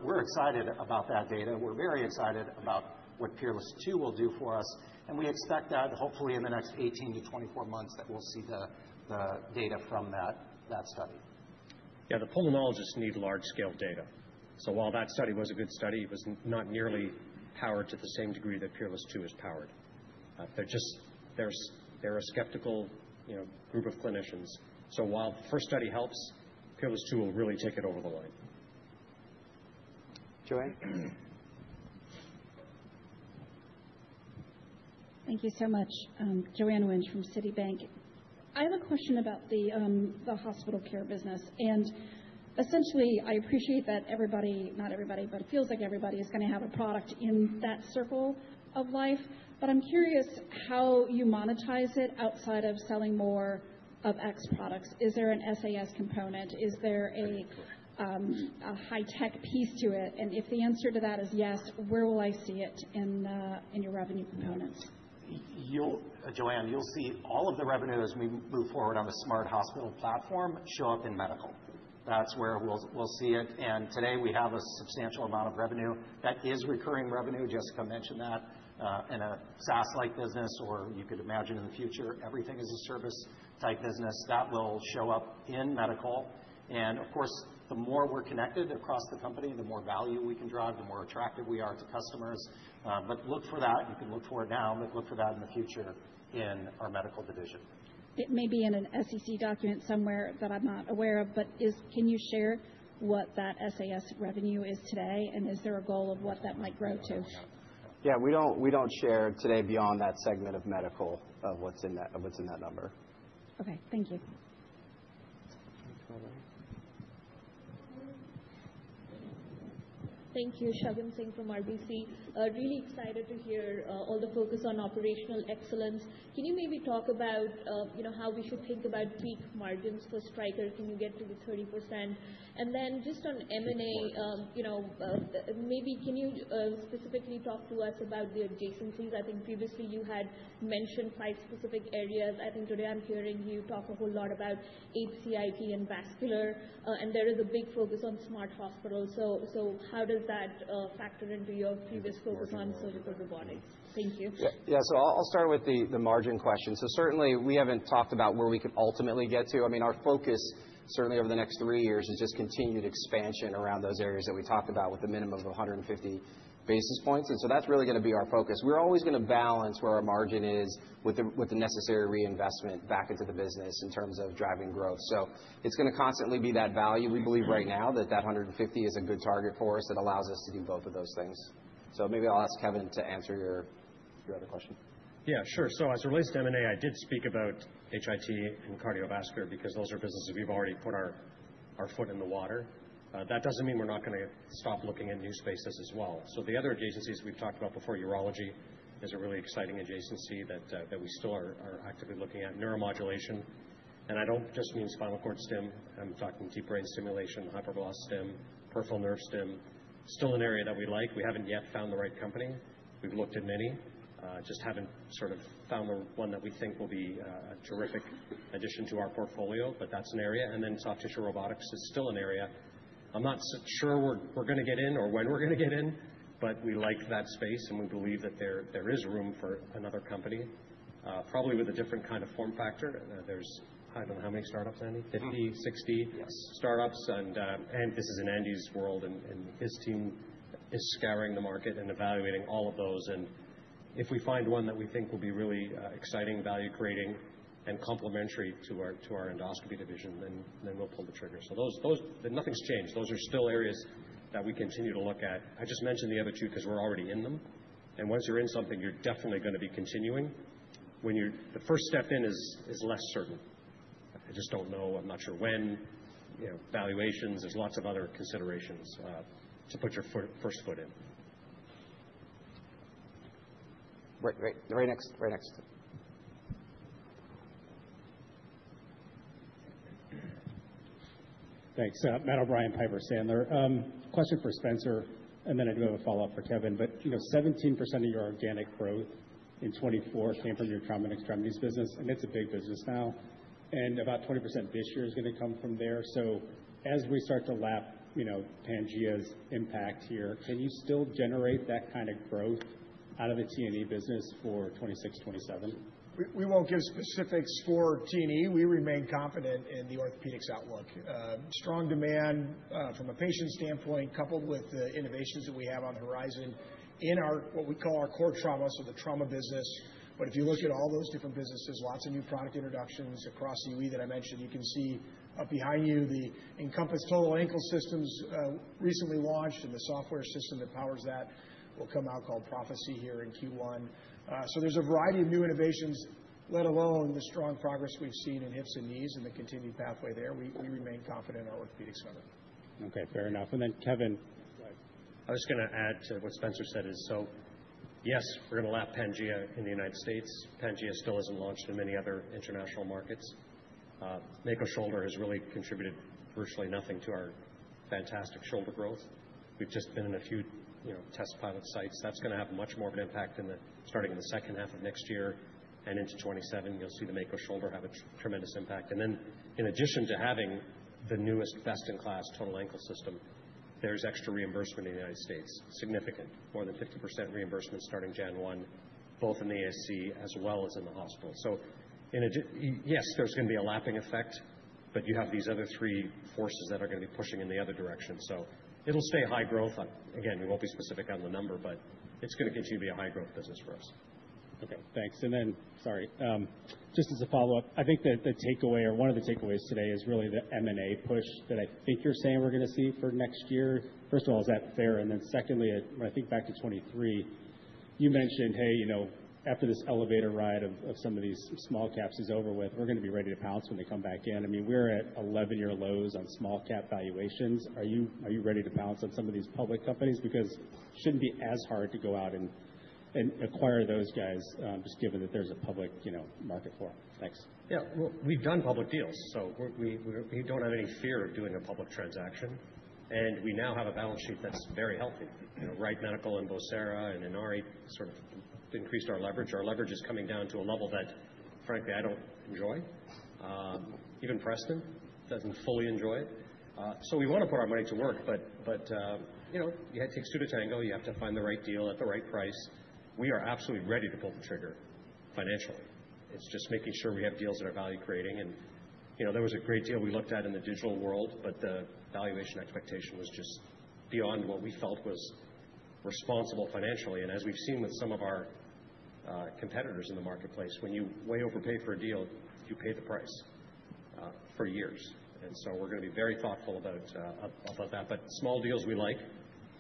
We're excited about that data. We're very excited about what PEERLESS II will do for us. We expect that hopefully in the next 18-24 months that we'll see the data from that study.
Yeah, the pulmonologists need large-scale data. While that study was a good study, it was not nearly powered to the same degree thatPEERLESS II is powered. They're a skeptical group of clinicians. While the first study helps, PEERLESS II will really take it over the line.
Joanne?
Thank you so much. Joanne Wynne from Citibank. I have a question about the hospital care business. Essentially, I appreciate that everybody, not everybody, but it feels like everybody is going to have a product in that circle of life. I'm curious how you monetize it outside of selling more of X products. Is there an SaaS component? Is there a high-tech piece to it? If the answer to that is yes, where will I see it in your revenue components?
Joanne, you'll see all of the revenue as we move forward on the smart hospital platform show up in medical. That's where we'll see it. Today, we have a substantial amount of revenue that is recurring revenue. Jessica mentioned that. In a SaaS-like business, or you could imagine in the future, everything is a service-type business, that will show up in medical. Of course, the more we're connected across the company, the more value we can drive, the more attractive we are to customers. Look for that. You can look for it now, but look for that in the future in our medical division.
It may be in an SEC document somewhere that I'm not aware of, but can you share what that SaaS revenue is today? Is there a goal of what that might grow to?
Yeah, we don't share today beyond that segment of medical of what's in that number.
Okay. Thank you.
Thank you. Shagun Singh from RBC. Really excited to hear all the focus on operational excellence. Can you maybe talk about how we should think about peak margins for Stryker? Can you get to the 30%? And then just on M&A, maybe can you specifically talk to us about the adjacencies? I think previously you had mentioned five specific areas. I think today I'm hearing you talk a whole lot about HCIP and vascular. And there is a big focus on smart hospitals. So how does that factor into your previous focus on surgical robotics? Thank you.
Yeah, so I'll start with the margin question. Certainly, we haven't talked about where we could ultimately get to. I mean, our focus certainly over the next three years is just continued expansion around those areas that we talked about with a minimum of 150 basis points. That's really going to be our focus. We're always going to balance where our margin is with the necessary reinvestment back into the business in terms of driving growth. It's going to constantly be that value. We believe right now that that 150 is a good target for us that allows us to do both of those things. Maybe I'll ask Kevin to answer your other question.
Yeah, sure. As it relates to M&A, I did speak about HIT and cardiovascular because those are businesses we've already put our foot in the water. That doesn't mean we're not going to stop looking at new spaces as well. The other adjacencies we've talked about before, urology is a really exciting adjacency that we still are actively looking at, neuromodulation. I don't just mean spinal cord stim. I'm talking deep brain stimulation, hypervelocity stim, peripheral nerve stim. Still an area that we like. We haven't yet found the right company. We've looked at many. Just haven't sort of found the one that we think will be a terrific addition to our portfolio, but that's an area. Soft tissue robotics is still an area. I'm not sure we're going to get in or when we're going to get in, but we like that space. We believe that there is room for another company, probably with a different kind of form factor. There's, I don't know how many startups, Andy? 50-60 startups. This is in Andy's world. His team is scouring the market and evaluating all of those. If we find one that we think will be really exciting, value-creating, and complementary to our endoscopy division, then we'll pull the trigger. Nothing's changed. Those are still areas that we continue to look at. I just mentioned the other two because we're already in them. Once you're in something, you're definitely going to be continuing. The first step in is less certain. I just don't know. I'm not sure when. Valuations, there's lots of other considerations to put your first foot in.
Right. Next.
Thanks. Matt O'Brien, Piper Sandler. Question for Spencer. I do have a follow-up for Kevin. 17% of your organic growth in 2024 came from your trauma and extremities business. It's a big business now. About 20% this year is going to come from there. As we start to lap Pangea's impact here, can you still generate that kind of growth out of the T&E business for 2026, 2027?
We won't give specifics for T&E. We remain confident in the orthopedics outlook. Strong demand from a patient standpoint, coupled with the innovations that we have on the horizon in what we call our core trauma, so the trauma business. If you look at all those different businesses, lots of new product introductions across the UE that I mentioned. You can see behind you the Incompass Total Ankle System recently launched and the software system that powers that will come out called Prophecy here in Q1. There is a variety of new innovations, let alone the strong progress we've seen in hips and knees and the continued pathway there. We remain confident in our orthopedics front.
Okay. Fair enough. Kevin, I was going to add to what Spencer said is, yes, we're going to lap Pangea in the United States. Pangea still isn't launched in many other international markets. Mako shoulder has really contributed virtually nothing to our fantastic shoulder growth. We've just been in a few test pilot sites. That's going to have much more of an impact starting in the second half of next year and into 2027. You'll see the Mako shoulder have a tremendous impact. In addition to having the newest best-in-class total ankle system, there's extra reimbursement in the United States, significant, more than 50% reimbursement starting January 1, both in the ASC as well as in the hospital. Yes, there's going to be a lapping effect, but you have these other three forces that are going to be pushing in the other direction. It'll stay high growth. Again, we won't be specific on the number, but it's going to continue to be a high-growth business for us.
Okay. Thanks. Then, sorry, just as a follow-up, I think that the takeaway or one of the takeaways today is really the M&A push that I think you're saying we're going to see for next year. First of all, is that fair? Then secondly, when I think back to 2023, you mentioned, "Hey, after this elevator ride of some of these small caps is over with, we're going to be ready to pounce when they come back in." I mean, we're at 11-year lows on small-cap valuations. Are you ready to pounce on some of these public companies? Because it shouldn't be as hard to go out and acquire those guys just given that there's a public market for them. Thanks.
Yeah. We've done public deals. We don't have any fear of doing a public transaction. We now have a balance sheet that's very healthy. Wright Medical and Vocera and Inari sort of increased our leverage. Our leverage is coming down to a level that, frankly, I do not enjoy. Even Preston does not fully enjoy it. We want to put our money to work. You have to take pseudo tango. You have to find the right deal at the right price. We are absolutely ready to pull the trigger financially. It is just making sure we have deals that are value-creating. There was a great deal we looked at in the digital world, but the valuation expectation was just beyond what we felt was responsible financially. As we have seen with some of our competitors in the marketplace, when you way overpay for a deal, you pay the price for years. We are going to be very thoughtful about that. Small deals we like,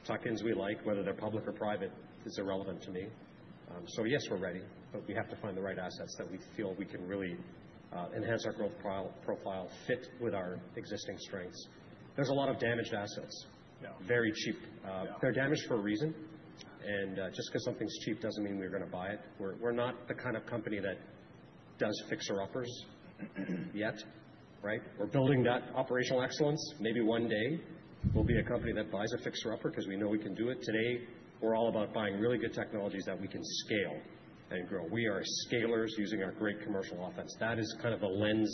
tuck-ins we like, whether they're public or private, is irrelevant to me. Yes, we're ready, but we have to find the right assets that we feel we can really enhance our growth profile, fit with our existing strengths. There's a lot of damaged assets, very cheap. They're damaged for a reason. Just because something's cheap doesn't mean we're going to buy it. We're not the kind of company that does fixer-uppers yet, right? We're building that operational excellence. Maybe one day, we'll be a company that buys a fixer-upper because we know we can do it. Today, we're all about buying really good technologies that we can scale and grow. We are scalers using our great commercial offense. That is kind of the lens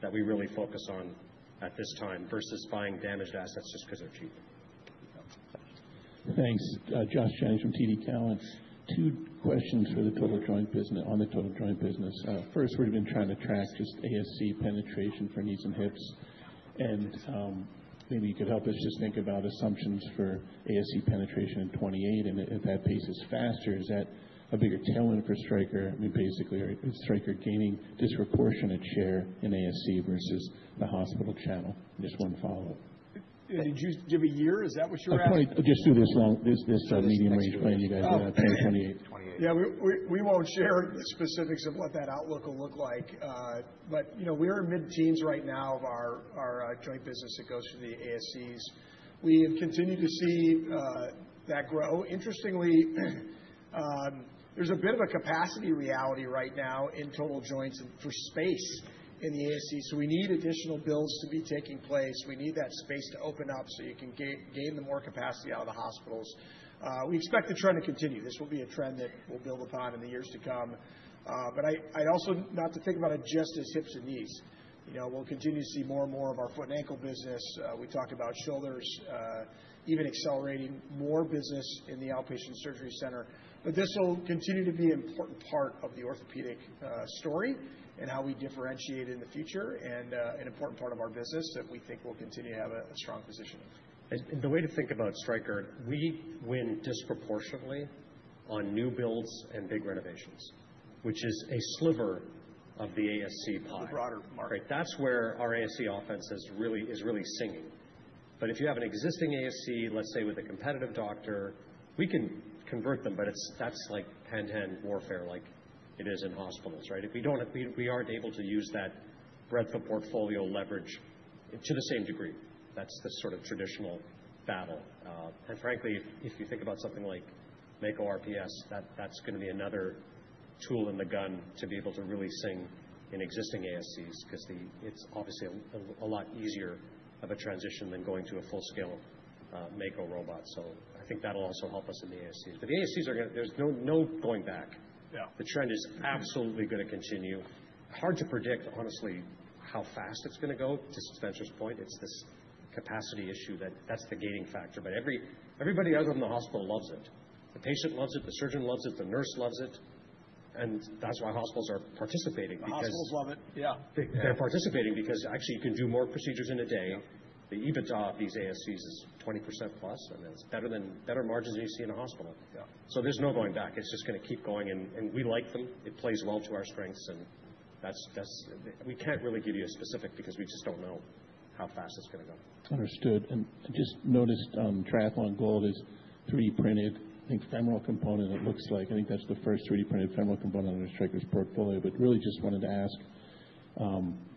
that we really focus on at this time versus buying damaged assets just because they're cheap.
Thanks. Josh Jennings from TD Cowen. Two questions for the total joint business on the total joint business. First, we've been trying to track just ASC penetration for knees and hips. Maybe you could help us just think about assumptions for ASC penetration in 2028. If that pace is faster, is that a bigger tailwind for Stryker? I mean, basically, is Stryker gaining disproportionate share in ASC versus the hospital channel? Just one follow-up.
Do you have a year? Is that what you're at?
Just do this medium-range plan you guys have for 2028.
Yeah. We won't share the specifics of what that outlook will look like. We're in mid-teens right now of our joint business that goes through the ASCs. We have continued to see that grow. Interestingly, there's a bit of a capacity reality right now in total joints and for space in the ASC. We need additional builds to be taking place. We need that space to open up so you can gain more capacity out of the hospitals. We expect the trend to continue. This will be a trend that we'll build upon in the years to come. I'd also not think about it just as hips and knees. We'll continue to see more and more of our foot and ankle business. We talk about shoulders, even accelerating more business in the outpatient surgery center. This will continue to be an important part of the orthopedic story and how we differentiate in the future and an important part of our business that we think we'll continue to have a strong position in.
The way to think about Stryker, we win disproportionately on new builds and big renovations, which is a sliver of the ASC pie. The broader market. That's where our ASC offense is really singing. If you have an existing ASC, let's say with a competitive doctor, we can convert them, but that's like hand-to-hand warfare like it is in hospitals, right? We aren't able to use that breadth of portfolio leverage to the same degree. That's the sort of traditional battle. Frankly, if you think about something like Mako RPS, that's going to be another tool in the gun to be able to really sing in existing ASCs because it's obviously a lot easier of a transition than going to a full-scale Mako robot. I think that'll also help us in the ASCs. The ASCs are going to—there's no going back. The trend is absolutely going to continue. Hard to predict, honestly, how fast it's going to go. To Spencer's point, it's this capacity issue that's the gating factor. Everybody other than the hospital loves it. The patient loves it. The surgeon loves it. The nurse loves it. That's why hospitals are participating because hospitals love it. They're participating because actually you can do more procedures in a day. The EBITDA of these ASCs is +20%. I mean, it's better margins than you see in a hospital. There's no going back. It's just going to keep going. We like them. It plays well to our strengths. We can't really give you a specific because we just don't know how fast it's going to go.
Understood. I just noticed Triathlon Gold is 3D printed. I think femoral component, it looks like. I think that's the first 3D printed femoral component on Stryker's portfolio. Really just wanted to ask,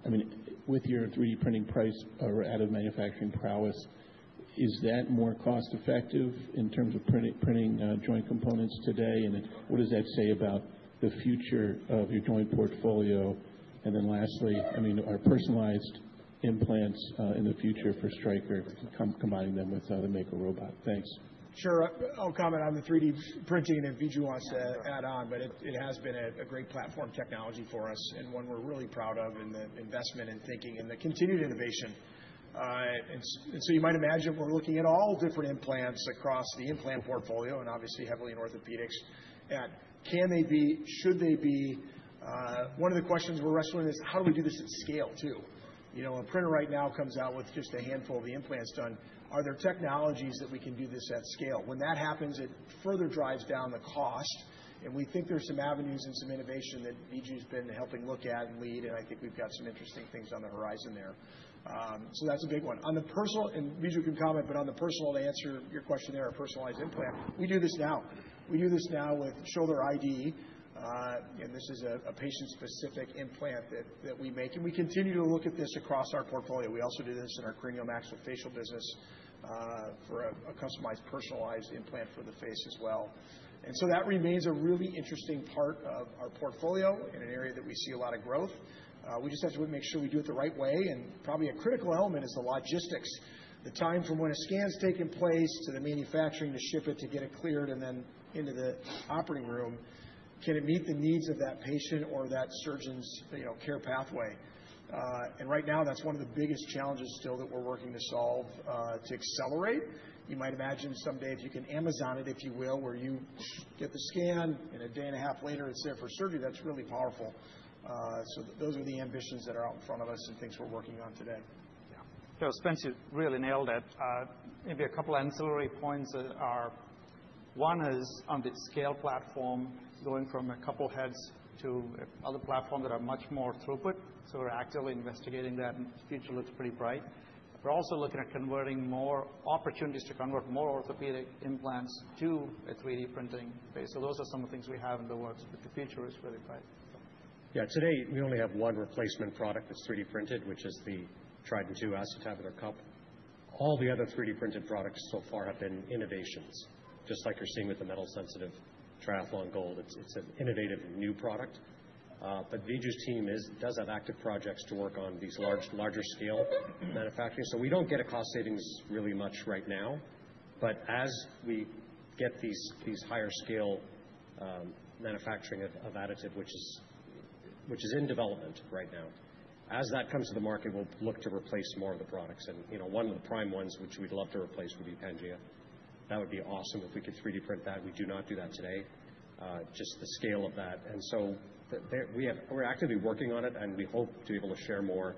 I mean, with your 3D printing prowess or out-of-manufacturing prowess, is that more cost-effective in terms of printing joint components today? What does that say about the future of your joint portfolio? Lastly, I mean, are personalized implants in the future for Stryker, combining them with the Mako robot? Thanks.
Sure. I'll comment on the 3D printing, and if Viju wants to add on, but it has been a great platform technology for us and one we're really proud of, and the investment and thinking and the continued innovation. You might imagine we're looking at all different implants across the implant portfolio and obviously heavily in orthopaedics. Can they be? Should they be? One of the questions we're wrestling with is how do we do this at scale too? A printer right now comes out with just a handful of the implants done. Are there technologies that we can do this at scale? When that happens, it further drives down the cost. We think there's some avenues and some innovation that Viju's been helping look at and lead. I think we've got some interesting things on the horizon there. That's a big one. Viju can comment, but to answer your question there, a personalized implant, we do this now. We do this now with shoulder ID. This is a patient-specific implant that we make. We continue to look at this across our portfolio. We also do this in our cranial maxillofacial business for a customized personalized implant for the face as well. That remains a really interesting part of our portfolio in an area that we see a lot of growth. We just have to make sure we do it the right way. Probably a critical element is the logistics, the time from when a scan's taking place to the manufacturing to ship it to get it cleared and then into the operating room. Can it meet the needs of that patient or that surgeon's care pathway? Right now, that's one of the biggest challenges still that we're working to solve to accelerate. You might imagine someday if you can Amazon it, if you will, where you get the scan and a day and a half later, it's there for surgery. That's really powerful. Those are the ambitions that are out in front of us and things we're working on today.
Yeah. Spencer really nailed it. Maybe a couple of ancillary points are, one is on the scale platform, going from a couple heads to other platforms that are much more throughput. We're actively investigating that. The future looks pretty bright. We're also looking at converting more opportunities to convert more orthopedic implants to a 3D printing base. Those are some of the things we have in the works, but the future is really bright.
Yeah. Today, we only have one replacement product that's 3D printed, which is the Trident II acetabular cup. All the other 3D printed products so far have been innovations, just like you're seeing with the metal-sensitive Triathlon Gold. It's an innovative new product. Viju's team does have active projects to work on these larger scale manufacturing. We don't get a cost savings really much right now. As we get these higher scale manufacturing of additive, which is in development right now, as that comes to the market, we'll look to replace more of the products. One of the prime ones, which we'd love to replace, would be Pangea. That would be awesome if we could 3D print that. We do not do that today, just the scale of that. We're actively working on it, and we hope to be able to share more.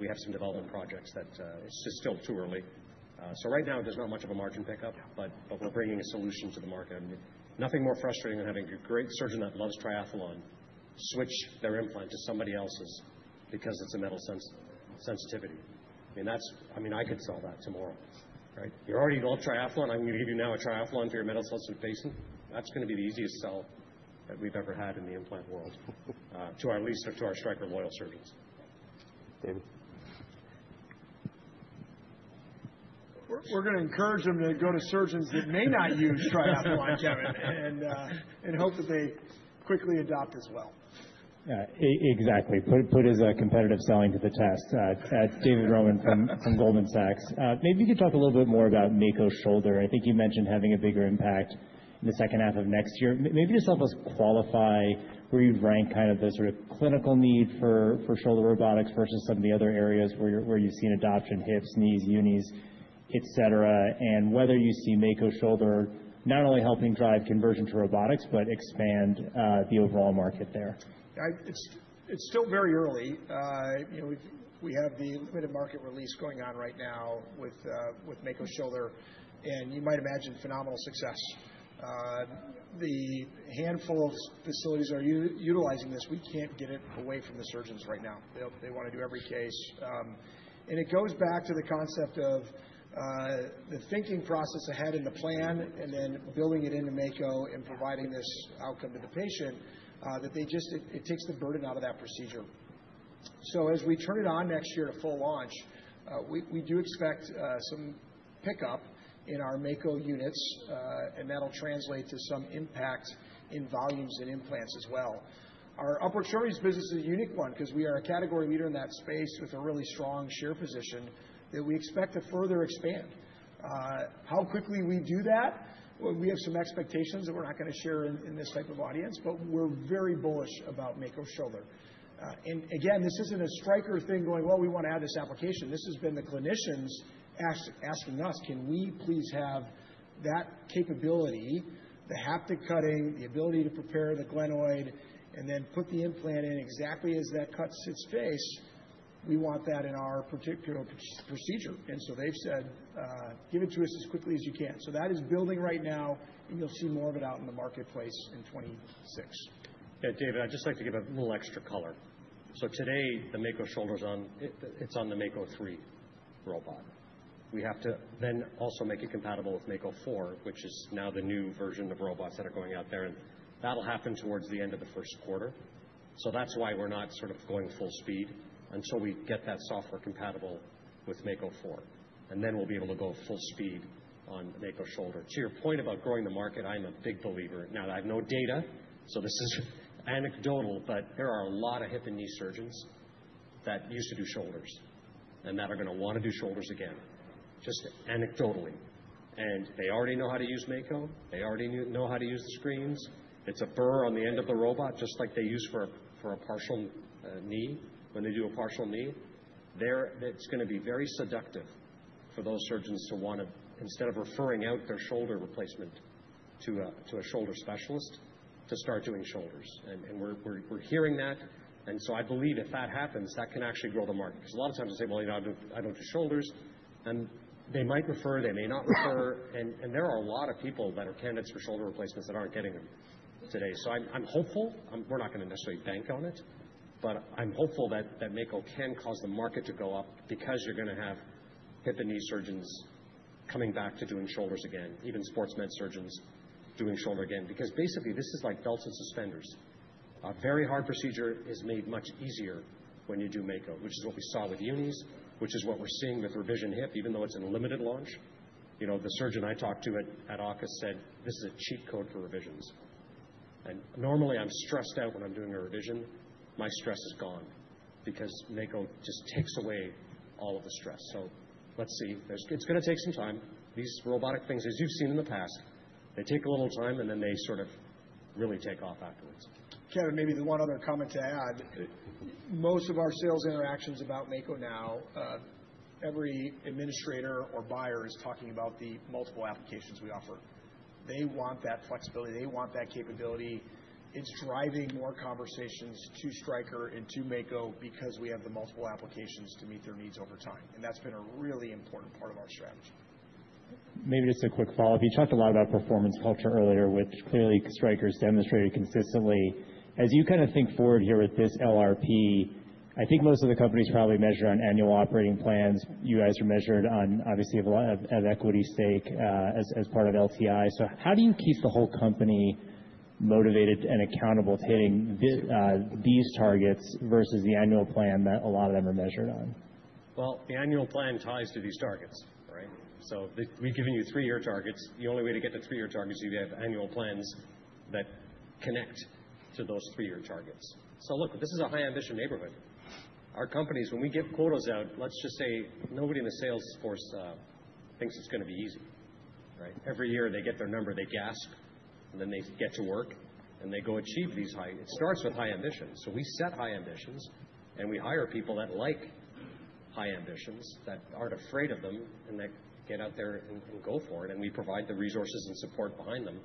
We have some development projects that it's still too early. Right now, there's not much of a margin pickup, but we're bringing a solution to the market. Nothing more frustrating than having a great surgeon that loves Triathlon switch their implant to somebody else's because it's a metal sensitivity. I mean, I could sell that tomorrow, right? You already love Triathlon. I'm going to give you now a Triathlon for your metal-sensitive patient. That's going to be the easiest sell that we've ever had in the implant world, to our least or to our Stryker loyal surgeons.
David. We're going to encourage them to go to surgeons that may not use Triathlon, Kevin, and hope that they quickly adopt as well.
Yeah. Exactly. Put his competitive selling to the test. David Roman from Goldman Sachs. Maybe you could talk a little bit more about Mako Shoulder. I think you mentioned having a bigger impact in the second half of next year. Maybe just help us qualify where you'd rank kind of the sort of clinical need for shoulder robotics versus some of the other areas where you've seen adoption, hips, knees, unis, etc., and whether you see Mako Shoulder not only helping drive conversion to robotics, but expand the overall market there.
It's still very early. We have the limited market release going on right now with Mako Shoulder. You might imagine phenomenal success. The handful of facilities are utilizing this. We can't get it away from the surgeons right now. They want to do every case. It goes back to the concept of the thinking process ahead in the plan and then building it into Mako and providing this outcome to the patient that they just it takes the burden out of that procedure. As we turn it on next year to full launch, we do expect some pickup in our Mako units, and that'll translate to some impact in volumes and implants as well. Our upper extremities business is a unique one because we are a category leader in that space with a really strong share position that we expect to further expand. How quickly we do that, we have some expectations that we're not going to share in this type of audience, but we're very bullish about Mako Shoulder. Again, this isn't a Stryker thing going, "Well, we want to add this application." This has been the clinicians asking us, "Can we please have that capability, the haptic cutting, the ability to prepare the glenoid, and then put the implant in exactly as that cut sits face?" We want that in our particular procedure. They've said, "Give it to us as quickly as you can." That is building right now, and you'll see more of it out in the marketplace in 2026.
Yeah. David, I'd just like to give a little extra color. Today, the Mako Shoulder is on the Mako 3 robot. We have to then also make it compatible with Mako 4, which is now the new version of robots that are going out there. That will happen towards the end of the first quarter. That is why we're not sort of going full speed until we get that software compatible with Mako 4. Then we'll be able to go full speed on Mako Shoulder. To your point about growing the market, I'm a big believer. Now, I have no data, so this is anecdotal, but there are a lot of hip and knee surgeons that used to do shoulders and that are going to want to do shoulders again, just anecdotally. And they already know how to use Mako. They already know how to use the screens. It's a burr on the end of the robot, just like they use for a partial knee when they do a partial knee. It's going to be very seductive for those surgeons to want to, instead of referring out their shoulder replacement to a shoulder specialist, to start doing shoulders. And we're hearing that. I believe if that happens, that can actually grow the market. Because a lot of times they say, "Well, I don't do shoulders." And they might refer. They may not refer. There are a lot of people that are candidates for shoulder replacements that aren't getting them today. I'm hopeful. We're not going to necessarily bank on it, but I'm hopeful that Mako can cause the market to go up because you're going to have hip and knee surgeons coming back to doing shoulders again, even sports med surgeons doing shoulder again. Basically, this is like belts and suspenders. A very hard procedure is made much easier when you do Mako, which is what we saw with unis, which is what we're seeing with revision hip, even though it's in limited launch. The surgeon I talked to at AUKUS said, "This is a cheat code for revisions." Normally, I'm stressed out when I'm doing a revision. My stress is gone because Mako just takes away all of the stress. Let's see. It's going to take some time. These robotic things, as you've seen in the past, they take a little time, and then they sort of really take off afterwards.
Kevin, maybe the one other comment to add. Most of our sales interactions about Mako now, every administrator or buyer is talking about the multiple applications we offer. They want that flexibility. They want that capability. It's driving more conversations to Stryker and to Mako because we have the multiple applications to meet their needs over time. That's been a really important part of our strategy.
Maybe just a quick follow-up. You talked a lot about performance culture earlier, which clearly Stryker's demonstrated consistently. As you kind of think forward here with this LRP, I think most of the companies probably measure on annual operating plans. You guys are measured on, obviously, of equity stake as part of LTI. How do you keep the whole company motivated and accountable to hitting these targets versus the annual plan that a lot of them are measured on?
The annual plan ties to these targets, right? We have given you three-year targets. The only way to get to three-year targets is you have annual plans that connect to those three-year targets. Look, this is a high-ambition neighborhood. Our companies, when we get quotas out, let's just say nobody in the sales force thinks it's going to be easy, right? Every year they get their number, they gasp, and then they get to work, and they go achieve these high. It starts with high ambition. We set high ambitions, and we hire people that like high ambitions, that aren't afraid of them, and that get out there and go for it. We provide the resources and support behind them.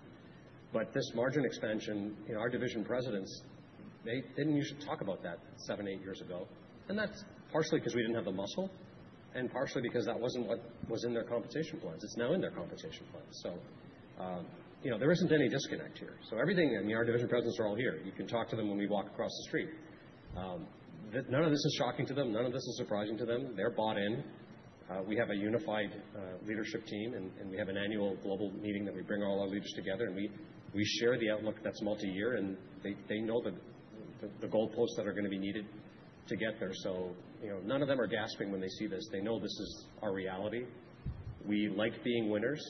This margin expansion in our division presidents, they didn't usually talk about that seven, eight years ago. That's partially because we didn't have the muscle and partially because that wasn't what was in their compensation plans. It's now in their compensation plans. There isn't any disconnect here. Everything, I mean, our division presidents are all here. You can talk to them when we walk across the street. None of this is shocking to them. None of this is surprising to them. They're bought in. We have a unified leadership team, and we have an annual global meeting that we bring all our leaders together. We share the outlook that's multi-year, and they know the goalposts that are going to be needed to get there. None of them are gasping when they see this. They know this is our reality. We like being winners.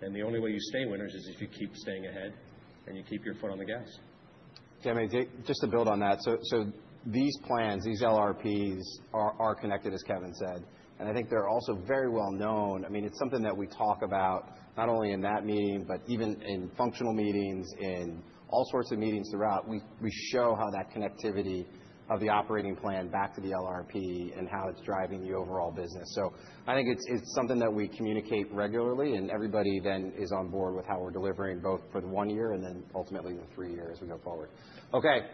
The only way you stay winners is if you keep staying ahead and you keep your foot on the gas.
Kevin, just to build on that, these plans, these LRPs are connected, as Kevin said. I think they're also very well known. I mean, it's something that we talk about not only in that meeting, but even in functional meetings, in all sorts of meetings throughout. We show how that connectivity of the operating plan back to the LRP and how it's driving the overall business. I think it's something that we communicate regularly, and everybody then is on board with how we're delivering both for the one year and then ultimately the three years we go forward. Okay.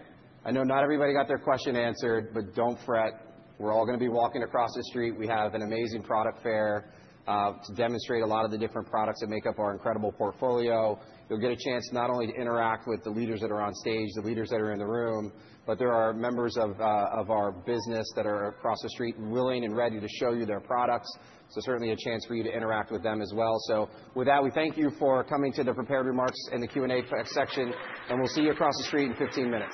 I know not everybody got their question answered, but don't fret. We're all going to be walking across the street. We have an amazing product fair to demonstrate a lot of the different products that make up our incredible portfolio. You'll get a chance not only to interact with the leaders that are on stage, the leaders that are in the room, but there are members of our business that are across the street willing and ready to show you their products. Certainly a chance for you to interact with them as well. With that, we thank you for coming to the prepared remarks and the Q&A section, and we'll see you across the street in 15 minutes.